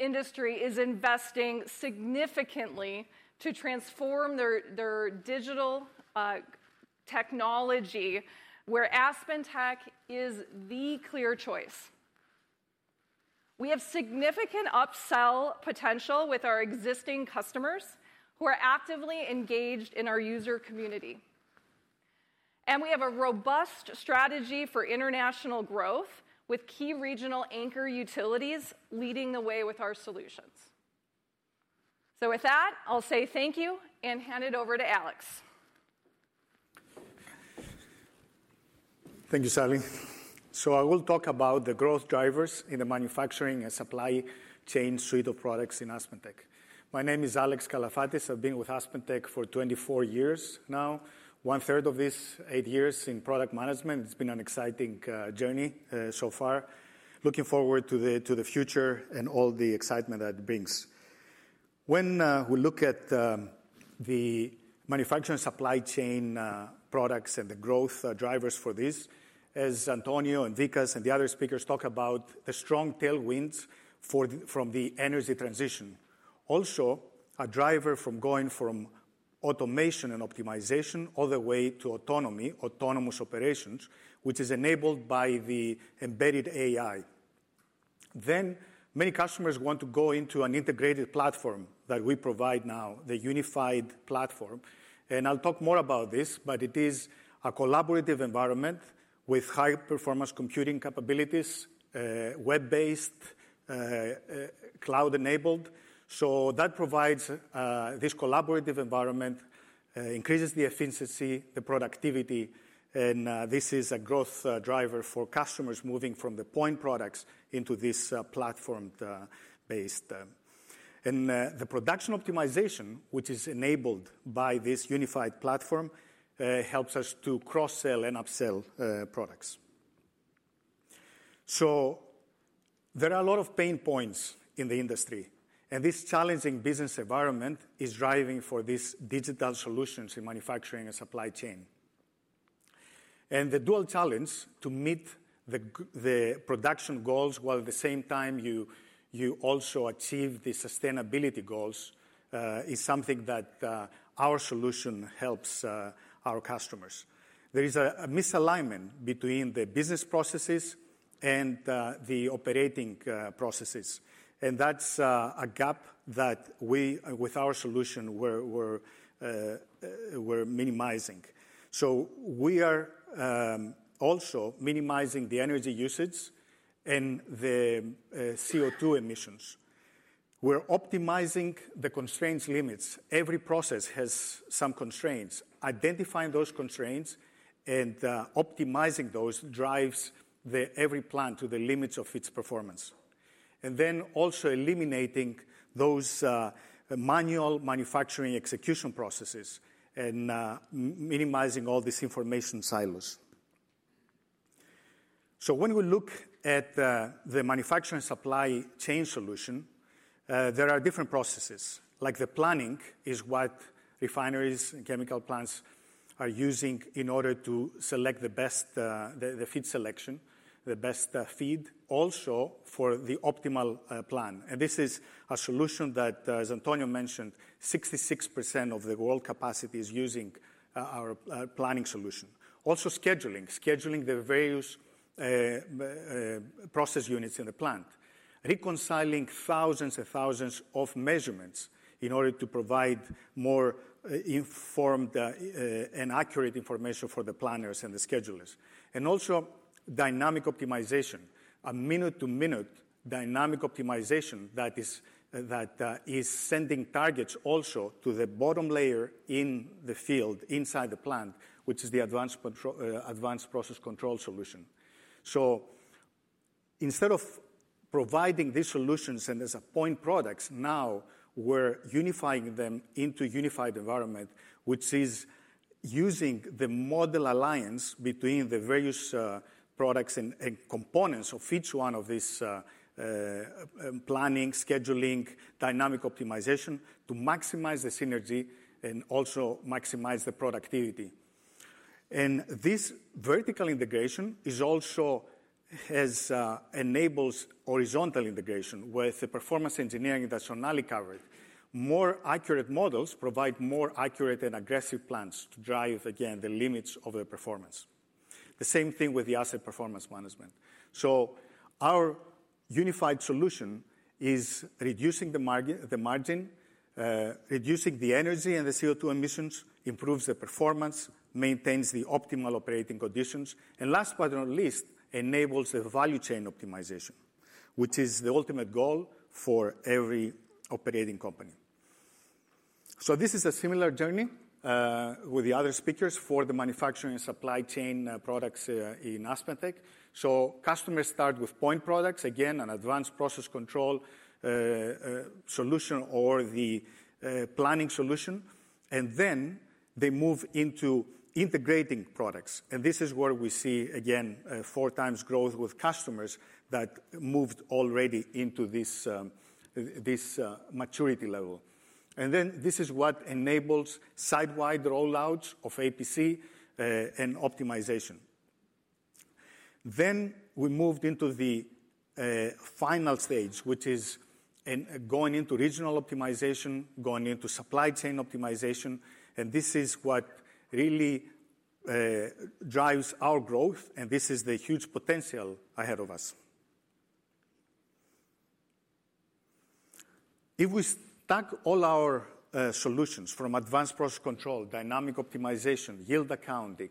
industry is investing significantly to transform their digital technology, where AspenTech is the clear choice. We have significant upsell potential with our existing customers, who are actively engaged in our user community. We have a robust strategy for international growth, with key regional anchor utilities leading the way with our solutions. With that, I'll say thank you and hand it over to Alex. Thank you, Sally. So I will talk about the growth drivers in the manufacturing and supply chain suite of products in AspenTech. My name is Alex Kalafatis. I've been with AspenTech for twenty-four years now, one-third of this, eight years in product management. It's been an exciting journey so far. Looking forward to the future and all the excitement that it brings. When we look at the manufacturing supply chain products and the growth drivers for this, as Antonio and Vikas and the other speakers talk about, the strong tailwinds from the energy transition. Also, a driver from going from automation and optimization all the way to autonomy, autonomous operations, which is enabled by the embedded AI. Many customers want to go into an integrated platform that we provide now, the unified platform, and I'll talk more about this, but it is a collaborative environment with high-performance computing capabilities, web-based, cloud-enabled. That provides this collaborative environment, increases the efficiency, the productivity, and this is a growth driver for customers moving from the point products into this platform-based. The Production Optimization, which is enabled by this unified platform, helps us to cross-sell and upsell products. There are a lot of pain points in the industry, and this challenging business environment is driving for these digital solutions in manufacturing and supply chain. The dual challenge to meet the production goals, while at the same time you also achieve the sustainability goals, is something that our solution helps our customers. There is a misalignment between the business processes and the operating processes, and that's a gap that we, with our solution, we're minimizing. We are also minimizing the energy usage and the CO2 emissions. We're optimizing the constraints limits. Every process has some constraints. Identifying those constraints and optimizing those drives every plant to the limits of its performance. And then also eliminating those manual manufacturing execution processes and minimizing all these information silos. When we look at the manufacturing supply chain solution, there are different processes. Like the planning is what refineries and chemical plants are using in order to select the best, the feed selection, the best feed, also for the optimal plan. And this is a solution that, as Antonio mentioned, 66% of the world capacity is using, our planning solution. Also scheduling. Scheduling the various process units in the plant, reconciling thousands and thousands of measurements in order to provide more informed and accurate information for the planners and the schedulers, and also dynamic optimization, a minute-to-minute dynamic optimization that is sending targets also to the bottom layer in the field, inside the plant, which is the advanced control, advanced process control solution. So instead of providing these solutions as point products, now we're unifying them into a unified environment, which is using the model alignment between the various products and components of each one of these planning, scheduling, dynamic optimization to maximize the synergy and also maximize the productivity. And this vertical integration is also enables horizontal integration with the performance engineering that Sonali covered. More accurate models provide more accurate and aggressive plans to drive, again, the limits of the performance. The same thing with the asset performance management. So our unified solution is reducing the energy and the CO₂ emissions, improves the performance, maintains the optimal operating conditions, and last but not least, enables the value chain optimization, which is the ultimate goal for every operating company. So this is a similar journey with the other speakers for the manufacturing and supply chain products in AspenTech. Customers start with point products, again, an advanced process control solution or the planning solution, and then they move into integrating products. And this is where we see, again, four times growth with customers that moved already into this maturity level. And then this is what enables site-wide rollouts of APC and optimization. Then we moved into the final stage, which is going into regional optimization, going into supply chain optimization, and this is what really drives our growth, and this is the huge potential ahead of us. If we stack all our solutions from advanced process control, dynamic optimization, yield accounting,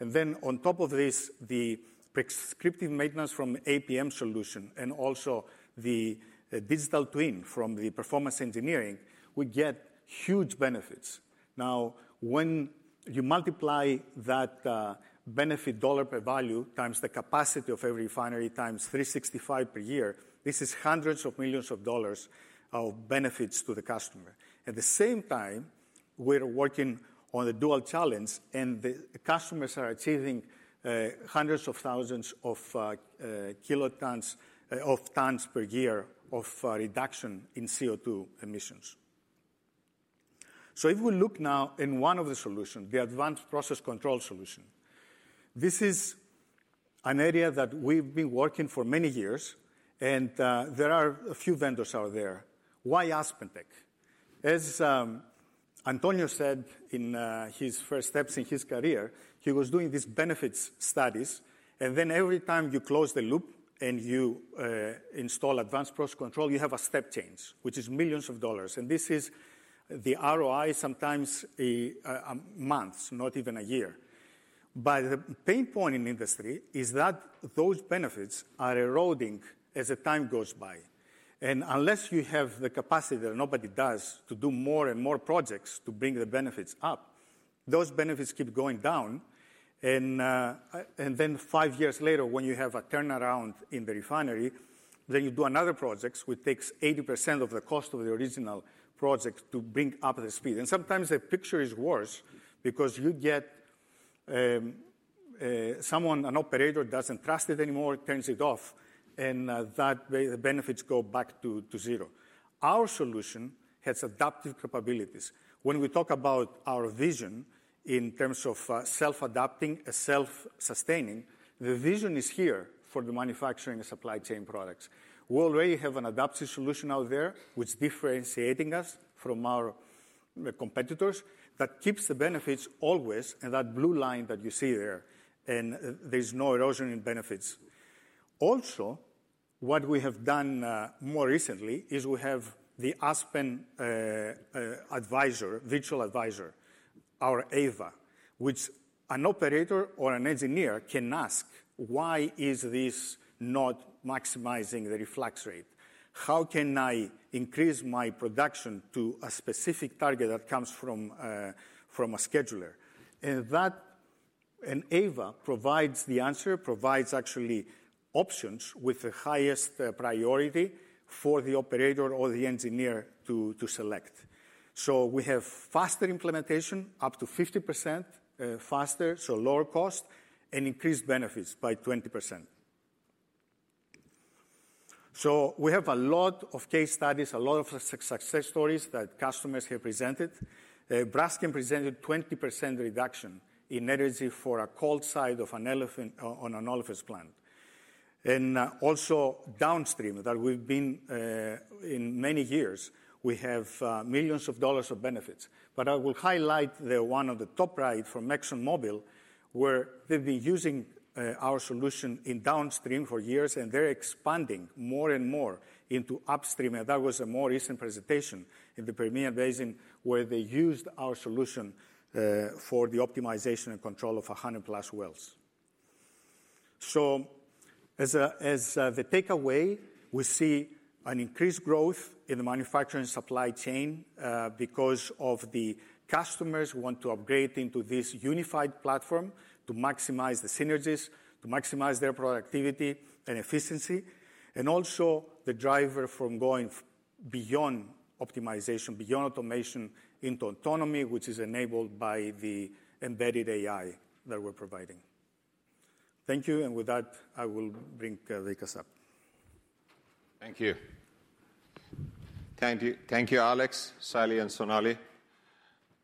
and then on top of this, the prescriptive maintenance from APM solution, and also the digital twin from the performance engineering, we get huge benefits. Now, when you multiply that benefit dollar per value, times the capacity of every refinery, times 365 per year, this is hundreds of millions of dollars of benefits to the customer. At the same time, we're working on the dual challenge, and the customers are achieving hundreds of thousands of kilotons of tons per year of reduction in CO₂ emissions. So if we look now in one of the solution, the advanced process control solution, this is an area that we've been working for many years, and there are a few vendors out there. Why AspenTech? As Antonio said in his first steps in his career, he was doing these benefits studies, and then every time you close the loop and you install advanced process control, you have a step change, which is millions of dollars. And this is the ROI, sometimes a month, not even a year. But the pain point in industry is that those benefits are eroding as the time goes by. And unless you have the capacity, that nobody does, to do more and more projects to bring the benefits up, those benefits keep going down. And then five years later, when you have a turnaround in the refinery, then you do another projects, which takes 80% of the cost of the original project to bring up the speed. And sometimes the picture is worse because you get someone, an operator, doesn't trust it anymore, turns it off, and that way, the benefits go back to zero. Our solution has adaptive capabilities. When we talk about our vision in terms of self-adapting and self-sustaining, the vision is here for the manufacturing and supply chain products. We already have an adaptive solution out there, which is differentiating us from our competitors, that keeps the benefits always in that blue line that you see there, and there's no erosion in benefits. Also, what we have done more recently is we have the Aspen Virtual Advisor, or AVA, which an operator or an engineer can ask, "Why is this not maximizing the reflux rate? How can I increase my production to a specific target that comes from a scheduler?" And AVA provides the answer, provides actually options with the highest priority for the operator or the engineer to select. So we have faster implementation, up to 50%, faster, so lower cost and increased benefits by 20%. So we have a lot of case studies, a lot of success stories that customers have presented. Braskem presented 20% reduction in energy for a cold side of an ethylene on an olefins plant. And also downstream, that we've been in many years, we have millions of dollars of benefits. But I will highlight the one on the top right from ExxonMobil, where they've been using our solution in downstream for years, and they're expanding more and more into upstream. And that was a more recent presentation in the Permian Basin, where they used our solution for the optimization and control of 100-plus wells. So as the takeaway, we see an increased growth in the manufacturing supply chain because of the customers who want to upgrade into this unified platform to maximize the synergies, to maximize their productivity and efficiency, and also the driver from going beyond optimization, beyond automation into autonomy, which is enabled by the embedded AI that we're providing. Thank you, and with that, I will bring Vikas up. Thank you. Thank you, thank you, Alex, Sally, and Sonali.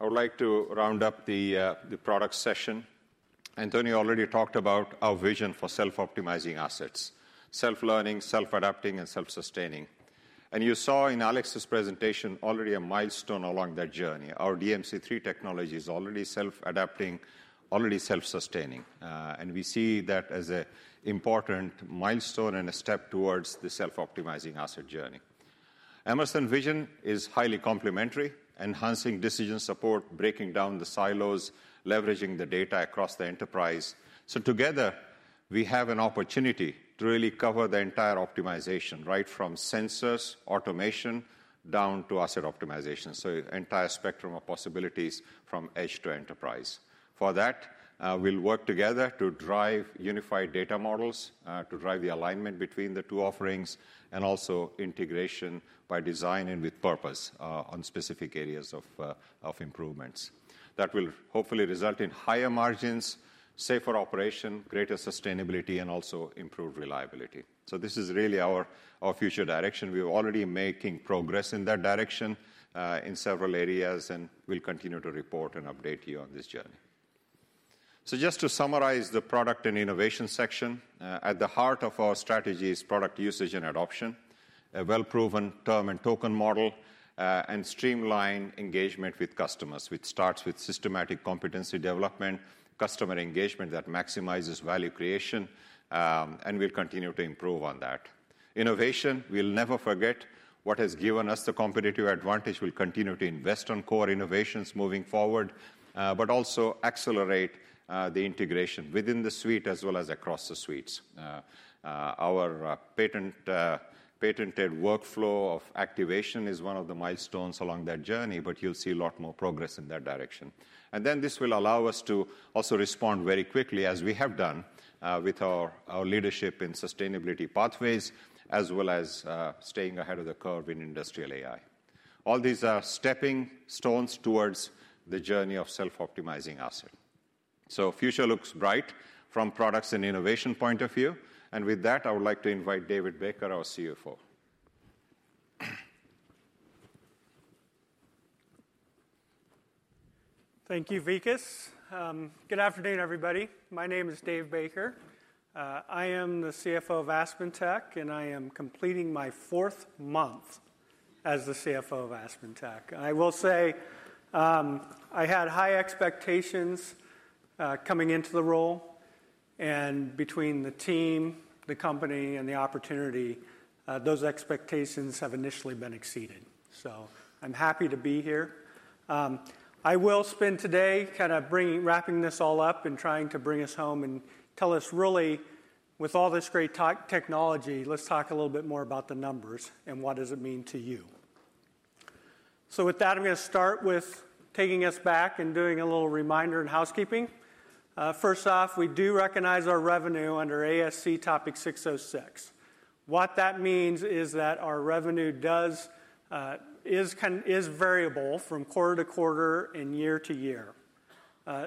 I would like to round up the the product session. Antonio already talked about our vision for self-optimizing assets: self-learning, self-adapting, and self-sustaining. You saw in Alex's presentation already a milestone along that journey. Our DMC3 technology is already self-adapting, already self-sustaining, and we see that as a important milestone and a step towards the Self-Optimizing Asset journey. Emerson vision is highly complementary, enhancing decision support, breaking down the silos, leveraging the data across the enterprise. Together, we have an opportunity to really cover the entire optimization, right from sensors, automation, down to asset optimization. Entire spectrum of possibilities from edge to enterprise. For that, we'll work together to drive unified data models, to drive the alignment between the two offerings, and also integration by design and with purpose, on specific areas of improvements. That will hopefully result in higher margins, safer operation, greater sustainability, and also improved reliability. So this is really our future direction. We are already making progress in that direction, in several areas, and we'll continue to report and update you on this journey. So just to summarize the product and innovation section, at the heart of our strategy is product usage and adoption, a well-proven term and token model, and streamlined engagement with customers, which starts with systematic competency development, customer engagement that maximizes value creation, and we'll continue to improve on that. Innovation, we'll never forget what has given us the competitive advantage. We'll continue to invest on core innovations moving forward, but also accelerate the integration within the suite as well as across the suites. Our patented workflow of activation is one of the milestones along that journey, but you'll see a lot more progress in that direction. And then this will allow us to also respond very quickly, as we have done, with our leadership in sustainability pathways, as well as staying ahead of the curve in industrial AI. All these are stepping stones towards the journey of Self-Optimizing Asset. So future looks bright from products and innovation point of view. And with that, I would like to invite David Baker, our CFO. Thank you, Vikas. Good afternoon, everybody. My name is Dave Baker. I am the CFO of AspenTech, and I am completing my fourth month as the CFO of AspenTech. I will say, I had high expectations, coming into the role, and between the team, the company, and the opportunity, those expectations have initially been exceeded, so I'm happy to be here. I will spend today kind of bringing, wrapping this all up and trying to bring us home and tell us really, with all this great tech, technology, let's talk a little bit more about the numbers and what does it mean to you, so with that, I'm gonna start with taking us back and doing a little reminder and housekeeping. First off, we do recognize our revenue under ASC 606. What that means is that our revenue does is kind is variable from quarter to quarter and year to year.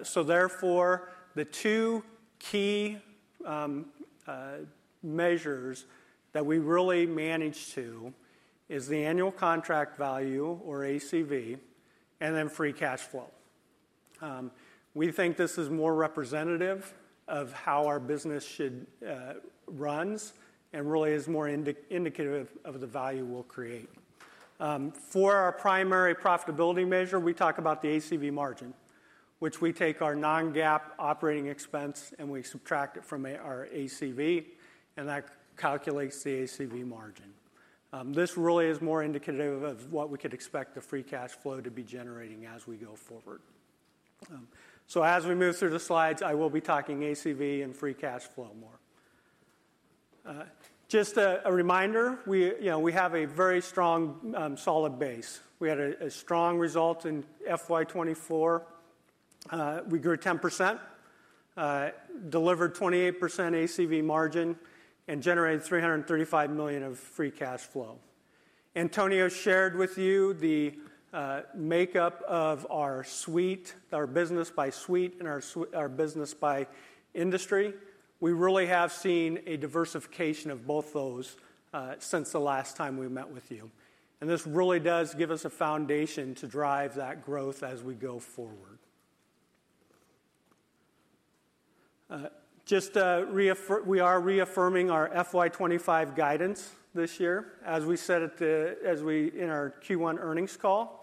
So therefore, the two key measures that we really manage to is the annual contract value, or ACV, and then free cash flow. We think this is more representative of how our business should runs and really is more indicative of the value we'll create. For our primary profitability measure, we talk about the ACV margin, which we take our non-GAAP operating expense, and we subtract it from our ACV, and that calculates the ACV margin. This really is more indicative of what we could expect the free cash flow to be generating as we go forward. So as we move through the slides, I will be talking ACV and free cash flow more. Just a reminder, we, you know, we have a very strong, solid base. We had a strong result in FY 2024. We grew 10%, delivered 28% ACV margin, and generated $335 million of free cash flow. Antonio shared with you the, makeup of our suite, our business by suite and our business by industry. We really have seen a diversification of both those, since the last time we met with you, and this really does give us a foundation to drive that growth as we go forward. Just to reaffirm. We are reaffirming our FY 2025 guidance this year. As we said at the, as we, in our Q1 earnings call,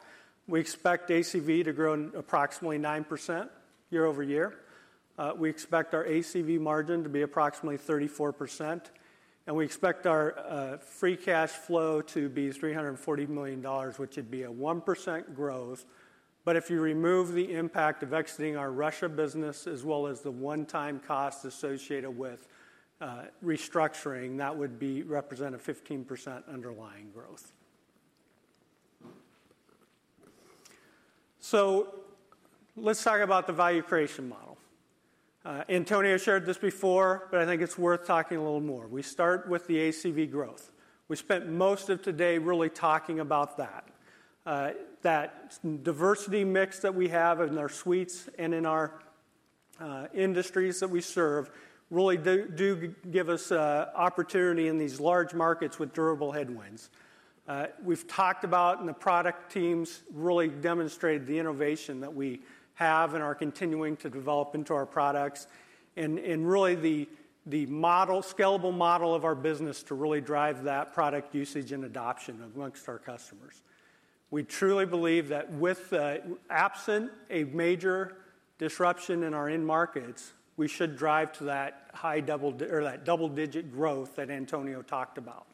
we expect ACV to grow approximately 9% year over year. We expect our ACV margin to be approximately 34%, and we expect our free cash flow to be $340 million, which would be a 1% growth... but if you remove the impact of exiting our Russia business, as well as the one-time cost associated with restructuring, that would represent a 15% underlying growth. So let's talk about the value creation model. Antonio shared this before, but I think it's worth talking a little more. We start with the ACV growth. We spent most of today really talking about that. That diversity mix that we have in our suites and in our industries that we serve really do give us opportunity in these large markets with durable headwinds. We've talked about, and the product teams really demonstrated the innovation that we have and are continuing to develop into our products, and really the scalable model of our business to really drive that product usage and adoption amongst our customers. We truly believe that, absent a major disruption in our end markets, we should drive to that high double-digit growth that Antonio talked about.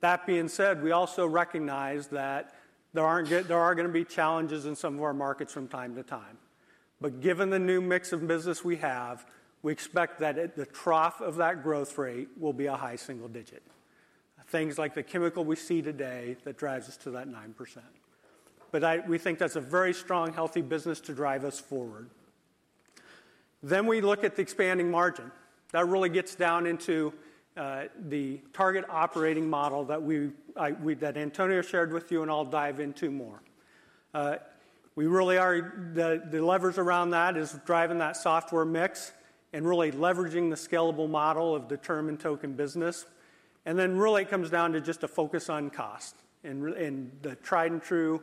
That being said, we also recognize that there are gonna be challenges in some of our markets from time to time. But given the new mix of business we have, we expect that at the trough of that growth rate will be a high single digit. Things like the chemical we see today, that drives us to 9%. But we think that's a very strong, healthy business to drive us forward. Then we look at the expanding margin. That really gets down into the target operating model that Antonio shared with you, and I'll dive into more. We really are. The levers around that is driving that software mix and really leveraging the scalable model of the term and token business, and then really it comes down to just a focus on cost and re- and the tried-and-true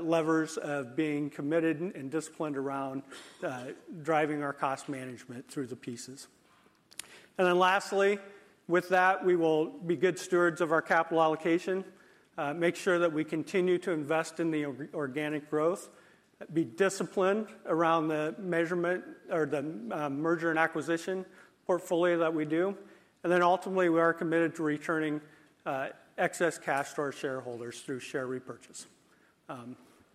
levers of being committed and disciplined around driving our cost management through the pieces. And then lastly, with that, we will be good stewards of our capital allocation, make sure that we continue to invest in the organic growth, be disciplined around the measurement of the merger and acquisition portfolio that we do, and then ultimately, we are committed to returning excess cash to our shareholders through share repurchase.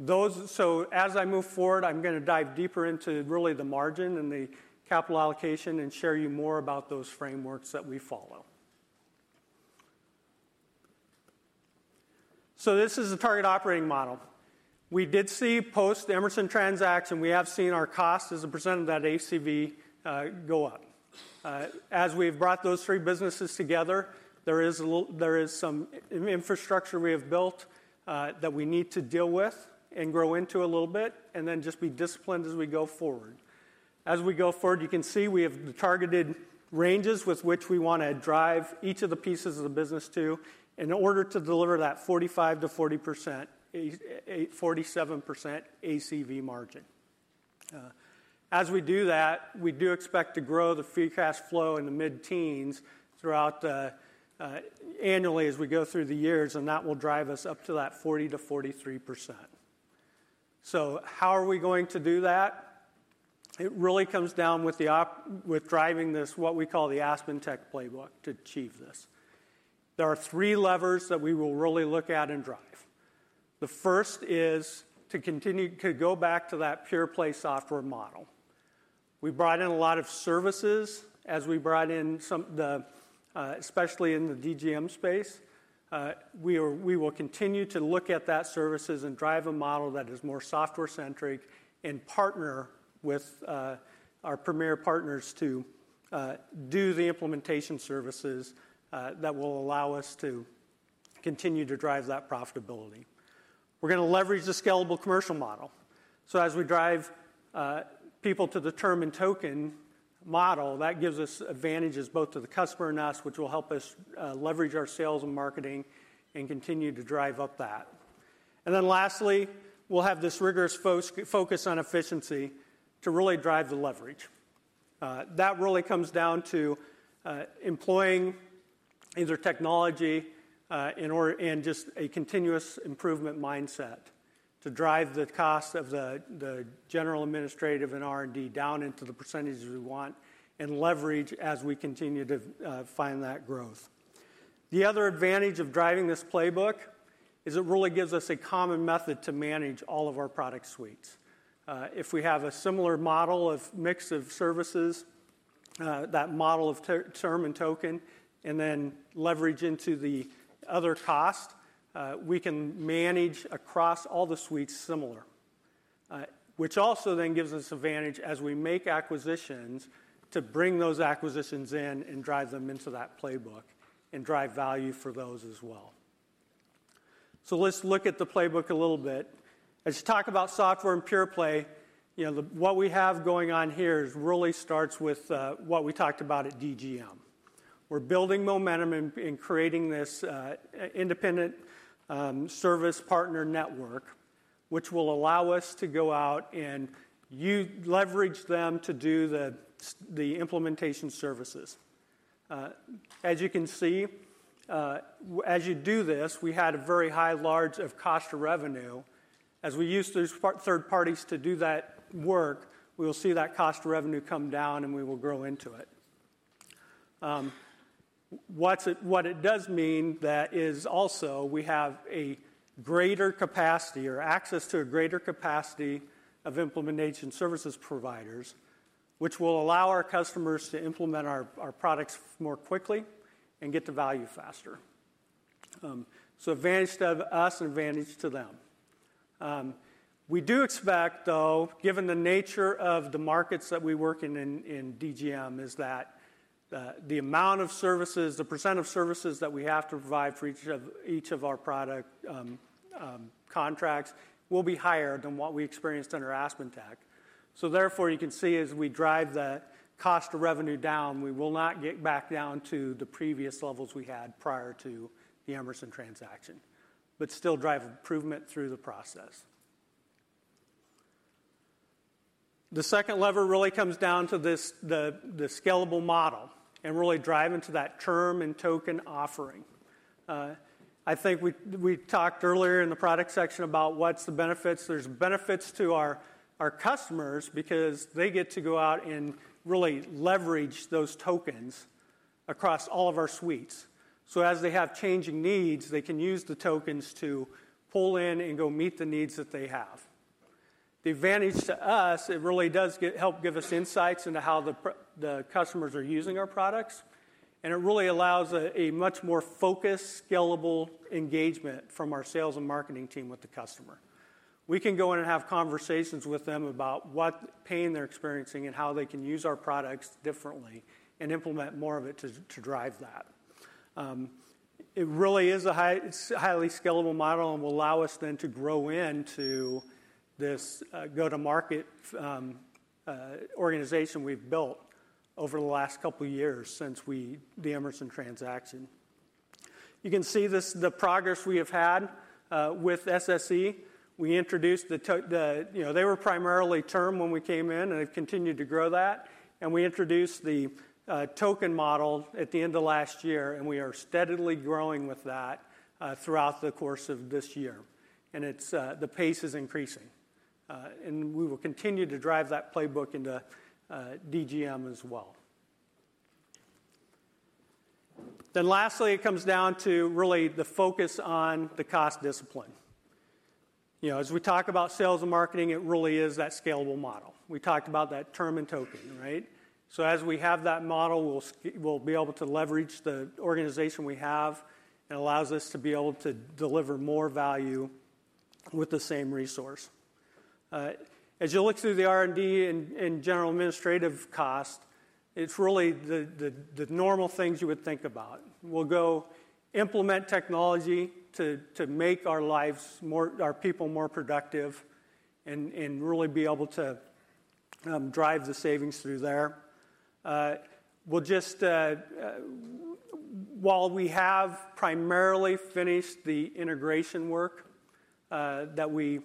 So as I move forward, I'm gonna dive deeper into really the margin and the capital allocation and share you more about those frameworks that we follow. So this is the target operating model. Post the Emerson transaction, we have seen our cost as a % of that ACV go up. As we've brought those three businesses together, there is some infrastructure we have built that we need to deal with and grow into a little bit, and then just be disciplined as we go forward. As we go forward, you can see we have the targeted ranges with which we wanna drive each of the pieces of the business to, in order to deliver that 45-47% ACV margin. As we do that, we do expect to grow the free cash flow in the mid-teens throughout annually as we go through the years, and that will drive us up to that 40-43%. So how are we going to do that? It really comes down to driving this, what we call the AspenTech playbook, to achieve this. There are three levers that we will really look at and drive. The first is to continue to go back to that pure-play software model. We brought in a lot of services as we brought in some, the, especially in the DGM space. We will continue to look at that services and drive a model that is more software-centric and partner with our premier partners to do the implementation services that will allow us to continue to drive that profitability. We're gonna leverage the scalable commercial model, so as we drive people to the term and token model, that gives us advantages both to the customer and us, which will help us leverage our sales and marketing and continue to drive up that. And then lastly, we'll have this rigorous focus on efficiency to really drive the leverage. That really comes down to employing either technology in order and just a continuous improvement mindset to drive the cost of the general, administrative, and R&D down into the percentages we want and leverage as we continue to find that growth. The other advantage of driving this playbook is it really gives us a common method to manage all of our product suites. If we have a similar model of mix of services, that model of term and token, and then leverage into the other cost, we can manage across all the suites similar, which also then gives us advantage as we make acquisitions, to bring those acquisitions in and drive them into that playbook and drive value for those as well. So let's look at the playbook a little bit. As you talk about software and pure play, you know, what we have going on here really starts with what we talked about at DGM. We're building momentum in creating this independent service partner network, which will allow us to go out and leverage them to do the implementation services. As you can see, as you do this, we had a very high level of cost to revenue. As we use those third parties to do that work, we will see that cost to revenue come down, and we will grow into it. What it does mean is also we have a greater capacity or access to a greater capacity of implementation services providers, which will allow our customers to implement our products more quickly and get to value faster. So advantage to us and advantage to them. We do expect, though, given the nature of the markets that we work in, in DGM, that the amount of services, the percent of services that we have to provide for each of our product contracts will be higher than what we experienced under AspenTech. So therefore, you can see as we drive the cost of revenue down, we will not get back down to the previous levels we had prior to the Emerson transaction, but still drive improvement through the process. The second lever really comes down to this, the scalable model and really driving to that term and token offering. I think we talked earlier in the product section about what's the benefits. There are benefits to our customers because they get to go out and really leverage those tokens across all of our suites. So as they have changing needs, they can use the tokens to pull in and go meet the needs that they have. The advantage to us, it really does get help give us insights into how the customers are using our products, and it really allows a much more focused, scalable engagement from our sales and marketing team with the customer. We can go in and have conversations with them about what pain they're experiencing and how they can use our products differently and implement more of it to drive that. It really is a highly scalable model and will allow us then to grow into this go-to-market organization we've built over the last couple of years since we... the Emerson transaction. You can see this, the progress we have had with SSE. We introduced the, you know, they were primarily term when we came in, and it continued to grow that, and we introduced the token model at the end of last year, and we are steadily growing with that throughout the course of this year, and it's the pace is increasing. We will continue to drive that playbook into DGM as well. Lastly, it comes down to really the focus on the cost discipline. You know, as we talk about sales and marketing, it really is that scalable model. We talked about that term and token, right? So as we have that model, we'll be able to leverage the organization we have. It allows us to be able to deliver more value with the same resource. As you look through the R&D and general administrative cost, it's really the normal things you would think about. We'll go implement technology to make our lives more, our people more productive and really be able to drive the savings through there. While we have primarily finished the integration work that we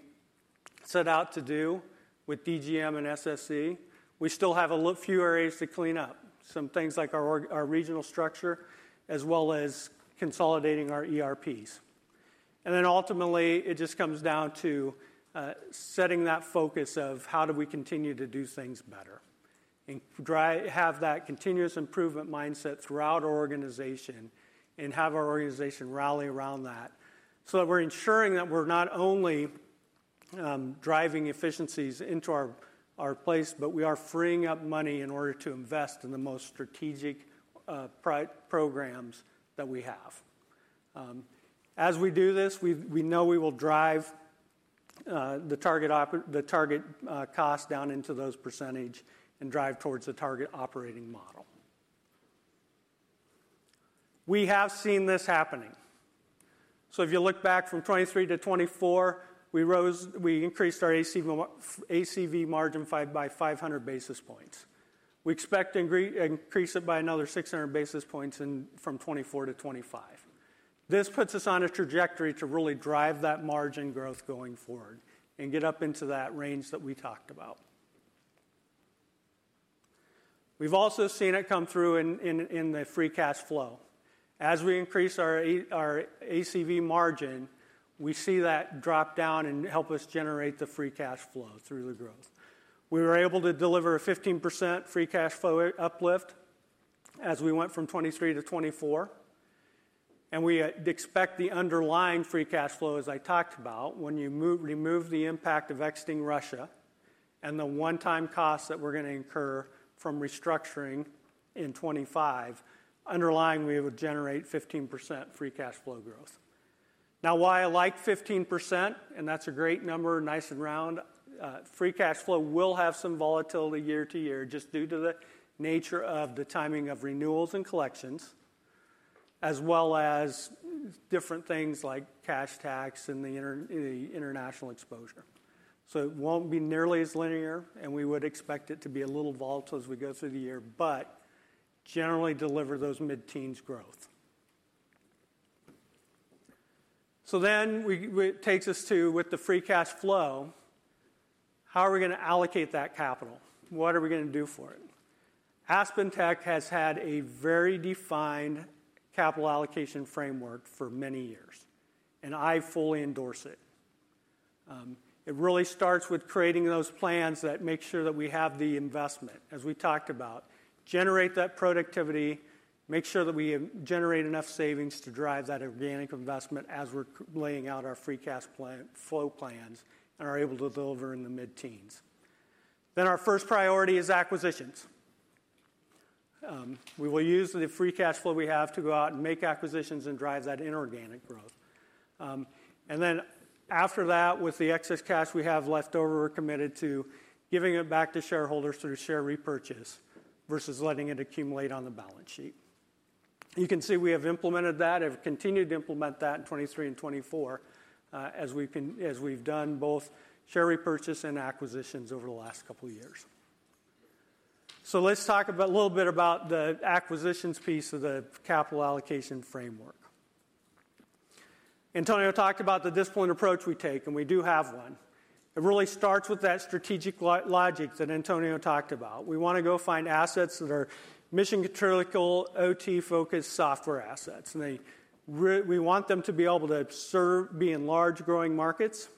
set out to do with DGM and SSE, we still have a few areas to clean up, some things like our org, our regional structure, as well as consolidating our ERPs. And then ultimately, it just comes down to setting that focus of how do we continue to do things better and have that continuous improvement mindset throughout our organization and have our organization rally around that. So we're ensuring that we're not only driving efficiencies into our ops, but we are freeing up money in order to invest in the most strategic programs that we have. As we do this, we know we will drive the target cost down into those percentages and drive towards the target operating model. We have seen this happening. So if you look back from 2023 to 2024, we increased our ACV margin by 500 basis points. We expect increase it by another 600 basis points from 2024 to 2025. This puts us on a trajectory to really drive that margin growth going forward and get up into that range that we talked about. We've also seen it come through in the free cash flow. As we increase our ACV margin, we see that drop down and help us generate the free cash flow through the growth. We were able to deliver a 15% free cash flow uplift as we went from 2023 to 2024, and we expect the underlying free cash flow, as I talked about, when you remove the impact of exiting Russia and the one-time costs that we're gonna incur from restructuring in 2025, underlying, we would generate 15% free cash flow growth. Now, why I like 15%, and that's a great number, nice and round, free cash flow will have some volatility year to year, just due to the nature of the timing of renewals and collections, as well as different things like cash tax and the international exposure. So it won't be nearly as linear, and we would expect it to be a little volatile as we go through the year, but generally deliver those mid-teens growth. So then it takes us to, with the free cash flow, how are we gonna allocate that capital? What are we gonna do for it? AspenTech has had a very defined capital allocation framework for many years, and I fully endorse it. It really starts with creating those plans that make sure that we have the investment, as we talked about. Generate that productivity, make sure that we generate enough savings to drive that organic investment as we're laying out our free cash flow plans, and are able to deliver in the mid-teens. Then our first priority is acquisitions. We will use the free cash flow we have to go out and make acquisitions and drive that inorganic growth. And then after that, with the excess cash we have left over, we're committed to giving it back to shareholders through share repurchase versus letting it accumulate on the balance sheet. You can see we have implemented that and have continued to implement that in 2023 and 2024, as we've done both share repurchase and acquisitions over the last couple of years. So let's talk about a little bit about the acquisitions piece of the capital allocation framework. Antonio talked about the disciplined approach we take, and we do have one. It really starts with that strategic logic that Antonio talked about. We wanna go find assets that are mission-critical, OT-focused software assets, and we want them to be able to serve, be in large, growing markets,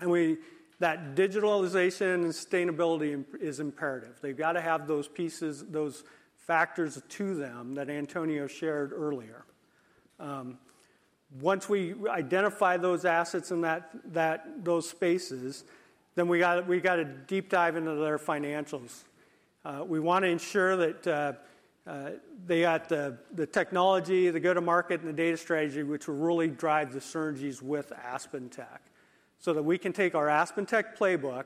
and that digitalization and sustainability is imperative. They've gotta have those pieces, those factors to them that Antonio shared earlier. Once we identify those assets in those spaces, then we gotta deep dive into their financials. We wanna ensure that they got the technology, the go-to-market, and the data strategy, which will really drive the synergies with AspenTech. So that we can take our AspenTech playbook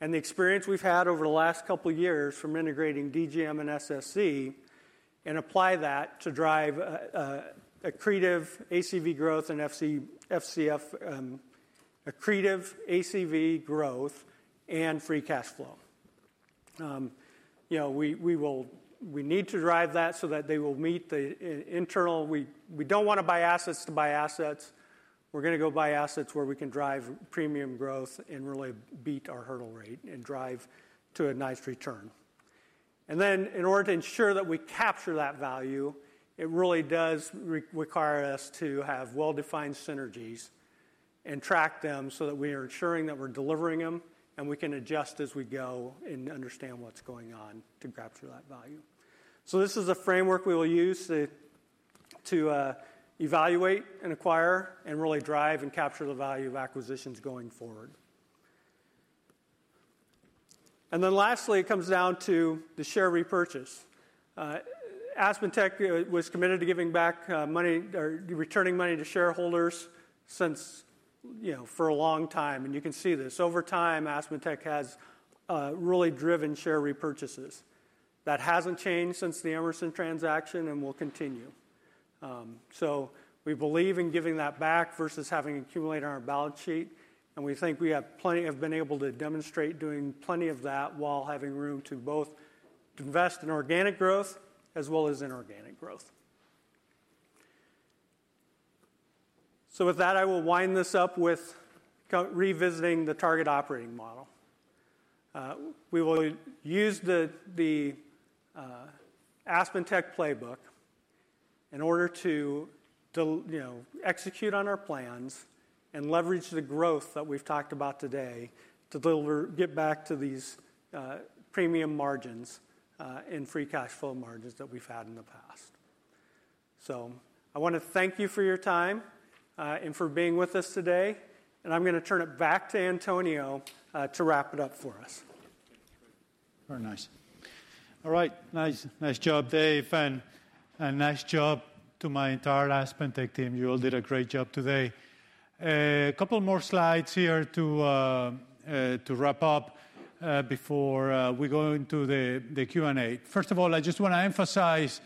and the experience we've had over the last couple of years from integrating DGM and SSE and apply that to drive accretive ACV growth and FCF, accretive ACV growth and free cash flow. You know, we will drive that so that they will meet the internal. We don't wanna buy assets to buy assets. We're gonna go buy assets where we can drive premium growth and really beat our hurdle rate and drive to a nice return. And then, in order to ensure that we capture that value, it really does require us to have well-defined synergies and track them so that we are ensuring that we're delivering them, and we can adjust as we go and understand what's going on to capture that value. So this is a framework we will use to evaluate and acquire and really drive and capture the value of acquisitions going forward. And then lastly, it comes down to the share repurchase. AspenTech was committed to giving back money or returning money to shareholders since, you know, for a long time, and you can see this. Over time, AspenTech has really driven share repurchases. That hasn't changed since the Emerson transaction and will continue. So we believe in giving that back versus having it accumulate on our balance sheet, and we think we have been able to demonstrate doing plenty of that while having room to both invest in organic growth as well as inorganic growth. With that, I will wind this up with now revisiting the target operating model. We will use the AspenTech playbook in order to you know, execute on our plans and leverage the growth that we've talked about today to deliver, get back to these premium margins, and free cash flow margins that we've had in the past. So I wanna thank you for your time, and for being with us today, and I'm gonna turn it back to Antonio to wrap it up for us. Very nice. All right. Nice job, Dave, and nice job to my entire AspenTech team. You all did a great job today. A couple more slides here to wrap up before we go into the Q&A. First of all, I just wanna emphasize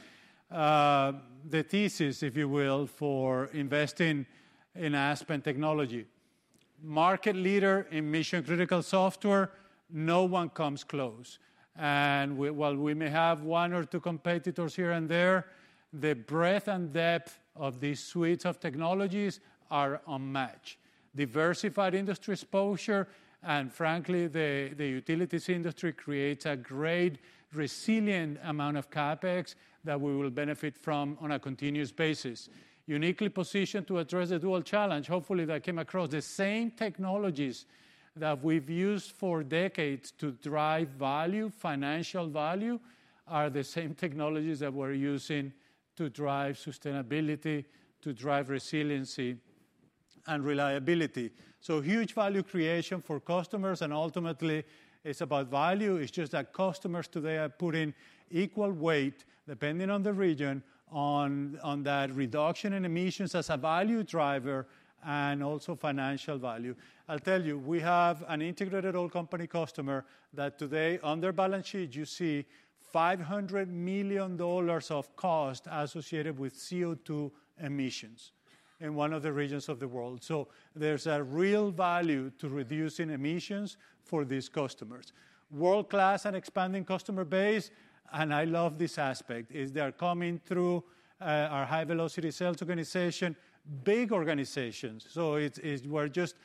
the thesis, if you will, for investing in Aspen Technology. Market leader in mission-critical software, no one comes close, and we, while we may have one or two competitors here and there, the breadth and depth of these suites of technologies are unmatched. Diversified industry exposure and, frankly, the utilities industry creates a great, resilient amount of CapEx that we will benefit from on a continuous basis. Uniquely positioned to address the dual challenge, hopefully, that came across. The same technologies that we've used for decades to drive value, financial value, are the same technologies that we're using to drive sustainability, to drive resiliency and reliability. So huge value creation for customers, and ultimately, it's about value. It's just that customers today are putting equal weight, depending on the region, on that reduction in emissions as a value driver and also financial value. I'll tell you, we have an integrated oil company customer that today, on their balance sheet, you see $500 million of cost associated with CO2 emissions in one of the regions of the world. So there's a real value to reducing emissions for these customers. World-class and expanding customer base, and I love this aspect, is they're coming through our high-velocity sales organization, big organizations. So it's... We're just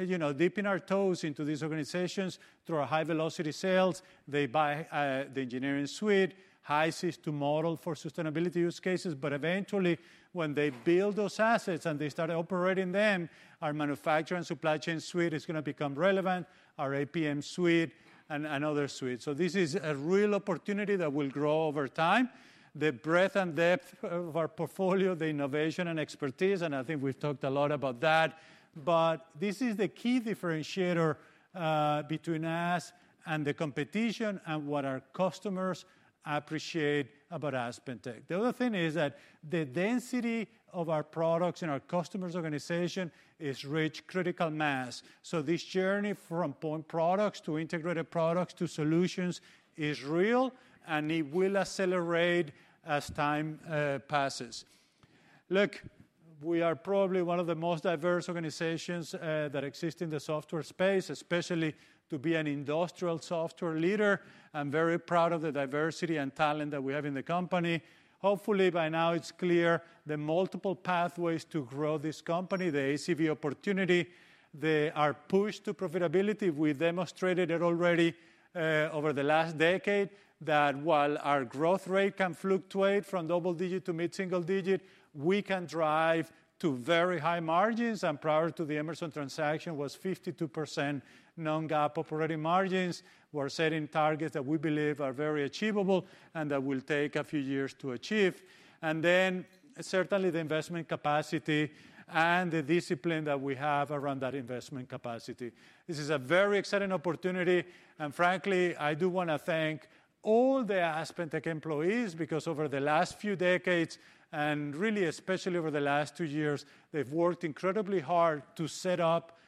you know, dipping our toes into these organizations through our high-velocity sales. They buy the engineering suite, HYSYS model for sustainability use cases, but eventually, when they build those assets, and they start operating them, our manufacturing supply chain suite is gonna become relevant, our APM suite, and other suites. So this is a real opportunity that will grow over time. The breadth and depth of our portfolio, the innovation and expertise, and I think we've talked a lot about that, but this is the key differentiator between us and the competition and what our customers appreciate about AspenTech. The other thing is that the density of our products in our customer's organization is reached critical mass. So this journey from point products to integrated products to solutions is real, and it will accelerate as time passes.... Look, we are probably one of the most diverse organizations, that exist in the software space, especially to be an industrial software leader. I'm very proud of the diversity and talent that we have in the company. Hopefully, by now it's clear the multiple pathways to grow this company, the ACV opportunity, they are pushed to profitability. We demonstrated it already, over the last decade, that while our growth rate can fluctuate from double digit to mid-single digit, we can drive to very high margins, and prior to the Emerson transaction was 52% non-GAAP operating margins. We're setting targets that we believe are very achievable and that will take a few years to achieve, and then certainly the investment capacity and the discipline that we have around that investment capacity. This is a very exciting opportunity, and frankly, I do wanna thank all the AspenTech employees, because over the last few decades, and really especially over the last two years, they've worked incredibly hard to set up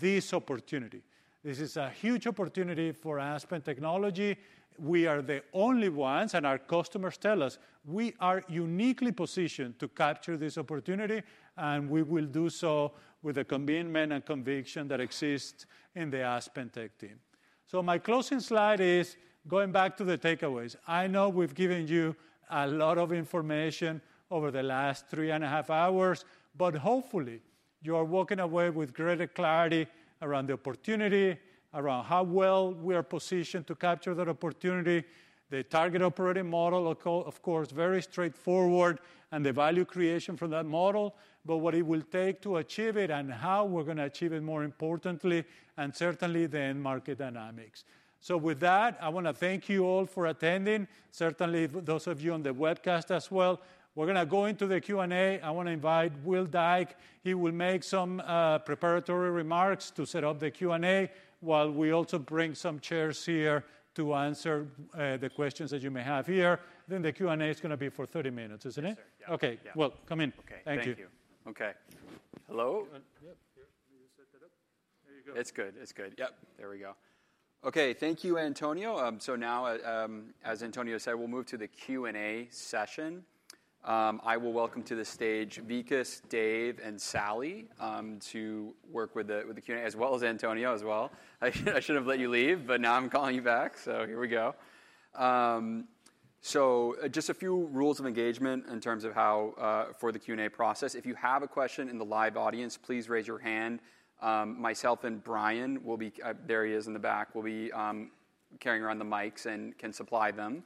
this opportunity. This is a huge opportunity for Aspen Technology. We are the only ones, and our customers tell us, we are uniquely positioned to capture this opportunity, and we will do so with the commitment and conviction that exists in the AspenTech team. So my closing slide is going back to the takeaways. I know we've given you a lot of information over the last three and a half hours, but hopefully, you are walking away with greater clarity around the opportunity, around how well we are positioned to capture that opportunity, the target operating model, of course, very straightforward, and the value creation from that model, but what it will take to achieve it and how we're gonna achieve it, more importantly, and certainly the end market dynamics. With that, I wanna thank you all for attending, certainly those of you on the webcast as well. We're gonna go into the Q&A. I wanna invite Will Dyke. He will make some preparatory remarks to set up the Q&A, while we also bring some chairs here to answer the questions that you may have here. Then the Q&A is gonna be for thirty minutes, isn't it? Yes, sir. Yeah. Okay. Yeah. Come in. Okay. Thank you. Thank you. Okay. Hello? Yeah. Here, set that up. There you go. It's good. It's good. Yep, there we go. Okay, thank you, Antonio. So now, as Antonio said, we'll move to the Q&A session. I will welcome to the stage Vikas, Dave, and Sally, to work with the Q&A, as well as Antonio as well. I shouldn't have let you leave, but now I'm calling you back, so here we go. So, just a few rules of engagement in terms of how for the Q&A process. If you have a question in the live audience, please raise your hand. Myself and Brian will be, there he is in the back, will be carrying around the mics and can supply them.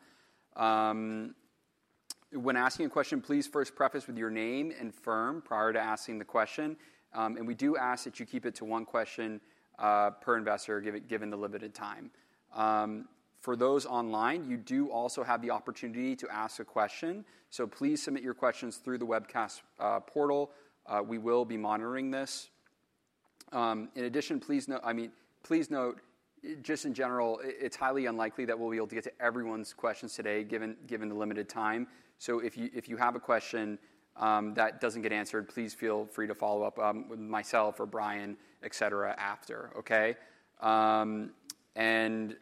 When asking a question, please first preface with your name and firm prior to asking the question, and we do ask that you keep it to one question per investor, given the limited time. For those online, you do also have the opportunity to ask a question, so please submit your questions through the webcast portal. We will be monitoring this. In addition, please note. I mean, please note, just in general, it's highly unlikely that we'll be able to get to everyone's questions today, given the limited time. So if you have a question that doesn't get answered, please feel free to follow up with myself or Brian, et cetera, after, okay?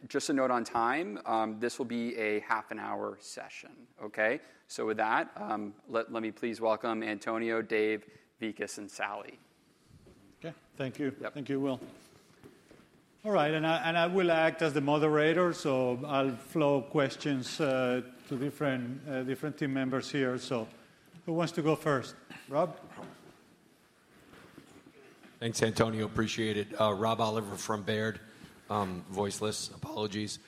Just a note on time, this will be a half an hour session, okay? With that, let me please welcome Antonio, Dave, Vikas, and Sally. Okay. Thank you. Yep. Thank you, Will. All right, and I will act as the moderator, so I'll flow questions to different team members here. So, who wants to go first? Rob? Thanks, Antonio. Appreciate it. Rob Oliver from Baird. Voiceless. Apologies.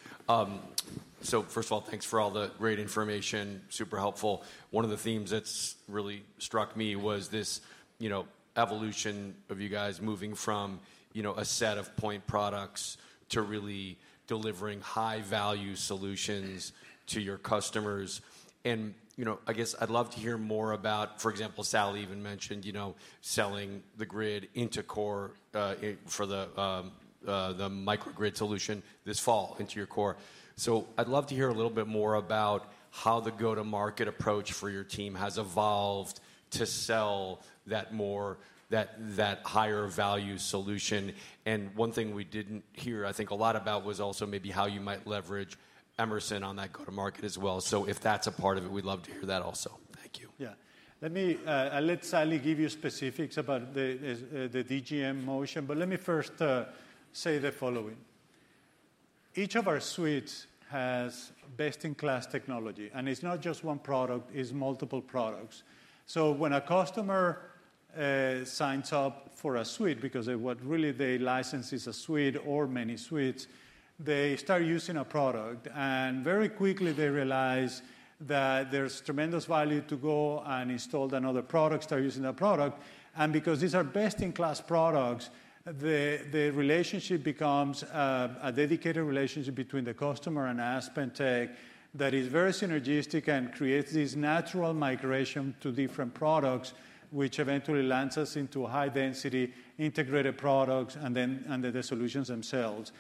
So first of all, thanks for all the great information. Super helpful. One of the themes that's really struck me was this, you know, evolution of you guys moving from, you know, a set of point products to really delivering high-value solutions to your customers. And, you know, I guess I'd love to hear more about, for example, Sally even mentioned, you know, selling the grid into core for the microgrid solution this fall into your core. So I'd love to hear a little bit more about how the go-to-market approach for your team has evolved to sell that more, that higher value solution. And one thing we didn't hear, I think, a lot about was also maybe how you might leverage Emerson on that go-to-market as well. So if that's a part of it, we'd love to hear that also. Thank you. Yeah. Let me, I'll let Sally give you specifics about the DGM motion, but let me first, say the following: Each of our suites has best-in-class technology, and it's not just one product, it's multiple products. So when a customer, signs up for a suite, because what really they license is a suite or many suites, they start using a product, and very quickly they realize that there's tremendous value to go and install another product, start using that product. And because these are best-in-class products, the relationship becomes, a dedicated relationship between the customer and AspenTech that is very synergistic and creates this natural migration to different products, which eventually lands us into high-density integrated products and then the solutions themselves.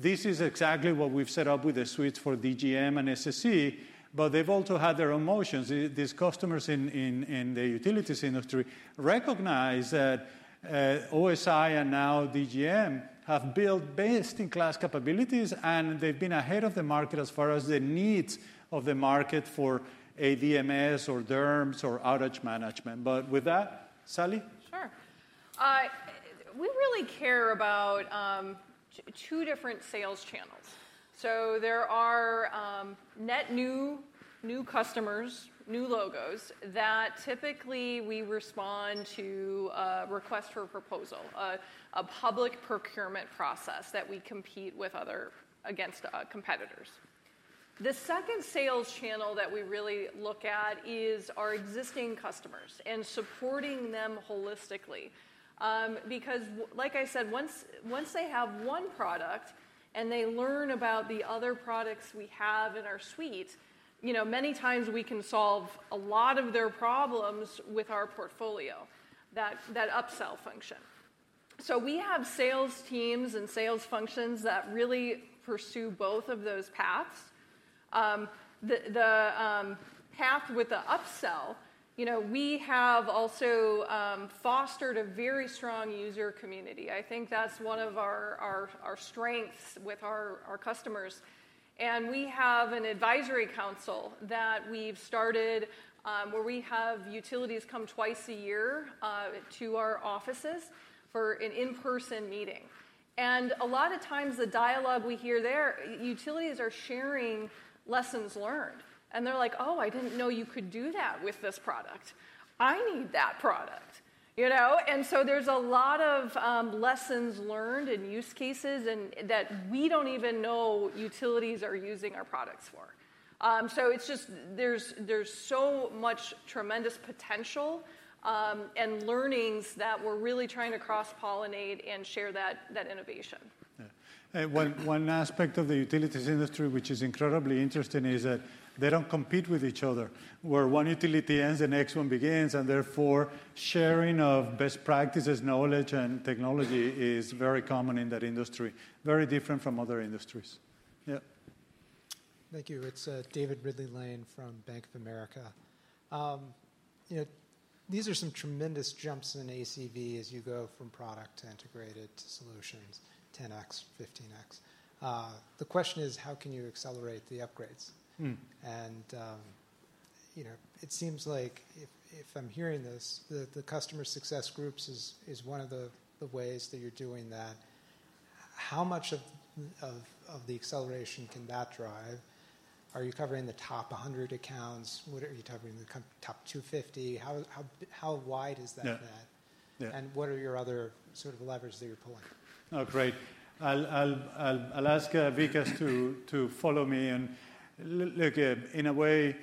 This is exactly what we've set up with the suites for DGM and SSE, but they've also had their own motions. These customers in the utilities industry recognize that OSI and now DGM have built best-in-class capabilities, and they've been ahead of the market as far as the needs of the market for ADMS or DERMS or outage management. But with that, Sally? Sure.... We really care about two different sales channels. So there are net new, new customers, new logos that typically we respond to a request for a proposal, a public procurement process that we compete against competitors. The second sales channel that we really look at is our existing customers and supporting them holistically. Because like I said, once they have one product and they learn about the other products we have in our suite, you know, many times we can solve a lot of their problems with our portfolio, that upsell function. So we have sales teams and sales functions that really pursue both of those paths. The path with the upsell, you know, we have also fostered a very strong user community. I think that's one of our strengths with our customers. And we have an advisory council that we've started, where we have utilities come twice a year to our offices for an in-person meeting. And a lot of times the dialogue we hear there, utilities are sharing lessons learned, and they're like: "Oh, I didn't know you could do that with this product. I need that product!" You know? And so there's a lot of lessons learned and use cases and that we don't even know utilities are using our products for. So it's just there's so much tremendous potential and learnings that we're really trying to cross-pollinate and share that innovation. Yeah. One aspect of the utilities industry, which is incredibly interesting, is that they don't compete with each other. Where one utility ends, the next one begins, and therefore, sharing of best practices, knowledge, and technology is very common in that industry. Very different from other industries. Yeah. Thank you. It's David Ridley-Lane from Bank of America. You know, these are some tremendous jumps in ACV as you go from product to integrated to solutions, 10X, 15X. The question is, how can you accelerate the upgrades? Hmm. You know, it seems like if I'm hearing this, the customer success groups is one of the ways that you're doing that. How much of the acceleration can that drive? Are you covering the top 100 accounts? Are you covering the top 250? How wide is that net? Yeah. Yeah. What are your other sort of leverages that you're pulling? Oh, great. I'll ask Vikas to follow me. And look, in a way,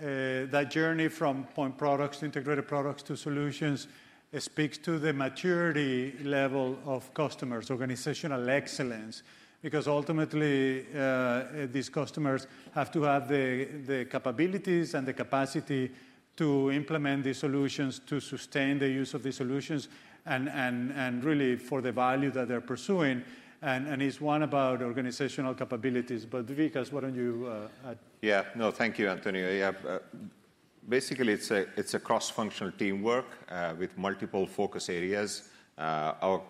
that journey from point products to integrated products to solutions, it speaks to the maturity level of customers, organizational excellence. Because ultimately, these customers have to have the capabilities and the capacity to implement these solutions, to sustain the use of these solutions and really for the value that they're pursuing. And it's one about organizational capabilities. But, Vikas, why don't you add? Yeah. No, thank you, Antonio. Yeah, basically, it's a cross-functional teamwork with multiple focus areas. Our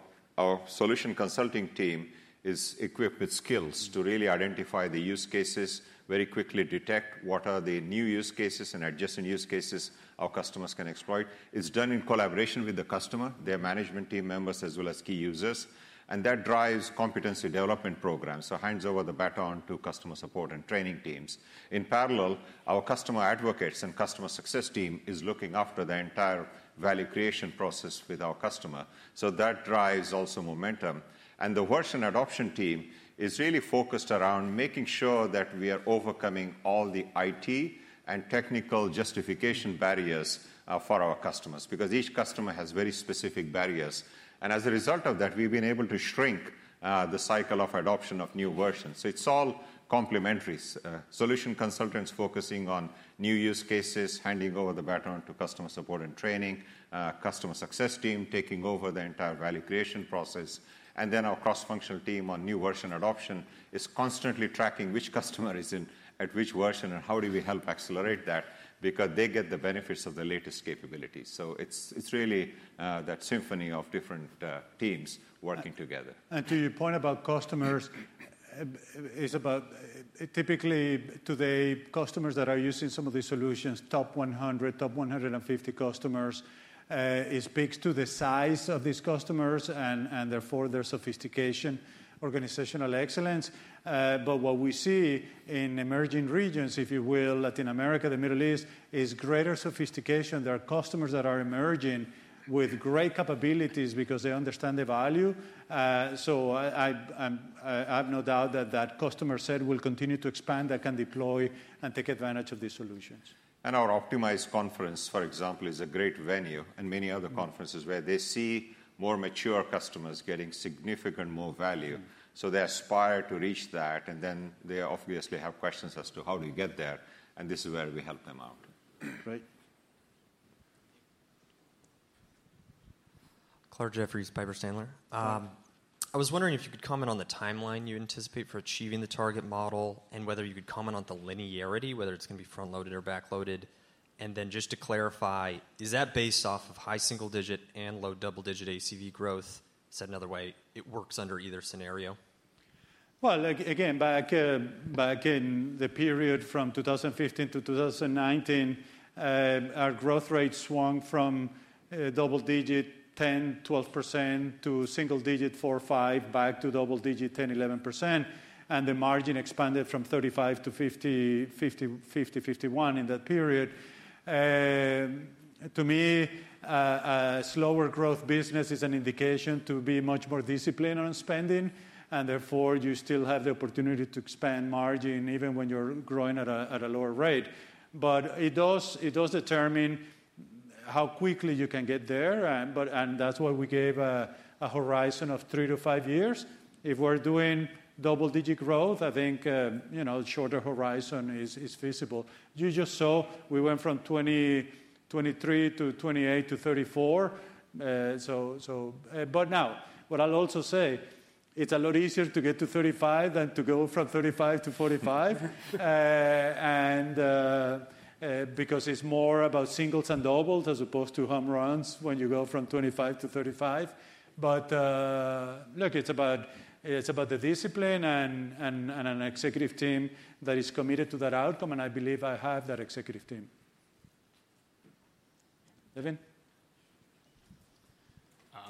solution consulting team is equipped with skills- Hmm... to really identify the use cases, very quickly detect what are the new use cases and adjacent use cases our customers can exploit. It's done in collaboration with the customer, their management team members, as well as key users, and that drives competency development programs. So hands over the baton to customer support and training teams. In parallel, our customer advocates and customer success team is looking after the entire value creation process with our customer. So that drives also momentum. And the version adoption team is really focused around making sure that we are overcoming all the IT and technical justification barriers, for our customers, because each customer has very specific barriers. And as a result of that, we've been able to shrink, the cycle of adoption of new versions. So it's all complementary. Solution consultants focusing on new use cases, handing over the baton to customer support and training, customer success team taking over the entire value creation process. And then our cross-functional team on new version adoption is constantly tracking which customer is in at which version and how do we help accelerate that, because they get the benefits of the latest capabilities. So it's really that symphony of different teams working together. To your point about customers. Typically, today, customers that are using some of these solutions, top 100, top 150 customers, it speaks to the size of these customers and therefore their sophistication, organizational excellence. But what we see in emerging regions, if you will, Latin America, the Middle East, is greater sophistication. There are customers that are emerging with great capabilities because they understand the value. So I have no doubt that that customer set will continue to expand, that can deploy and take advantage of these solutions. Our Optimize conference, for example, is a great venue, and many other conferences- Hmm where they see more mature customers getting significant more value. Hmm. So they aspire to reach that, and then they obviously have questions as to how do you get there, and this is where we help them out. Great. Clark Jeffries, Piper Sandler. Yeah. I was wondering if you could comment on the timeline you anticipate for achieving the target model and whether you could comment on the linearity, whether it's going to be front-loaded or back-loaded. And then just to clarify, is that based off of high single digit and low double digit ACV growth? Said another way, it works under either scenario?... Like, again, back in the period from 2015 to 2019, our growth rate swung from double-digit 10-12% to single-digit 4-5%, back to double-digit 10-11%, and the margin expanded from 35% to 50-51% in that period. To me, a slower growth business is an indication to be much more disciplined on spending, and therefore, you still have the opportunity to expand margin even when you're growing at a lower rate. But it does determine how quickly you can get there, and that's why we gave a horizon of 3-5 years. If we're doing double-digit growth, I think, you know, shorter horizon is feasible. You just saw we went from 23 to 28 to 34. But now, what I'll also say, it's a lot easier to get to thirty-five than to go from thirty-five to forty-five, because it's more about singles and doubles as opposed to home runs when you go from twenty-five to thirty-five. But look, it's about the discipline and an executive team that is committed to that outcome, and I believe I have that executive team. Devin?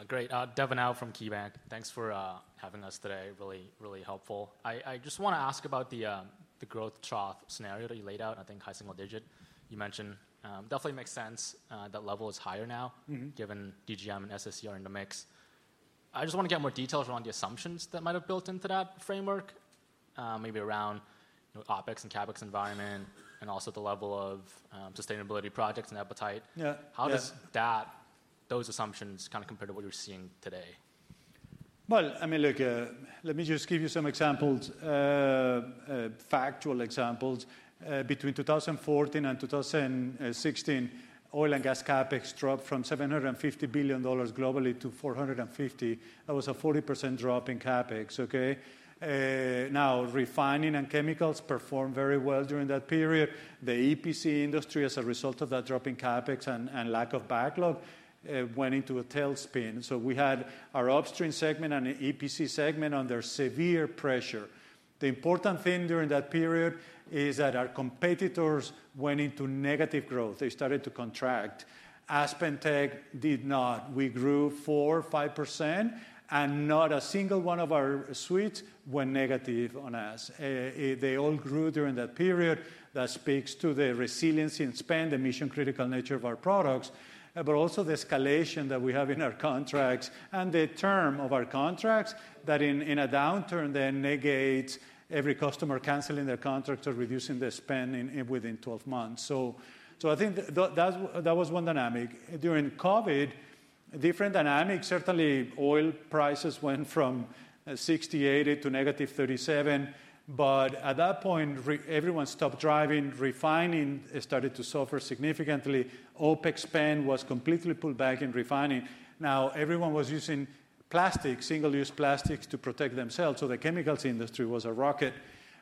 Great. Devin Au from KeyBanc. Thanks for having us today. Really, really helpful. I just want to ask about the growth trough scenario that you laid out, I think high single digit you mentioned. Definitely makes sense, that level is higher now- Mm-hmm. given DGM and SSE are in the mix. I just want to get more details around the assumptions that might have built into that framework, maybe around, you know, OpEx and CapEx environment, and also the level of sustainability projects and appetite. Yeah, yeah. How does that, those assumptions kind of compare to what you're seeing today? I mean, look, let me just give you some examples, factual examples. Between 2014 and 2016, oil and gas CapEx dropped from $750 billion globally to $450 billion. That was a 40% drop in CapEx, okay? Now, refining and chemicals performed very well during that period. The EPC industry, as a result of that drop in CapEx and lack of backlog, went into a tailspin. So we had our upstream segment and the EPC segment under severe pressure. The important thing during that period is that our competitors went into negative growth. They started to contract. AspenTech did not. We grew 4-5%, and not a single one of our suites went negative on us. They all grew during that period. That speaks to the resiliency and spend, the mission-critical nature of our products, but also the escalation that we have in our contracts and the term of our contracts, that in a downturn then negates every customer canceling their contracts or reducing their spend within 12 months. So I think that was one dynamic. During COVID, different dynamics. Certainly, oil prices went from $60-$80 to -$37, but at that point everyone stopped driving. Refining started to suffer significantly. OpEx spend was completely pulled back in refining. Now, everyone was using plastic, single-use plastics to protect themselves, so the chemicals industry was a rocket.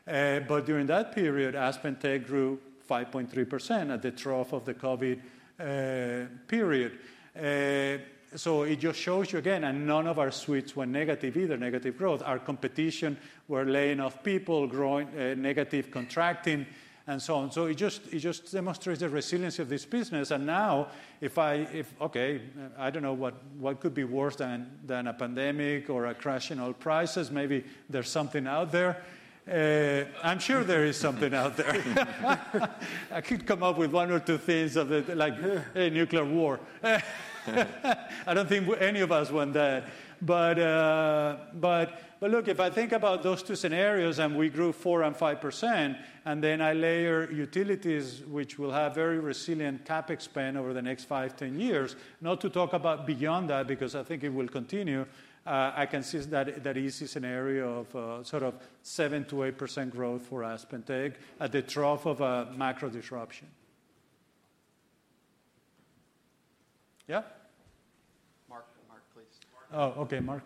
But during that period, AspenTech grew 5.3% at the trough of the COVID period. So it just shows you again, and none of our suites were negative either, negative growth. Our competition were laying off people, growing, negative contracting and so on. So it just demonstrates the resiliency of this business. And now, if I, okay, I don't know what could be worse than a pandemic or a crash in oil prices. Maybe there's something out there. I'm sure there is something out there. I could come up with one or two things of it, like a nuclear war. I don't think any of us want that. But look, if I think about those two scenarios, and we grew 4% and 5%, and then I layer utilities, which will have very resilient CapEx spend over the next 5, 10 years, not to talk about beyond that, because I think it will continue, I can see that easy scenario of sort of 7%-8% growth for AspenTech at the trough of a macro disruption. Yeah? Mark. Mark, please. Oh, okay, Mark.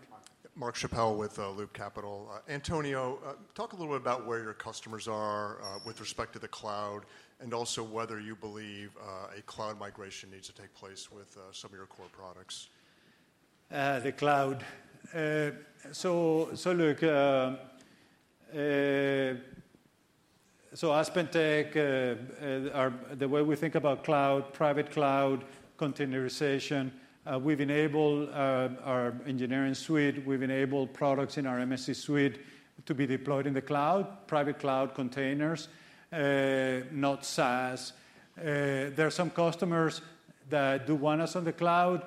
Mark Schappel with Loop Capital. Antonio, talk a little bit about where your customers are with respect to the cloud, and also whether you believe a cloud migration needs to take place with some of your core products. The cloud. So, look, so AspenTech, the way we think about cloud, private cloud, containerization, we've enabled our engineering suite, we've enabled products in our MSC suite to be deployed in the cloud, private cloud containers, not SaaS. There are some customers that do want us on the cloud,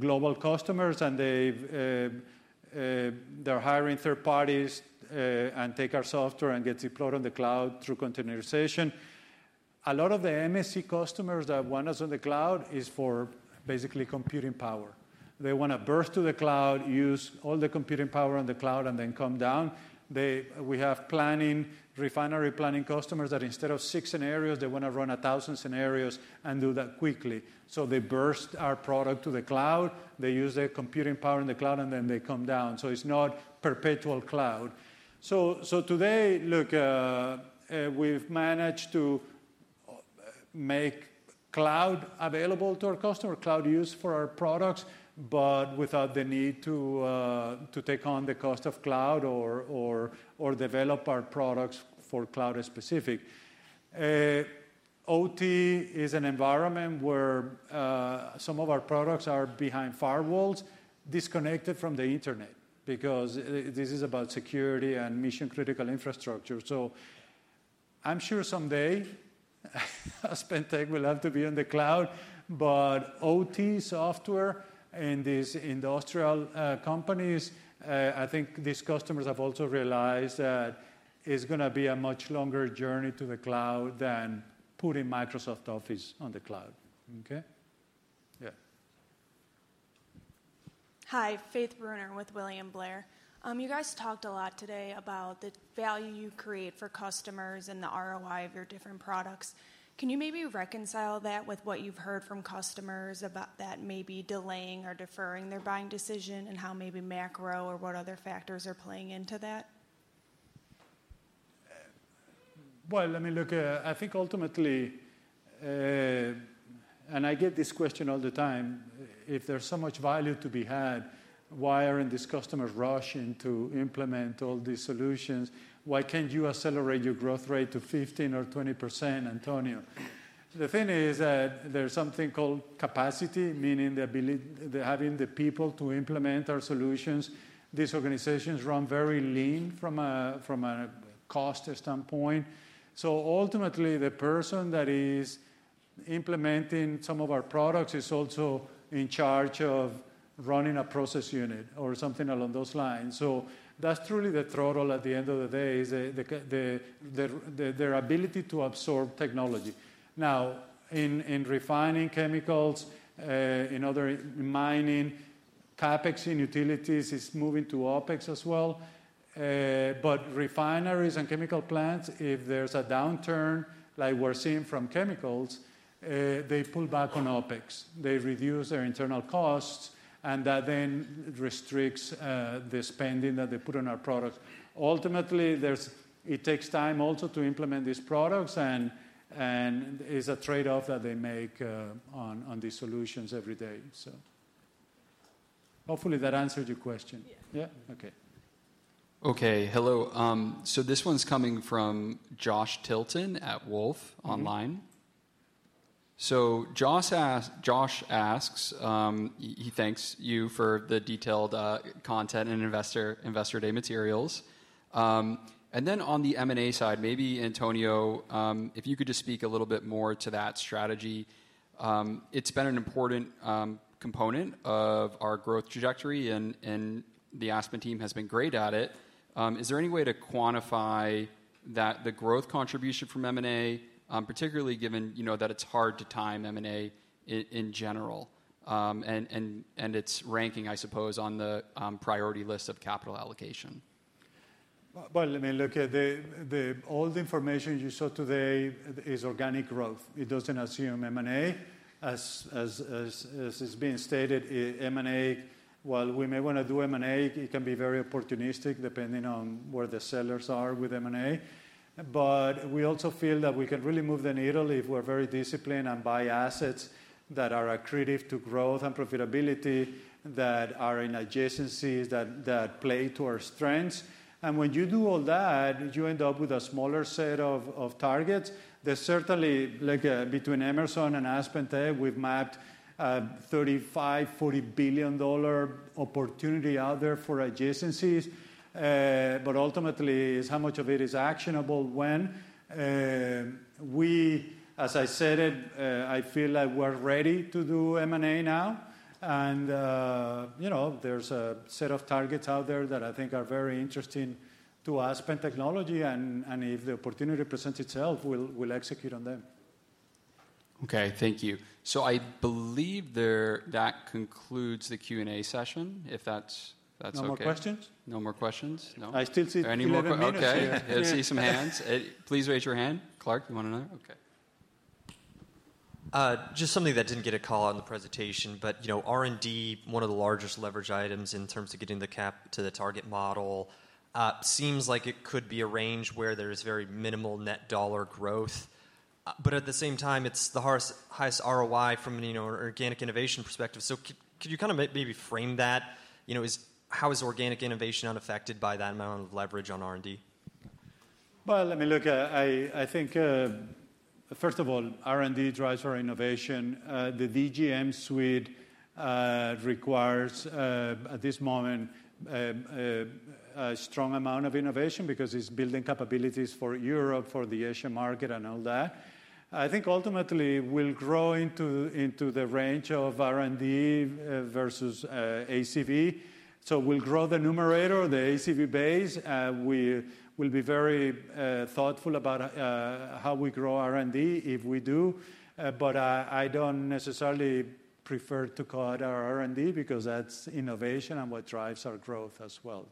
global customers, and they've, they're hiring third parties, and take our software and get deployed on the cloud through containerization. A lot of the MSC customers that want us on the cloud is for basically computing power. They want to burst to the cloud, use all the computing power on the cloud, and then come down. We have planning, refinery planning customers, that instead of six scenarios, they want to run a thousand scenarios and do that quickly. So they burst our product to the cloud, they use their computing power in the cloud, and then they come down. So it's not perpetual cloud. So today, look, we've managed to make cloud available to our customer, cloud use for our products, but without the need to take on the cost of cloud or develop our products for cloud-specific. OT is an environment where some of our products are behind firewalls, disconnected from the internet, because this is about security and mission-critical infrastructure. So I'm sure someday, AspenTech will have to be on the cloud, but OT software and these industrial companies, I think these customers have also realized that it's gonna be a much longer journey to the cloud than putting Microsoft Office on the cloud. Okay? Yeah. Hi, Faith Brunner with William Blair. You guys talked a lot today about the value you create for customers and the ROI of your different products. Can you maybe reconcile that with what you've heard from customers about that maybe delaying or deferring their buying decision, and how maybe macro or what other factors are playing into that? Well, let me look. I think ultimately, and I get this question all the time, "If there's so much value to be had, why aren't these customers rushing to implement all these solutions? Why can't you accelerate your growth rate to 15 or 20%, Antonio?" The thing is that there's something called capacity, meaning the ability, the having the people to implement our solutions. These organizations run very lean from a cost standpoint. So ultimately, the person that is implementing some of our products is also in charge of running a process unit or something along those lines. So that's truly the throttle at the end of the day, is their ability to absorb technology. Now, in refining chemicals, in other mining, CapEx in utilities is moving to OpEx as well. But refineries and chemical plants, if there's a downturn, like we're seeing from chemicals, they pull back on OpEx. They reduce their internal costs, and that then restricts the spending that they put on our products. Ultimately, it takes time also to implement these products, and it's a trade-off that they make on these solutions every day. So hopefully that answered your question. Yeah. Yeah. Okay. Okay. Hello. So this one's coming from Josh Tilton at Wolfe Research. So Josh asks—Josh asks, he thanks you for the detailed content and Investor Day materials. And then on the M&A side, maybe, Antonio, if you could just speak a little bit more to that strategy. It's been an important component of our growth trajectory, and the Aspen team has been great at it. Is there any way to quantify that, the growth contribution from M&A, particularly given, you know, that it's hard to time M&A in general, and its ranking, I suppose, on the priority list of capital allocation? All the information you saw today is organic growth. It doesn't assume M&A. As is being stated, M&A, while we may want to do M&A, it can be very opportunistic, depending on where the sellers are with M&A. But we also feel that we can really move the needle if we're very disciplined and buy assets that are accretive to growth and profitability, that are in adjacencies, that play to our strengths. And when you do all that, you end up with a smaller set of targets. There's certainly, like, between Emerson and AspenTech, we've mapped a $35-40 billion dollar opportunity out there for adjacencies. But ultimately, it's how much of it is actionable when. As I said it, I feel like we're ready to do M&A now, and you know, there's a set of targets out there that I think are very interesting to Aspen Technology, and if the opportunity presents itself, we'll execute on them. Okay. Thank you. So I believe there, that concludes the Q&A session, if that's, that's okay. No more questions? No more questions. No. I still see three more hands here. Okay, I see some hands. Please raise your hand. Clark, you want another? Okay. Just something that didn't get a call on the presentation, but, you know, R&D, one of the largest leverage items in terms of getting the CapEx to the target model, seems like it could be a range where there's very minimal net dollar growth. But at the same time, it's the highest ROI from an, you know, organic innovation perspective. So could you kind of maybe frame that? You know, how is organic innovation unaffected by that amount of leverage on R&D? Well, let me look. I think first of all, R&D drives our innovation. The DGM suite requires at this moment a strong amount of innovation because it's building capabilities for Europe, for the Asia market, and all that. I think ultimately we'll grow into the range of R&D versus ACV. So we'll grow the numerator, the ACV base, and we will be very thoughtful about how we grow R&D if we do. But I don't necessarily prefer to cut our R&D because that's innovation and what drives our growth as well.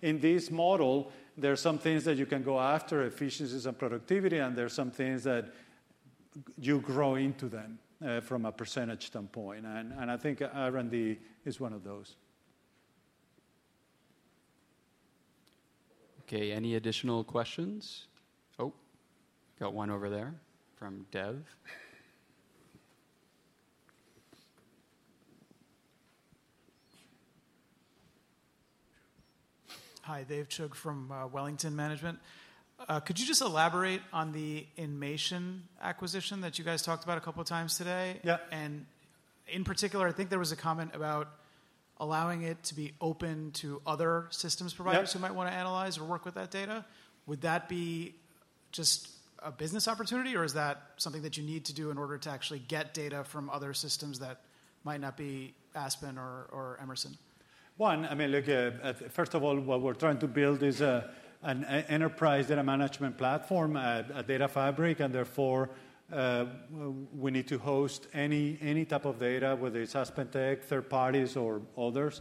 In this model, there are some things that you can go after, efficiencies and productivity, and there are some things that you grow into them from a percentage standpoint, and I think R&D is one of those. ... Okay, any additional questions? Oh, got one over there from Dev. Hi, Dev Chugh from Wellington Management. Could you just elaborate on the Inmation acquisition that you guys talked about a couple of times today? Yeah. And in particular, I think there was a comment about allowing it to be open to other systems providers- Yeah. Who might want to analyze or work with that data? Would that be just a business opportunity, or is that something that you need to do in order to actually get data from other systems that might not be Aspen or Emerson? One, I mean, look, first of all, what we're trying to build is an enterprise data management platform, a data fabric, and therefore, we need to host any type of data, whether it's AspenTech, third parties, or others.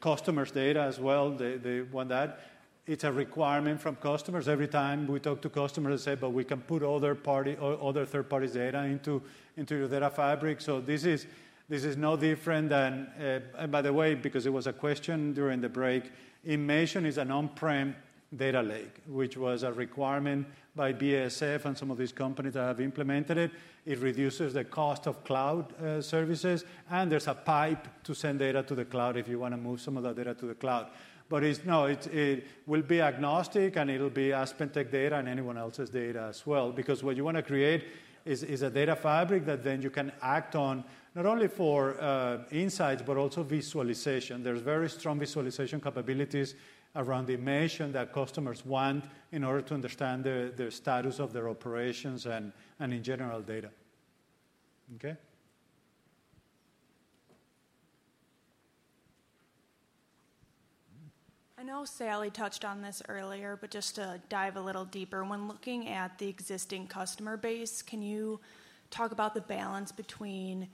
Customers' data as well, they want that. It's a requirement from customers. Every time we talk to customers, they say, "But we can put other party, or other third parties' data into your data fabric." So this is no different than. And by the way, because it was a question during the break, Inmation is an on-prem data lake, which was a requirement by BASF and some of these companies that have implemented it. It reduces the cost of cloud services, and there's a pipe to send data to the cloud if you want to move some of that data to the cloud. But it will be agnostic, and it'll be AspenTech data and anyone else's data as well. Because what you want to create is a data fabric that then you can act on, not only for insights, but also visualization. There's very strong visualization capabilities around Inmation that customers want in order to understand the status of their operations and in general, data. Okay? I know Sally touched on this earlier, but just to dive a little deeper, when looking at the existing customer base, can you talk about the balance between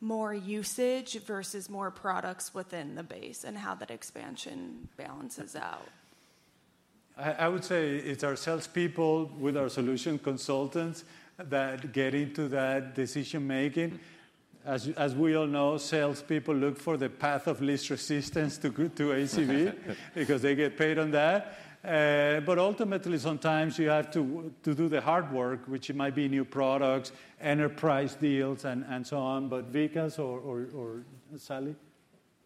more usage versus more products within the base and how that expansion balances out? I would say it's our salespeople with our solution consultants that get into that decision-making. As we all know, salespeople look for the path of least resistance to go to ACV, because they get paid on that. But ultimately, sometimes you have to do the hard work, which it might be new products, enterprise deals, and so on. But Vikas or Sally?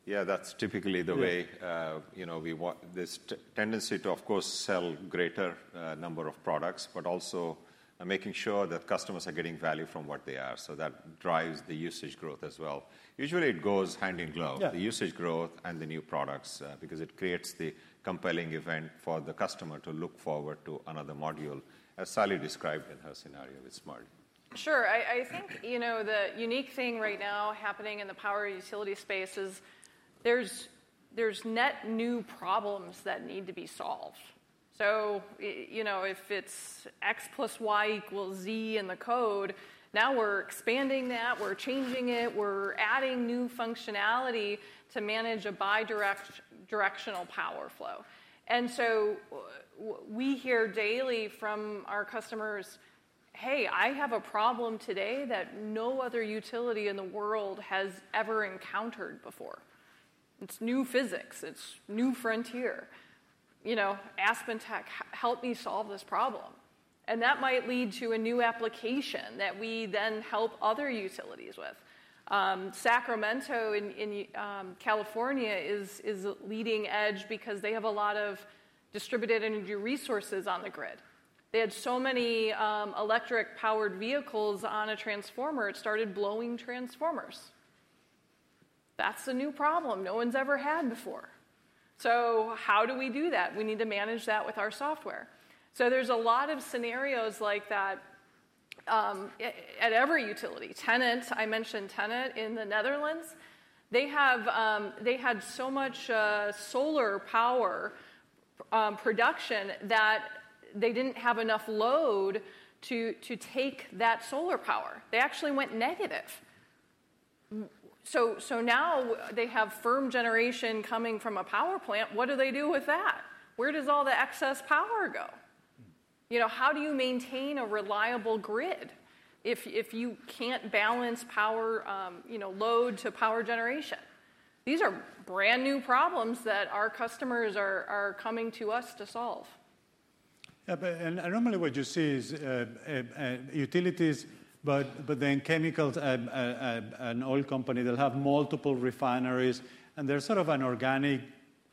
Yeah, that's typically the way- Yeah... you know, we want this tendency to, of course, sell greater number of products, but also making sure that customers are getting value from what they are. So that drives the usage growth as well. Usually, it goes hand in glove- Yeah... the usage growth and the new products, because it creates the compelling event for the customer to look forward to another module, as Sally described in her scenario with Smart. Sure. I think, you know, the unique thing right now happening in the power utility space is there's net new problems that need to be solved. So you know, if it's X plus Y equals Z in the code, now we're expanding that, we're changing it, we're adding new functionality to manage a bi-directional power flow. And so we hear daily from our customers: "Hey, I have a problem today that no other utility in the world has ever encountered before. It's new physics. It's new frontier. You know, AspenTech, help me solve this problem." And that might lead to a new application that we then help other utilities with. Sacramento in California is leading edge because they have a lot of distributed energy resources on the grid. They had so many electric-powered vehicles on a transformer, it started blowing transformers. That's a new problem no one's ever had before. So how do we do that? We need to manage that with our software. So there's a lot of scenarios like that at every utility. TenneT, I mentioned TenneT in the Netherlands, they had so much solar power production that they didn't have enough load to take that solar power. They actually went negative. So now they have firm generation coming from a power plant. What do they do with that? Where does all the excess power go? Mm. You know, how do you maintain a reliable grid if you can't balance power, you know, load to power generation? These are brand-new problems that our customers are coming to us to solve. Yeah, but. And normally, what you see is utilities, but then chemicals, an oil company that have multiple refineries, and there's sort of an organic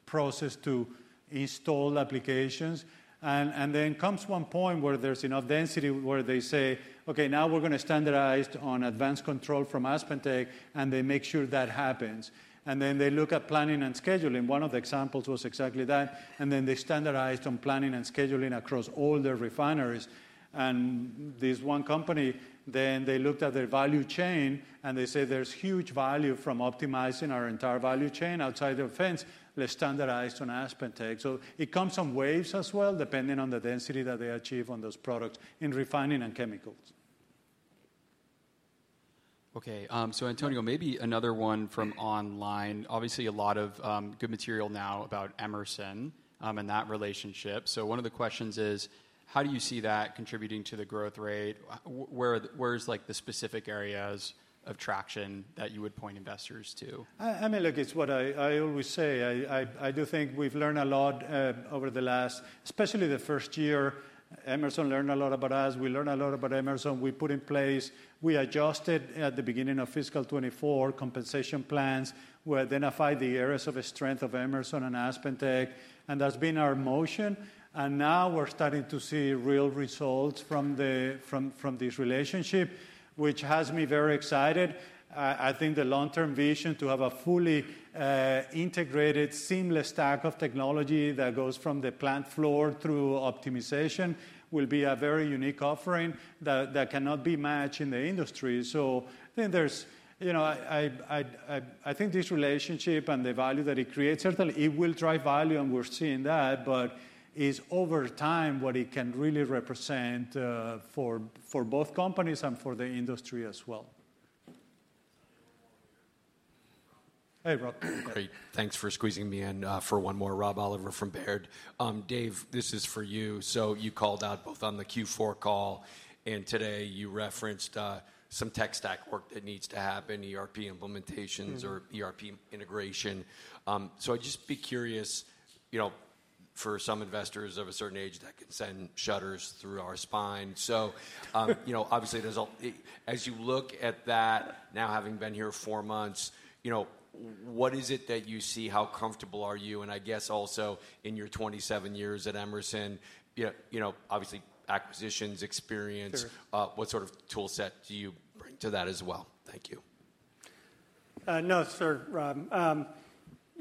process to install applications. And then comes one point where there's enough density where they say, "Okay, now we're gonna standardize on advanced control from AspenTech," and they make sure that happens. And then they look at planning and scheduling. One of the examples was exactly that, and then they standardized on planning and scheduling across all their refineries. And this one company, then they looked at their value chain, and they say, "There's huge value from optimizing our entire value chain outside the fence. Let's standardize on AspenTech." So it comes in waves as well, depending on the density that they achieve on those products in refining and chemicals.... Okay, so Antonio, maybe another one from online. Obviously, a lot of good material now about Emerson and that relationship. So one of the questions is: how do you see that contributing to the growth rate? Where is, like, the specific areas of traction that you would point investors to? I mean, look, it's what I always say. I do think we've learned a lot over the last, especially the first year. Emerson learned a lot about us. We learned a lot about Emerson. We adjusted, at the beginning of fiscal 2024, compensation plans. We identified the areas of strength of Emerson and AspenTech, and that's been our motion, and now we're starting to see real results from this relationship, which has me very excited. I think the long-term vision to have a fully integrated, seamless stack of technology that goes from the plant floor through optimization will be a very unique offering that cannot be matched in the industry. So I think there's, you know, I think this relationship and the value that it creates. Certainly it will drive value, and we're seeing that, but it's over time what it can really represent for both companies and for the industry as well. Hey, Rob. Great. Thanks for squeezing me in for one more. Rob Oliver from Baird. Dave, this is for you. So you called out both on the Q4 call, and today you referenced some tech stack work that needs to happen, ERP implementations- Mm-hmm. or ERP integration. So I'd just be curious, you know, for some investors of a certain age, that can send shudders through our spine. You know, obviously there's a. As you look at that now, having been here four months, you know, what is it that you see? How comfortable are you? And I guess also, in your twenty-seven years at Emerson, yeah, you know, obviously acquisitions, experience. Sure. What sort of tool set do you bring to that as well? Thank you. No, sir, Rob,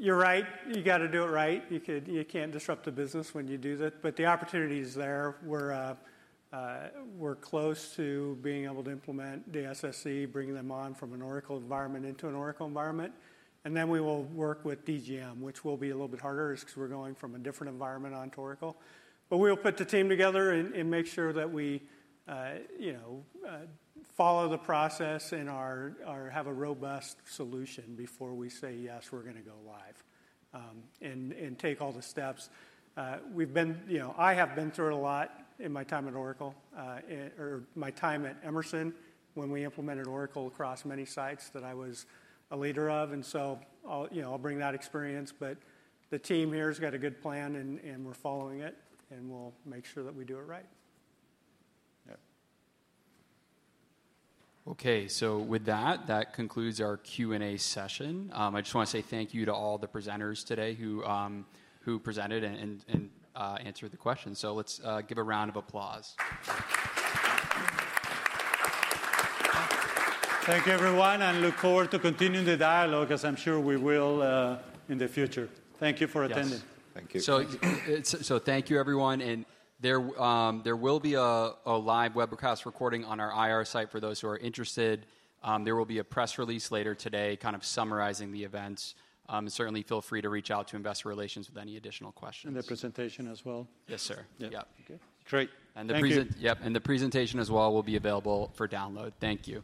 you're right. You got to do it right. You can't disrupt the business when you do that, but the opportunity is there. We're close to being able to implement the SSE, bringing them on from an Oracle environment into an Oracle environment, and then we will work with DGM, which will be a little bit harder because we're going from a different environment onto Oracle. But we'll put the team together and make sure that we follow the process and have a robust solution before we say, "Yes, we're gonna go live," and take all the steps. We've been... You know, I have been through it a lot in my time at Oracle, or my time at Emerson, when we implemented Oracle across many sites that I was a leader of, and so I'll, you know, I'll bring that experience. But the team here has got a good plan, and we're following it, and we'll make sure that we do it right. Yep. Okay, so with that, that concludes our Q&A session. I just want to say thank you to all the presenters today who presented and answered the questions. So let's give a round of applause. Thank you, everyone, and look forward to continuing the dialogue, as I'm sure we will, in the future. Thank you for attending. Yes. Thank you. Thank you, everyone. And there will be a live webcast recording on our IR site for those who are interested. There will be a press release later today, kind of summarizing the events. Certainly feel free to reach out to Investor Relations with any additional questions. The presentation as well. Yes, sir. Yeah. Yep. Okay, great. Thank you. Yep, and the presentation as well will be available for download. Thank you.